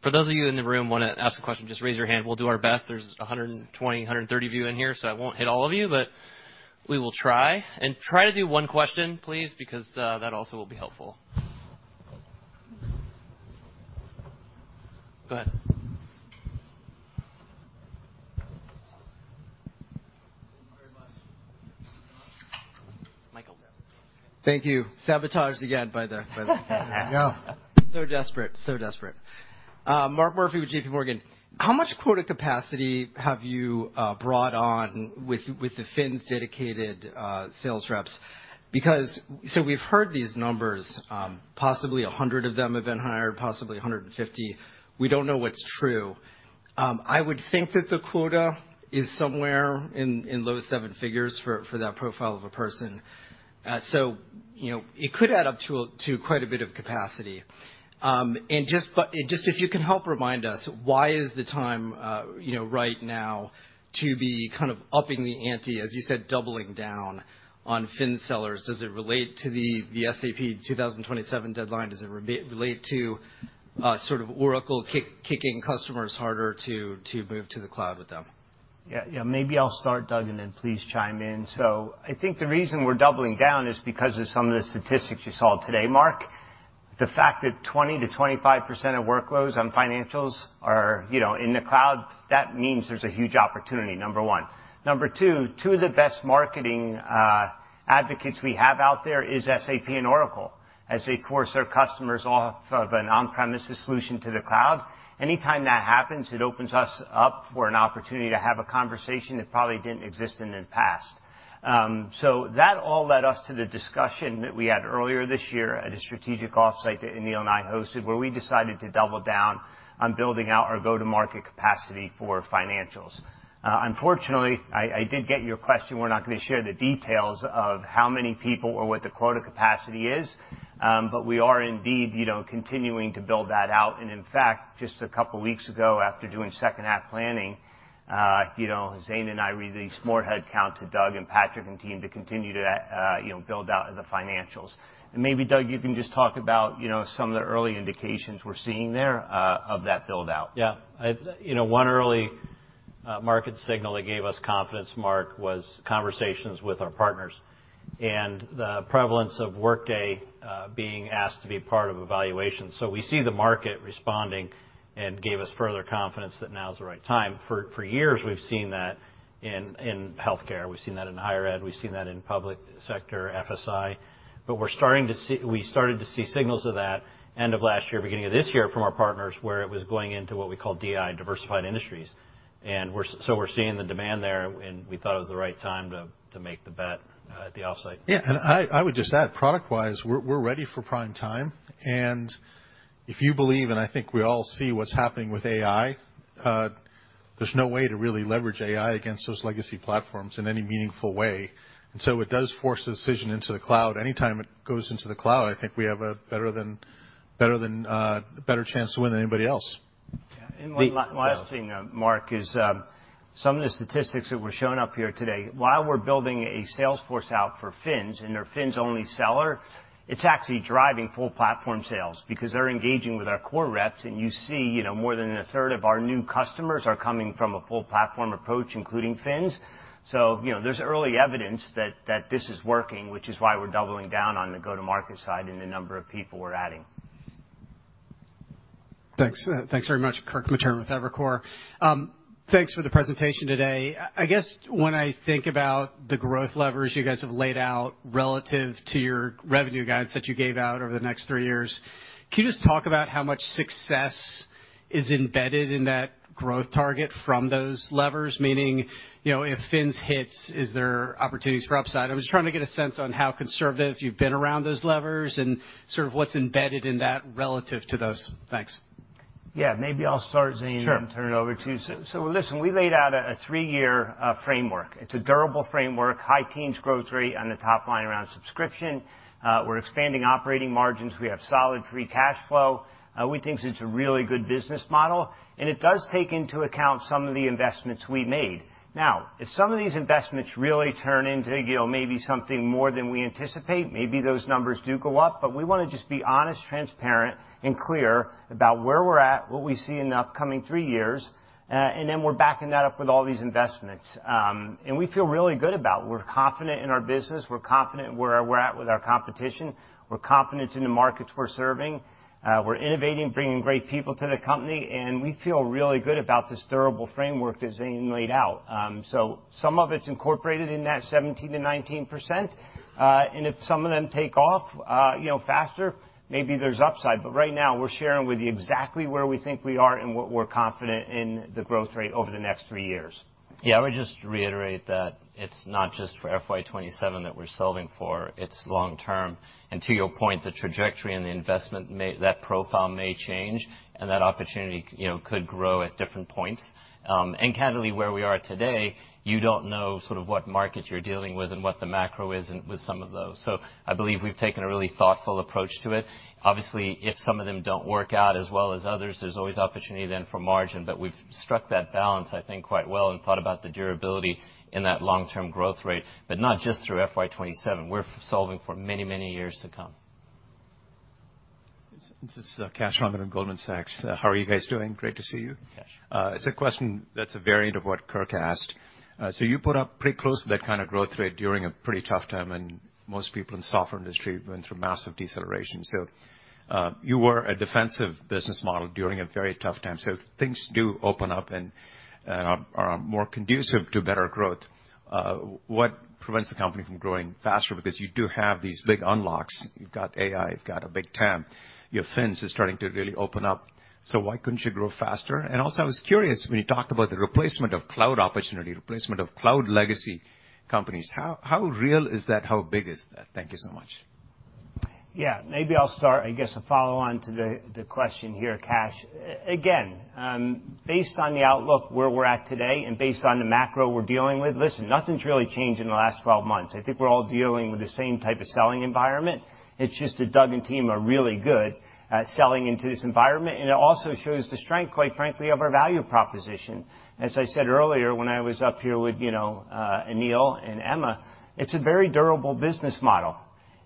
[SPEAKER 2] For those of you in the room who wanna ask a question, just raise your hand. We'll do our best. There's 120, 130 of you in here, so I won't hit all of you, but we will try. Try to do one question, please, because that also will be helpful. Go ahead.
[SPEAKER 7] Thank you very much.
[SPEAKER 2] Michael.
[SPEAKER 11] Thank you. Sabotaged again by the-
[SPEAKER 2] Yeah.
[SPEAKER 11] So desperate, so desperate. Mark Murphy with JP Morgan. How much quota capacity have you brought on with the Fins dedicated sales reps? Because so we've heard these numbers, possibly 100 of them have been hired, possibly 150. We don't know what's true. I would think that the quota is somewhere in low seven figures for that profile of a person. So you know, it could add up to quite a bit of capacity. And just if you can help remind us, why is the time you know, right now to be kind of upping the ante, as you said, doubling down on Fins sellers? Does it relate to the SAP 2027 deadline? Does it relate to sort of Oracle kicking customers harder to move to the cloud with them?
[SPEAKER 10] Yeah, yeah. Maybe I'll start, Doug, and then please chime in. So I think the reason we're doubling down is because of some of the statistics you saw today, Mark. The fact that 20%-25% of workloads on Financials are, you know, in the cloud, that means there's a huge opportunity, number one. Number two, two of the best marketing advocates we have out there is SAP and Oracle. As they force their customers off of an on-premises solution to the cloud, anytime that happens, it opens us up for an opportunity to have a conversation that probably didn't exist in the past. So that all led us to the discussion that we had earlier this year at a strategic offsite that Aneel and I hosted, where we decided to double down on building out our go-to-market capacity for Financials. Unfortunately, I did get your question. We're not gonna share the details of how many people or what the quota capacity is, but we are indeed, you know, continuing to build that out. And in fact, just a couple of weeks ago, after doing second half planning, you know, Zane and I released more headcount to Doug and Patrick and team to continue to, you know, build out the Financials. And maybe, Doug, you can just talk about, you know, some of the early indications we're seeing there, of that build-out.
[SPEAKER 9] Yeah. You know, one early market signal that gave us confidence, Mark, was conversations with our partners and the prevalence of Workday being asked to be part of evaluation. So we see the market responding and gave us further confidence that now is the right time. For years, we've seen that in healthcare, we've seen that in higher ed, we've seen that in public sector, FSI. But we started to see signals of that end of last year, beginning of this year, from our partners, where it was going into what we call DI, diversified industries. And so we're seeing the demand there, and we thought it was the right time to make the bet at the offsite.
[SPEAKER 4] Yeah, and I would just add, product-wise, we're ready for prime time. And if you believe, and I think we all see what's happening with AI, there's no way to really leverage AI against those legacy platforms in any meaningful way. And so it does force the decision into the cloud. Anytime it goes into the cloud, I think we have a better chance to win than anybody else.
[SPEAKER 1] Yeah, and one last thing, Mark, is some of the statistics that were shown up here today, while we're building a sales force out for Fins and their Fins-only seller, it's actually driving full platform sales because they're engaging with our core reps, and you see, you know, more than a third of our new customers are coming from a full platform approach, including Fins. So, you know, there's early evidence that this is working, which is why we're doubling down on the go-to-market side and the number of people we're adding.
[SPEAKER 12] Thanks. Thanks very much, Kirk Materne with Evercore. Thanks for the presentation today. I guess when I think about the growth levers you guys have laid out relative to your revenue guides that you gave out over the next three years, can you just talk about how much success is embedded in that growth target from those levers? Meaning, you know, if Fins hits, is there opportunities for upside? I'm just trying to get a sense on how conservative you've been around those levers and sort of what's embedded in that relative to those. Thanks.
[SPEAKER 1] Yeah, maybe I'll start, Zane-
[SPEAKER 10] Sure.
[SPEAKER 1] -and turn it over to you. So, listen, we laid out a three-year framework. It's a durable framework, high teens growth rate on the top line around subscription. We're expanding operating margins. We have solid free cash flow. We think it's a really good business model, and it does take into account some of the investments we made. Now, if some of these investments really turn into, you know, maybe something more than we anticipate, maybe those numbers do go up, but we want to just be honest, transparent, and clear about where we're at, what we see in the upcoming three years, and then we're backing that up with all these investments. And we feel really good about. We're confident in our business. We're confident where we're at with our competition. We're confident in the markets we're serving. We're innovating, bringing great people to the company, and we feel really good about this durable framework that Zane laid out. So some of it's incorporated in that 17%-19%, and if some of them take off, you know, faster, maybe there's upside. But right now, we're sharing with you exactly where we think we are and what we're confident in the growth rate over the next three years.
[SPEAKER 10] Yeah, I would just reiterate that it's not just for FY 2027 that we're solving for, it's long term. And to your point, the trajectory and the investment may profile may change, and that opportunity, you know, could grow at different points. And candidly, where we are today, you don't know sort of what market you're dealing with and what the macro is and with some of those. So I believe we've taken a really thoughtful approach to it. Obviously, if some of them don't work out as well as others, there's always opportunity then for margin, but we've struck that balance, I think, quite well and thought about the durability in that long-term growth rate, but not just through FY 2027. We're solving for many, many years to come.
[SPEAKER 13] This is, Kash Rangan at Goldman Sachs. How are you guys doing? Great to see you.
[SPEAKER 10] Kash.
[SPEAKER 13] It's a question that's a variant of what Kirk asked. So you put up pretty close to that kind of growth rate during a pretty tough time, and most people in the software industry went through massive deceleration. So you were a defensive business model during a very tough time. So if things do open up and are more conducive to better growth, what prevents the company from growing faster? Because you do have these big unlocks. You've got AI, you've got a big TAM. Your Financials is starting to really open up, so why couldn't you grow faster? And also, I was curious when you talked about the replacement of cloud opportunity, replacement of cloud legacy companies, how real is that? How big is that? Thank you so much.
[SPEAKER 1] Yeah, maybe I'll start, I guess, a follow-on to the question here, Kash. Again, based on the outlook where we're at today and based on the macro we're dealing with, listen, nothing's really changed in the last 12 months. I think we're all dealing with the same type of selling environment. It's just that Doug and team are really good at selling into this environment, and it also shows the strength, quite frankly, of our value proposition. As I said earlier, when I was up here with, you know, Aneel and Emma, it's a very durable business model.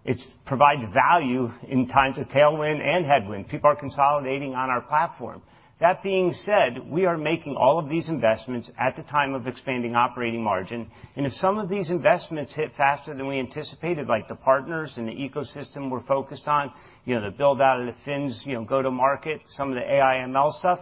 [SPEAKER 1] It provides value in times of tailwind and headwind. People are consolidating on our platform. That being said, we are making all of these investments at the time of expanding operating margin, and if some of these investments hit faster than we anticipated, like the partners and the ecosystem we're focused on, you know, the build-out of the Financials, you know, go-to-market, some of the AI, ML stuff,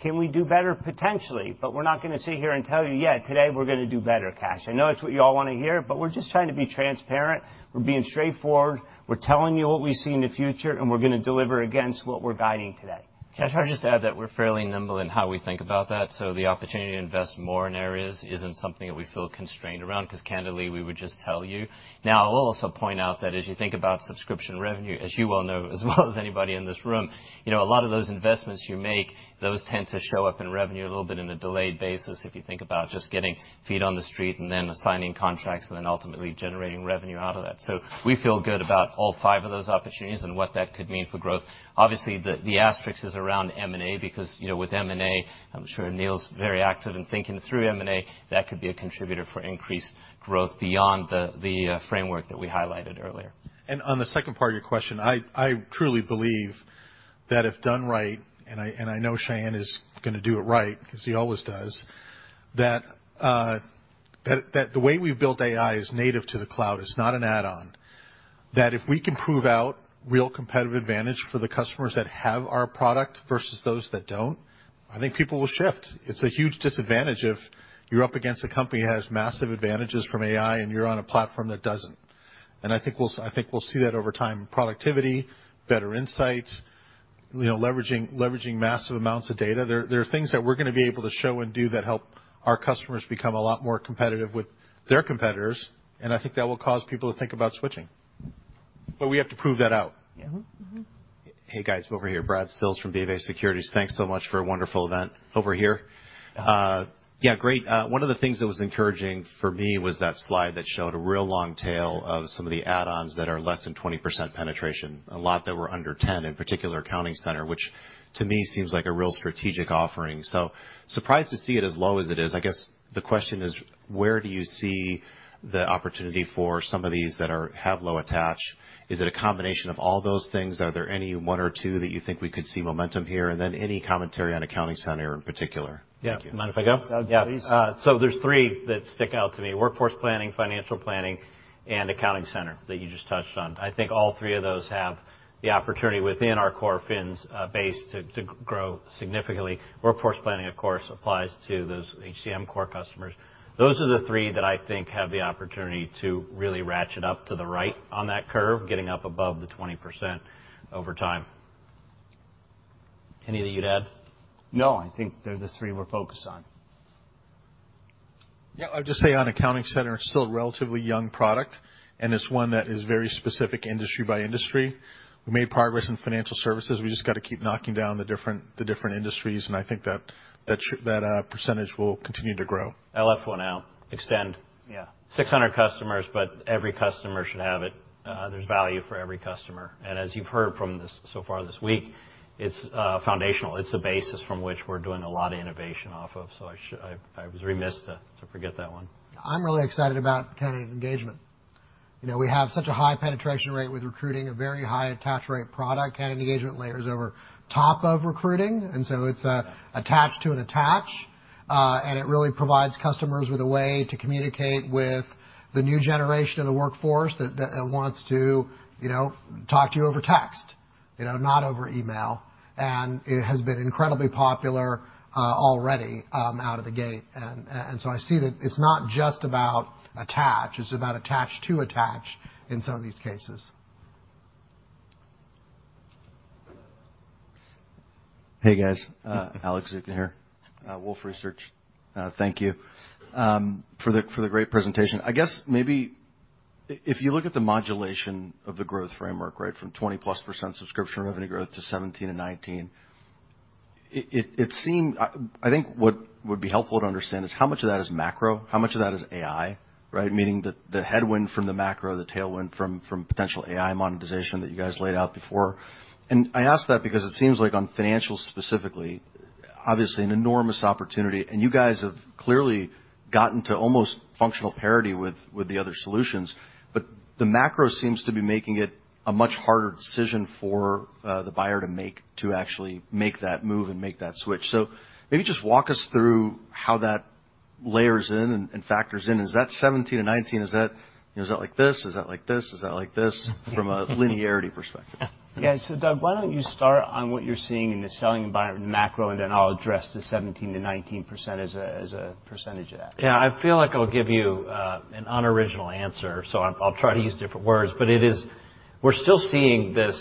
[SPEAKER 1] can we do better? Potentially, but we're not going to sit here and tell you, "Yeah, today, we're going to do better," Kash. I know it's what you all want to hear, but we're just trying to be transparent. We're being straightforward. We're telling you what we see in the future, and we're going to deliver against what we're guiding today.
[SPEAKER 10] Kash, can I just add that we're fairly nimble in how we think about that, so the opportunity to invest more in areas isn't something that we feel constrained around, because candidly, we would just tell you. Now, I'll also point out that as you think about subscription revenue, as you well know, as well as anybody in this room, you know, a lot of those investments you make, those tend to show up in revenue a little bit in a delayed basis, if you think about just getting feet on the street and then assigning contracts and then ultimately generating revenue out of that. So we feel good about all five of those opportunities and what that could mean for growth. Obviously, the asterisk is around M&A, because, you know, with M&A, I'm sure Aneel's very active in thinking through M&A, that could be a contributor for increased growth beyond the framework that we highlighted earlier.
[SPEAKER 4] And on the second part of your question, I truly believe that if done right, and I know Sayan is going to do it right, because he always does, that the way we've built AI is native to the cloud. It's not an add-on. That if we can prove out real competitive advantage for the customers that have our product versus those that don't, I think people will shift. It's a huge disadvantage if you're up against a company that has massive advantages from AI, and you're on a platform that doesn't. And I think we'll see that over time, productivity, better insights, you know, leveraging massive amounts of data. There are things that we're gonna be able to show and do that help our customers become a lot more competitive with their competitors, and I think that will cause people to think about switching. But we have to prove that out.
[SPEAKER 9] Mm-hmm. Mm-hmm.
[SPEAKER 14] Hey, guys, over here. Brad Sills from BofA Securities. Thanks so much for a wonderful event. Over here. Yeah, great. One of the things that was encouraging for me was that slide that showed a real long tail of some of the add-ons that are less than 20% penetration, a lot that were under 10%, in particular, Accounting Center, which to me seems like a real strategic offering. So surprised to see it as low as it is. I guess the question is: where do you see the opportunity for some of these that have low attach? Is it a combination of all those things? Are there any one or two that you think we could see momentum here? And then any commentary on Accounting Center in particular.
[SPEAKER 9] Yeah.
[SPEAKER 14] Thank you.
[SPEAKER 9] Mind if I go?
[SPEAKER 4] Yeah, please.
[SPEAKER 9] So, there's three that stick out to me: workforce planning, financial planning, and accounting center, that you just touched on. I think all three of those have the opportunity within our core Fins base to grow significantly. Workforce planning, of course, applies to those HCM core customers. Those are the three that I think have the opportunity to really ratchet up to the right on that curve, getting up above the 20% over time. Anything you'd add?
[SPEAKER 1] No, I think they're the three we're focused on.
[SPEAKER 4] Yeah. I'd just say on Accounting Center, it's still a relatively young product, and it's one that is very specific industry by industry. We made progress in financial services. We just got to keep knocking down the different industries, and I think that percentage will continue to grow.
[SPEAKER 9] I left one out, Extend.
[SPEAKER 1] Yeah.
[SPEAKER 9] 600 customers, but every customer should have it. There's value for every customer. As you've heard from this so far this week, it's foundational. It's the basis from which we're doing a lot of innovation off of, so I was remiss to forget that one.
[SPEAKER 15] I'm really excited about Candidate Engagement. You know, we have such a high penetration rate with recruiting, a very high attach rate product. Candidate Engagement layers over top of recruiting, and so it's attached to an attach, and it really provides customers with a way to communicate with the new generation of the workforce that wants to, you know, talk to you over text, you know, not over email. And it has been incredibly popular already out of the gate. And so I see that it's not just about attach, it's about attach to attach in some of these cases.
[SPEAKER 16] Hey, guys, Alex Zukin, Wolfe Research. Thank you for the great presentation. I guess maybe if you look at the modulation of the growth framework, right? From 20+% subscription revenue growth to 17%-19%, it seemed. I think what would be helpful to understand is how much of that is macro, how much of that is AI, right? Meaning the headwind from the macro, the tailwind from potential AI monetization that you guys laid out before. And I ask that because it seems like on Financials specifically, obviously an enormous opportunity, and you guys have clearly gotten to almost functional parity with the other solutions, but the macro seems to be making it a much harder decision for the buyer to make, to actually make that move and make that switch. So maybe just walk us through how that layers in and, and factors in. Is that 17-19, you know, is that like this, is that like this, is that like this, from a linearity perspective?
[SPEAKER 1] Yeah. So Doug, why don't you start on what you're seeing in the selling environment macro, and then I'll address the 17%-19% as a, as a percentage of that.
[SPEAKER 9] Yeah. I feel like I'll give you an unoriginal answer, so I'll try to use different words, but it is... We're still seeing this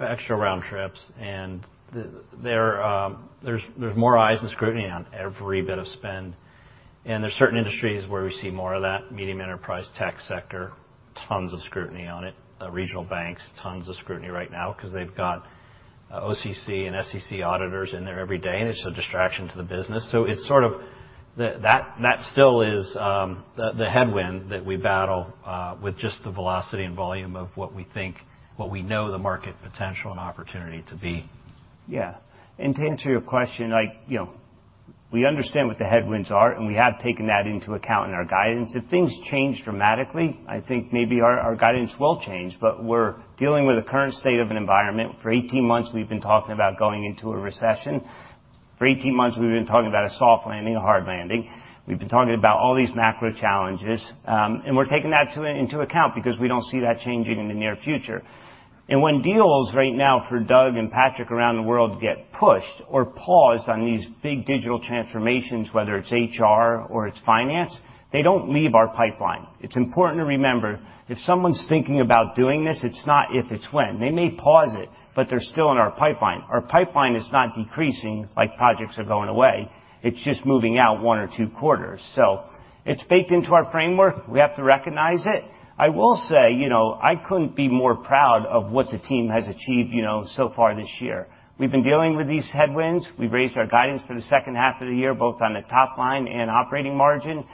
[SPEAKER 9] extra round trips, and there's more eyes and scrutiny on every bit of spend, and there's certain industries where we see more of that. Medium enterprise, tech sector, tons of scrutiny on it. Regional banks, tons of scrutiny right now because they've got OCC and SEC auditors in there every day, and it's a distraction to the business. So it's sort of that still is the headwind that we battle with just the velocity and volume of what we think, what we know the market potential and opportunity to be.
[SPEAKER 1] Yeah, and to answer your question, like, you know, we understand what the headwinds are, and we have taken that into account in our guidance. If things change dramatically, I think maybe our guidance will change, but we're dealing with the current state of an environment. For 18 months, we've been talking about going into a recession. For 18 months, we've been talking about a soft landing, a hard landing. We've been talking about all these macro challenges, and we're taking that into account because we don't see that changing in the near future. And when deals right now for Doug and Patrick around the world get pushed or paused on these big digital transformations, whether it's HR or it's finance, they don't leave our pipeline. It's important to remember, if someone's thinking about doing this, it's not if, it's when. They may pause it, but they're still in our pipeline. Our pipeline is not decreasing like projects are going away. It's just moving out one or two quarters. So it's baked into our framework. We have to recognize it. I will say, you know, I couldn't be more proud of what the team has achieved, you know, so far this year. We've been dealing with these headwinds. We've raised our guidance for the second half of the year, both on the top line and operating margin.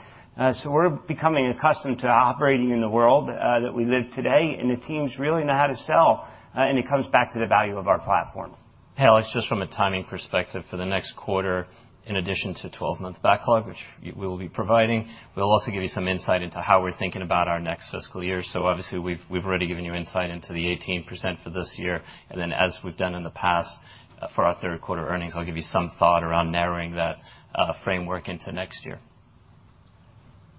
[SPEAKER 1] So we're becoming accustomed to operating in the world that we live today, and the teams really know how to sell, and it comes back to the value of our platform.
[SPEAKER 15] Hey, Alex, just from a timing perspective for the next quarter, in addition to 12-month backlog, which we will be providing, we'll also give you some insight into how we're thinking about our next fiscal year. So obviously, we've already given you insight into the 18% for this year, and then, as we've done in the past, for our third quarter earnings, I'll give you some thought around narrowing that framework into next year.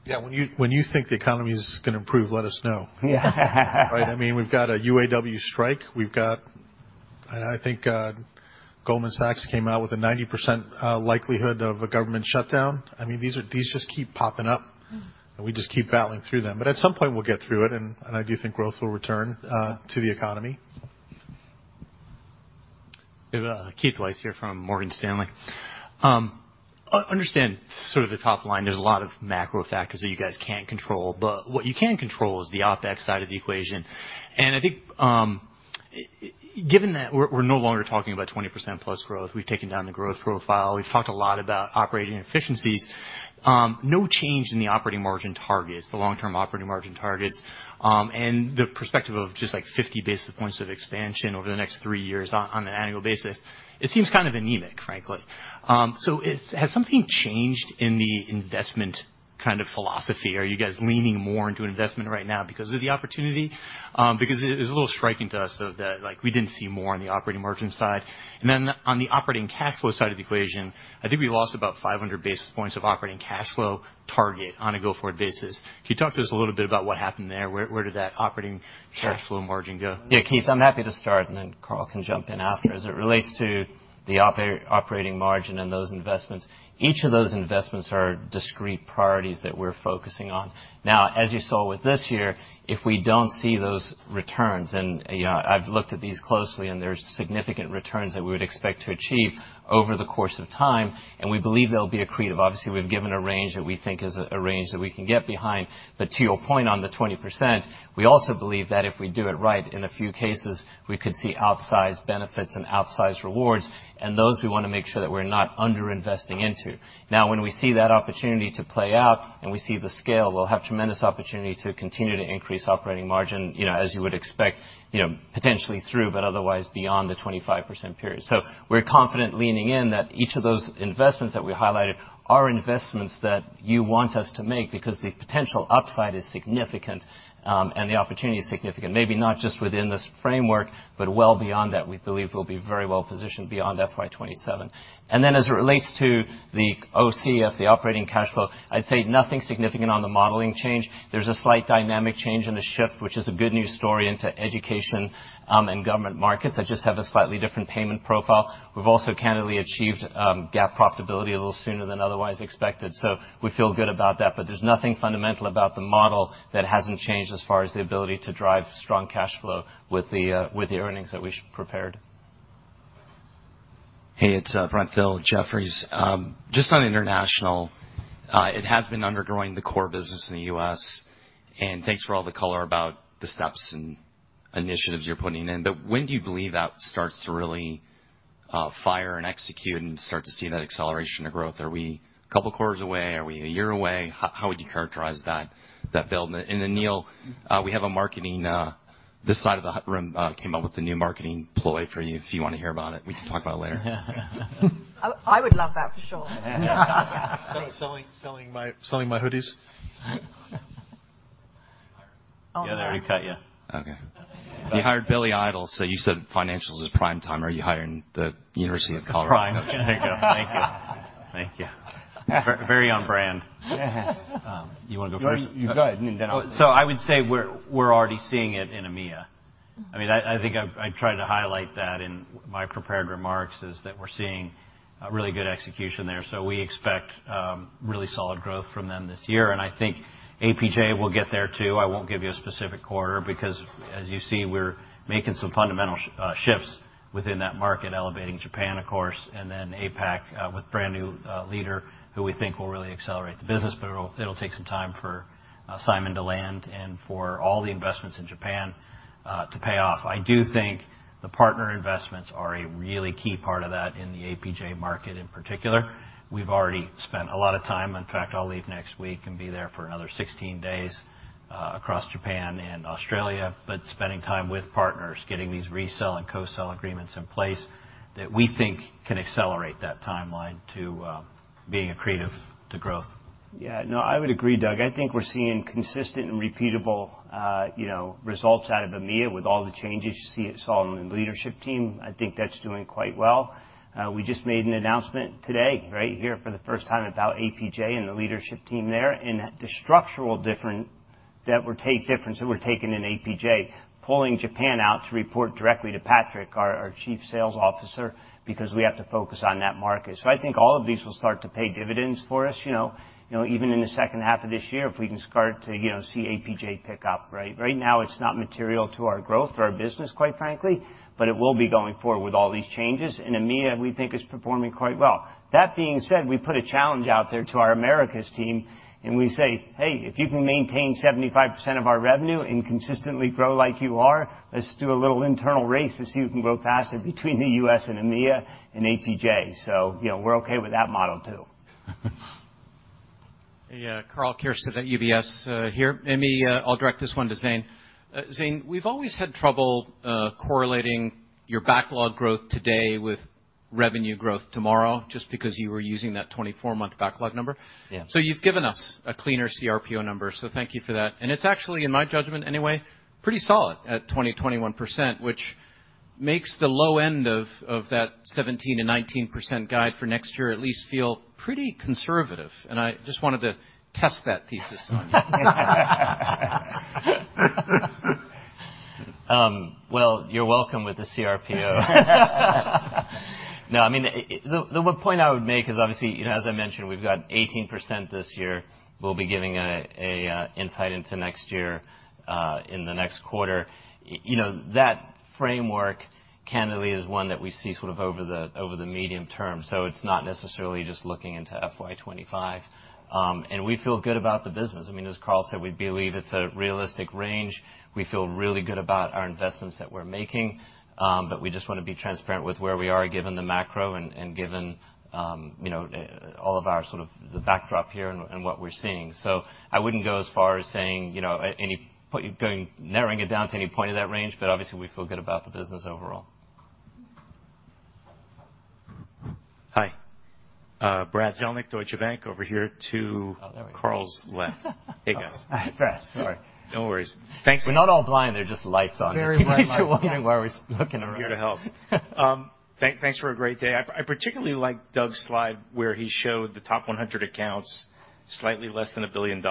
[SPEAKER 4] Yeah, when you think the economy is going to improve, let us know. Right? I mean, we've got a UAW strike. We've got, I think, Goldman Sachs came out with a 90% likelihood of a government shutdown. I mean, these just keep popping up, and we just keep battling through them. But at some point, we'll get through it, and I do think growth will return to the economy.
[SPEAKER 17] We have Keith Weiss here from Morgan Stanley. Understand sort of the top line, there's a lot of macro factors that you guys can't control, but what you can control is the OpEx side of the equation. I think, given that we're no longer talking about 20% plus growth, we've taken down the growth profile. We've talked a lot about operating efficiencies. No change in the operating margin targets, the long-term operating margin targets, and the perspective of just, like, 50 basis points of expansion over the next 3 years on an annual basis. It seems kind of anemic, frankly. So, has something changed in the investment kind of philosophy? Are you guys leaning more into investment right now because of the opportunity? Because it, it's a little striking to us, so that, like, we didn't see more on the operating margin side. Then on the operating cash flow side of the equation, I think we lost about 500 basis points of operating cash flow target on a go-forward basis. Can you talk to us a little bit about what happened there? Where, where did that operating cash flow margin go?
[SPEAKER 10] Yeah, Keith, I'm happy to start, and then Carl can jump in after. As it relates to the operating margin and those investments, each of those investments are discrete priorities that we're focusing on. Now, as you saw with this year, if we don't see those returns, and, you know, I've looked at these closely, and there's significant returns that we would expect to achieve over the course of time, and we believe they'll be accretive. Obviously, we've given a range that we think is a range that we can get behind. But to your point on the 20%, we also believe that if we do it right, in a few cases, we could see outsized benefits and outsized rewards, and those we want to make sure that we're not under-investing into. Now, when we see that opportunity to play out and we see the scale, we'll have tremendous opportunity to continue to increase operating margin, you know, as you would expect, you know, potentially through, but otherwise beyond the 25% period. So we're confident leaning in that each of those investments that we highlighted are investments that you want us to make because the potential upside is significant, and the opportunity is significant. Maybe not just within this framework, but well beyond that, we believe we'll be very well positioned beyond FY 2027. And then, as it relates to the OCF, the operating cash flow, I'd say nothing significant on the modeling change. There's a slight dynamic change in the shift, which is a good news story, into education, and government markets that just have a slightly different payment profile. We've also candidly achieved GAAP profitability a little sooner than otherwise expected, so we feel good about that. But there's nothing fundamental about the model that hasn't changed as far as the ability to drive strong cash flow with the earnings that we prepared.
[SPEAKER 18] Hey, it's Brent Thill, Jefferies. Just on International, it has been undergrowing the core business in the US, and thanks for all the color about the steps and initiatives you're putting in. But when do you believe that starts to really fire and execute and start to see that acceleration of growth? Are we a couple quarters away? Are we a year away? How would you characterize that build? And then, Neil, we have a marketing this side of the room came up with a new marketing ploy for you. If you want to hear about it, we can talk about it later.
[SPEAKER 4] I would love that, for sure. Selling my hoodies?
[SPEAKER 17] Yeah, they already cut you.
[SPEAKER 18] Okay.
[SPEAKER 9] You hired Billy Idol, so you said Financials is prime time. Are you hiring the University of Colorado? Prime. There you go. Thank you. Thank you. Very on brand.
[SPEAKER 10] You want to go first?
[SPEAKER 4] You go ahead, and then I'll-
[SPEAKER 9] So I would say we're already seeing it in EMEA. I mean, I think I tried to highlight that in my prepared remarks, is that we're seeing a really good execution there. So we expect really solid growth from them this year, and I think APJ will get there, too. I won't give you a specific quarter because, as you see, we're making some fundamental shifts within that market, elevating Japan, of course, and then APAC with brand-new leader, who we think will really accelerate the business, but it'll take some time for Simon to land and for all the investments in Japan to pay off. I do think the partner investments are a really key part of that in the APJ market in particular. We've already spent a lot of time. In fact, I'll leave next week and be there for another 16 days across Japan and Australia, but spending time with partners, getting these resell and co-sell agreements in place that we think can accelerate that timeline to being accretive to growth.
[SPEAKER 10] Yeah. No, I would agree, Doug. I think we're seeing consistent and repeatable, you know, results out of EMEA with all the changes, see it solid in the leadership team. I think that's doing quite well. We just made an announcement today, right here for the first time, about APJ and the leadership team there, and the structural difference that we're taking in APJ, pulling Japan out to report directly to Patrick, our Chief Sales Officer, because we have to focus on that market. So I think all of these will start to pay dividends for us, you know, you know, even in the second half of this year, if we can start to see APJ pick up, right? Right now, it's not material to our growth or our business, quite frankly, but it will be going forward with all these changes, and EMEA, we think, is performing quite well. That being said, we put a challenge out there to our Americas team, and we say, "Hey, if you can maintain 75% of our revenue and consistently grow like you are, let's do a little internal race to see who can grow faster between the US and EMEA and APJ." So, you know, we're okay with that model, too.
[SPEAKER 19] Hey, Karl Keirstead at UBS, here. Maybe, I'll direct this one to Zane. Zane, we've always had trouble correlating your backlog growth today with revenue growth tomorrow, just because you were using that 24-month backlog number.
[SPEAKER 4] Yeah.
[SPEAKER 19] So you've given us a cleaner cRPO number, so thank you for that. And it's actually, in my judgment anyway, pretty solid at 20%-21%, which-
[SPEAKER 4] Makes the low end of that 17%-19% guide for next year at least feel pretty conservative, and I just wanted to test that thesis on you.
[SPEAKER 10] Well, you're welcome with the cRPO. No, I mean, the point I would make is, obviously, you know, as I mentioned, we've got 18% this year. We'll be giving an insight into next year in the next quarter. You know, that framework, candidly, is one that we see sort of over the medium term, so it's not necessarily just looking into FY 2025. And we feel good about the business. I mean, as Carl said, we believe it's a realistic range. We feel really good about our investments that we're making, but we just wanna be transparent with where we are, given the macro and given, you know, all of our sort of the backdrop here and what we're seeing. I wouldn't go as far as saying, you know, narrowing it down to any point in that range, but obviously, we feel good about the business overall.
[SPEAKER 20] Hi, Brad Zelnick, Deutsche Bank, over here to-
[SPEAKER 10] Oh, there we go.
[SPEAKER 20] Carl's left. Hey, guys.
[SPEAKER 10] Hi, Brad. Sorry.
[SPEAKER 20] No worries. Thanks-
[SPEAKER 10] We're not all blind, there are just lights on.
[SPEAKER 4] Very bright lights.
[SPEAKER 10] In case you're wondering why we're looking around.
[SPEAKER 20] I'm here to help. Thanks for a great day. I particularly liked Doug's slide, where he showed the top 100 accounts, slightly less than $1 billion,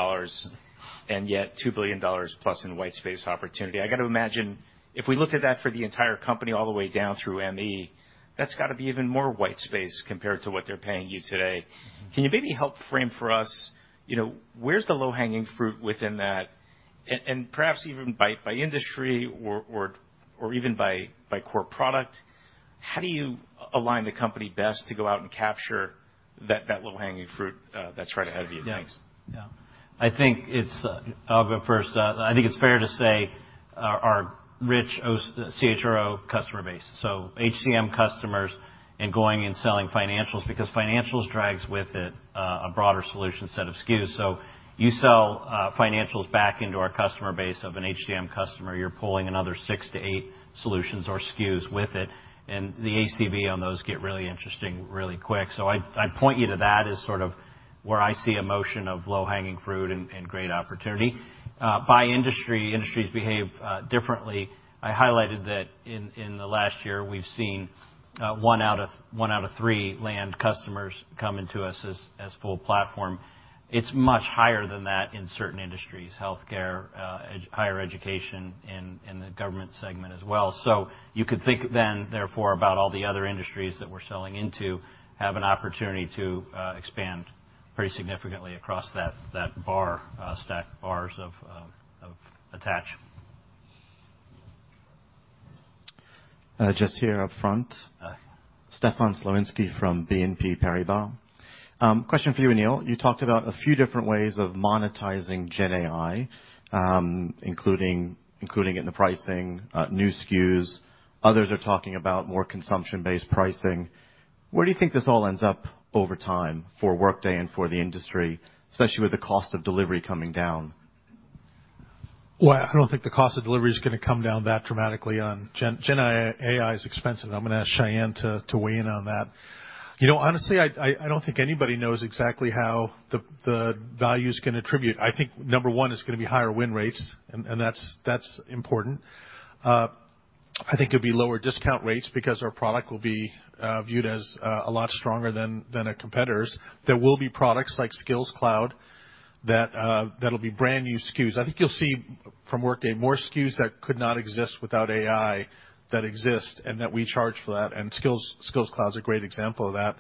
[SPEAKER 20] and yet $2 billion plus in white space opportunity. I gotta imagine if we looked at that for the entire company all the way down through ME, that's gotta be even more white space compared to what they're paying you today. Can you maybe help frame for us, you know, where's the low-hanging fruit within that? And perhaps even by industry or even by core product, how do you align the company best to go out and capture that low-hanging fruit that's right ahead of you?
[SPEAKER 10] Yeah.
[SPEAKER 20] Thanks.
[SPEAKER 10] Yeah. I think I'll go first. I think it's fair to say our rich OCHRO customer base, so HCM customers and going and selling Financials because Financials drags with it a broader solution set of SKUs. So you sell Financials back into our customer base of an HCM customer, you're pulling another 6-8 solutions or SKUs with it, and the ACV on those get really interesting, really quick. So I'd point you to that as sort of where I see a motion of low-hanging fruit and great opportunity. By industry, industries behave differently. I highlighted that in the last year, we've seen 1 out of 3 land customers come into us as full platform. It's much higher than that in certain industries: healthcare, higher education, and the government segment as well. So you could think then, therefore, about all the other industries that we're selling into have an opportunity to expand pretty significantly across that bar stack bars of attach.
[SPEAKER 21] Just here up front.
[SPEAKER 10] Hi.
[SPEAKER 21] Stefan Slowinski from BNP Paribas. Question for you, Aneel. You talked about a few different ways of monetizing GenAI, including in the pricing, new SKUs. Others are talking about more consumption-based pricing. Where do you think this all ends up over time for Workday and for the industry, especially with the cost of delivery coming down?
[SPEAKER 4] Well, I don't think the cost of delivery is gonna come down that dramatically on GenAI. GenAI is expensive, and I'm gonna ask Sayan to weigh in on that. You know, honestly, I don't think anybody knows exactly how the values can attribute. I think number one, it's gonna be higher win rates, and that's important. I think it'll be lower discount rates because our product will be viewed as a lot stronger than our competitors. There will be products like Skills Cloud that'll be brand-new SKUs. I think you'll see from Workday more SKUs that could not exist without AI, that exist and that we charge for that, and Skills Cloud is a great example of that.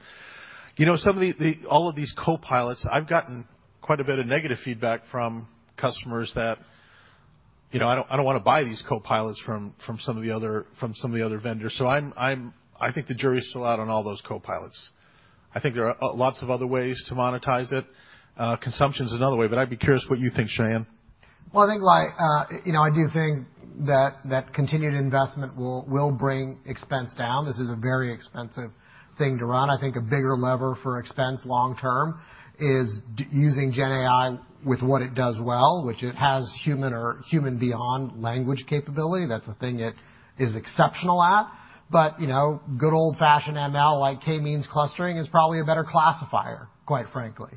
[SPEAKER 4] You know, some of the... All of these copilots, I've gotten quite a bit of negative feedback from customers that, "You know, I don't, I don't wanna buy these copilots from, from some of the other, from some of the other vendors." So, I think the jury is still out on all those copilots. I think there are lots of other ways to monetize it. Consumption's another way, but I'd be curious what you think, Sayan.
[SPEAKER 5] Well, I think, like, you know, I do think that continued investment will bring expense down. This is a very expensive thing to run. I think a bigger lever for expense long term is using GenAI with what it does well, which it has human or human beyond language capability. That's a thing it is exceptional at, but, you know, good old-fashioned ML, like K-means clustering, is probably a better classifier, quite frankly.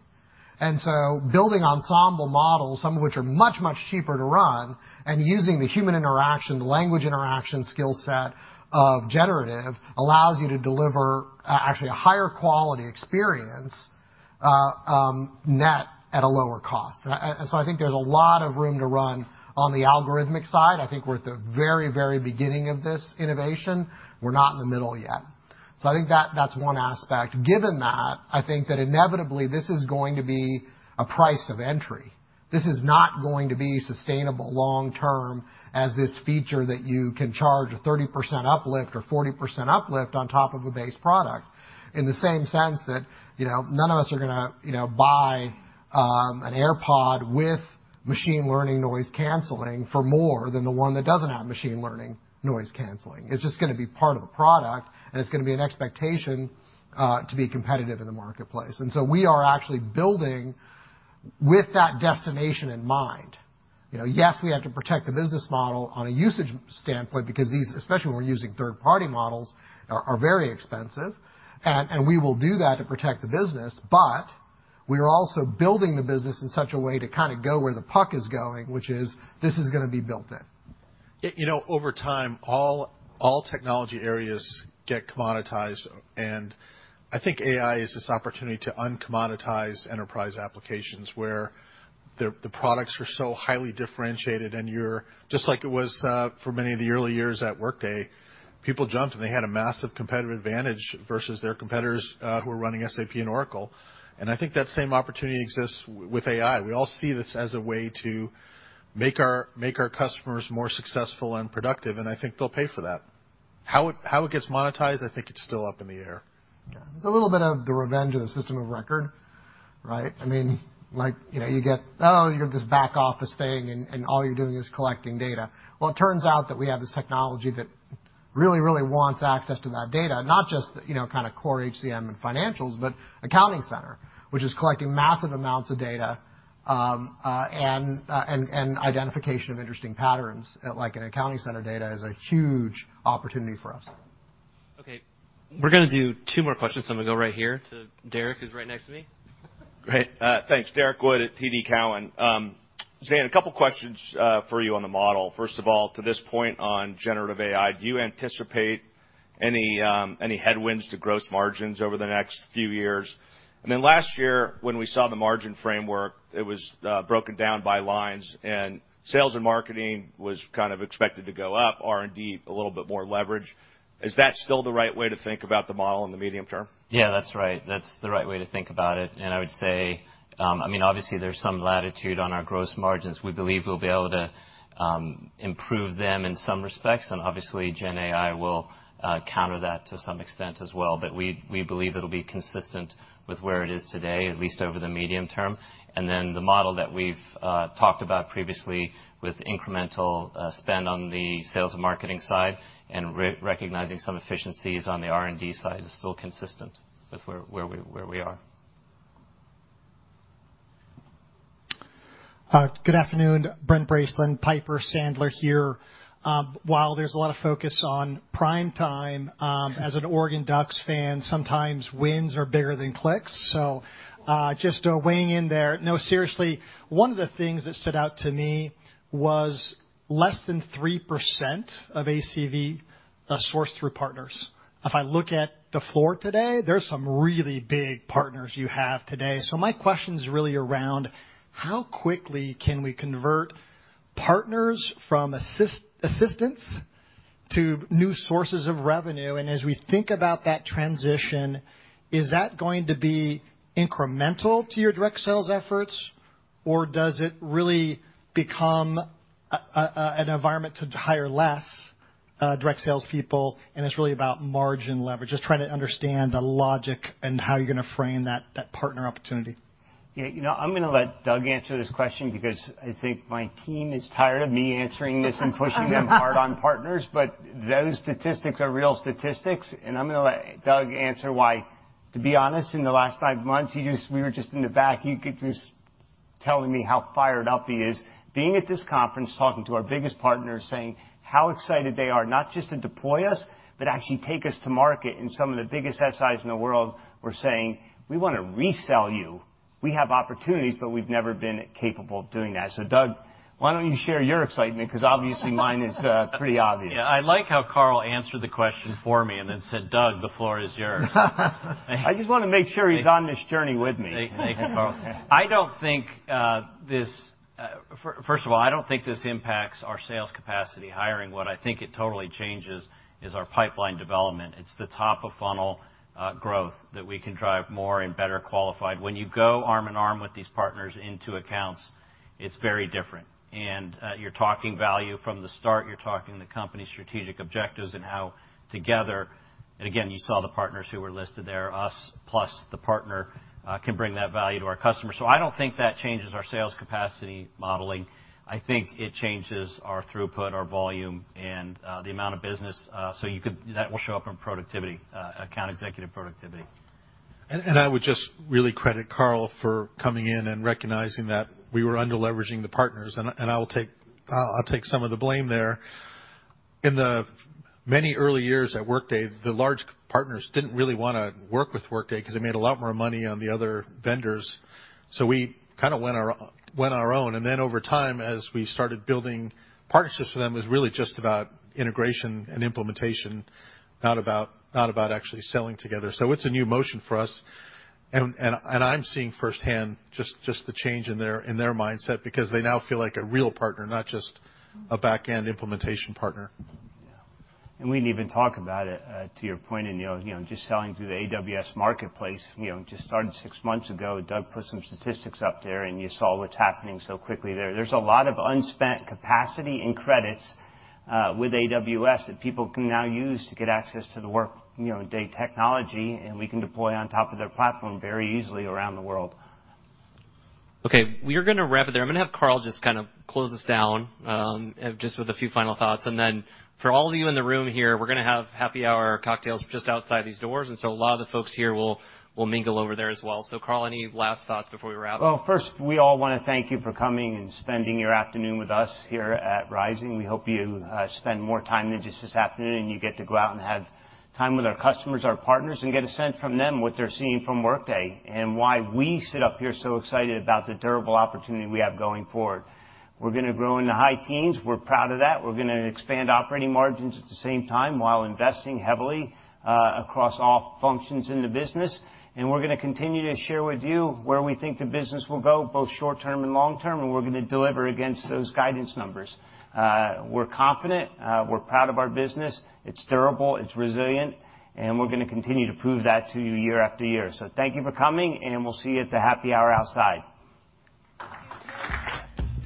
[SPEAKER 5] And so building ensemble models, some of which are much, much cheaper to run, and using the human interaction, the language interaction skill set of generative, allows you to deliver, actually a higher quality experience, net at a lower cost. And so I think there's a lot of room to run on the algorithmic side. I think we're at the very, very beginning of this innovation. We're not in the middle yet. So I think that, that's one aspect. Given that, I think that inevitably, this is going to be a price of entry. This is not going to be sustainable long term as this feature that you can charge a 30% uplift or 40% uplift on top of a base product. In the same sense that, you know, none of us are gonna, you know, buy an AirPod with machine learning noise-canceling for more than the one that doesn't have machine learning noise-canceling. It's just gonna be part of the product, and it's gonna be an expectation to be competitive in the marketplace. And so we are actually building with that destination in mind. You know, yes, we have to protect the business model on a usage standpoint because these, especially when we're using third-party models, are very expensive. And we will do that to protect the business, but-
[SPEAKER 1] We are also building the business in such a way to kind of go where the puck is going, which is, this is gonna be built in.
[SPEAKER 4] You know, over time, all technology areas get commoditized, and I think AI is this opportunity to un-commoditize enterprise applications, where the products are so highly differentiated, and you're just like it was for many of the early years at Workday, people jumped, and they had a massive competitive advantage versus their competitors who were running SAP and Oracle. And I think that same opportunity exists with AI. We all see this as a way to make our customers more successful and productive, and I think they'll pay for that. How it gets monetized, I think it's still up in the air.
[SPEAKER 1] Yeah. A little bit of the revenge of the system of record, right? I mean, like, you know, you get, "Oh, you're this back office thing, and all you're doing is collecting data." Well, it turns out that we have this technology that really, really wants access to that data, not just, you know, kind of core HCM and Financials, but Accounting Center, which is collecting massive amounts of data, and identification of interesting patterns, like in Accounting Center data, is a huge opportunity for us.
[SPEAKER 2] Okay, we're gonna do two more questions, so I'm gonna go right here to Derek, who's right next to me.
[SPEAKER 22] Great. Thanks, Derek Wood at TD Cowen. Zane, a couple questions for you on the model. First of all, to this point on generative AI, do you anticipate any headwinds to gross margins over the next few years? And then last year, when we saw the margin framework, it was broken down by lines, and sales and marketing was kind of expected to go up, R&D, a little bit more leverage. Is that still the right way to think about the model in the medium term?
[SPEAKER 10] Yeah, that's right. That's the right way to think about it, and I would say, I mean, obviously, there's some latitude on our gross margins. We believe we'll be able to improve them in some respects, and obviously, Gen AI will counter that to some extent as well. But we, we believe it'll be consistent with where it is today, at least over the medium term. And then the model that we've talked about previously with incremental spend on the sales and marketing side, and re-recognizing some efficiencies on the R&D side is still consistent with where, where we, where we are.
[SPEAKER 4] Good afternoon, Brent Bracelin, Piper Sandler here. While there's a lot of focus on prime time, as an Oregon Ducks fan, sometimes wins are bigger than clicks, so, just weighing in there. No, seriously, one of the things that stood out to me was less than 3% of ACV sourced through partners. If I look at the floor today, there's some really big partners you have today. So my question's really around: How quickly can we convert partners from assistance to new sources of revenue? And as we think about that transition, is that going to be incremental to your direct sales efforts, or does it really become a, an environment to hire less direct salespeople, and it's really about margin leverage? Just trying to understand the logic and how you're gonna frame that partner opportunity.
[SPEAKER 1] Yeah, you know, I'm gonna let Doug answer this question because I think my team is tired of me answering this and pushing them hard on partners, but those statistics are real statistics, and I'm gonna let Doug answer why. To be honest, in the last five months, we were just in the back, he kept just telling me how fired up he is. Being at this conference, talking to our biggest partners, saying how excited they are, not just to deploy us, but actually take us to market, and some of the biggest SIs in the world were saying: "We wanna resell you. We have opportunities, but we've never been capable of doing that." So, Doug, why don't you share your excitement? 'Cause obviously, mine is pretty obvious.
[SPEAKER 9] Yeah, I like how Carl answered the question for me and then said, "Doug, the floor is yours.
[SPEAKER 1] I just want to make sure he's on this journey with me.
[SPEAKER 9] Thank you, Carl. I don't think first of all, I don't think this impacts our sales capacity hiring. What I think it totally changes is our pipeline development. It's the top-of-funnel growth that we can drive more and better qualified. When you go arm in arm with these partners into accounts, it's very different. And, you're talking value from the start, you're talking the company's strategic objectives and how together, and again, you saw the partners who were listed there, us plus the partner can bring that value to our customers. So I don't think that changes our sales capacity modeling. I think it changes our throughput, our volume, and the amount of business, that will show up in productivity, account executive productivity.
[SPEAKER 4] I would just really credit Carl for coming in and recognizing that we were under-leveraging the partners. I'll take some of the blame there. In the many early years at Workday, the large partners didn't really wanna work with Workday 'cause they made a lot more money on the other vendors, so we kind of went our own. Then, over time, as we started building partnerships with them, it was really just about integration and implementation, not about actually selling together. So it's a new motion for us, and I'm seeing firsthand the change in their mindset because they now feel like a real partner, not just a back-end implementation partner.
[SPEAKER 1] Yeah. We didn't even talk about it to your point, and you know, just selling through the AWS Marketplace, you know, just started six months ago. Doug put some statistics up there, and you saw what's happening so quickly there. There's a lot of unspent capacity and credits with AWS that people can now use to get access to the Workday technology, and we can deploy on top of their platform very easily around the world.
[SPEAKER 2] Okay, we are gonna wrap it there. I'm gonna have Carl just kind of close us down, just with a few final thoughts. And then for all of you in the room here, we're gonna have happy hour cocktails just outside these doors, and so a lot of the folks here will mingle over there as well. So, Carl, any last thoughts before we wrap?
[SPEAKER 1] Well, first, we all wanna thank you for coming and spending your afternoon with us here at Rising. We hope you spend more time than just this afternoon, and you get to go out and have time with our customers, our partners, and get a sense from them what they're seeing from Workday and why we sit up here so excited about the durable opportunity we have going forward. We're gonna grow in the high teens. We're proud of that. We're gonna expand operating margins at the same time, while investing heavily across all functions in the business, and we're gonna continue to share with you where we think the business will go, both short term and long term, and we're gonna deliver against those guidance numbers. We're confident, we're proud of our business. It's durable, it's resilient, and we're gonna continue to prove that to you year after year. So thank you for coming, and we'll see you at the happy hour outside.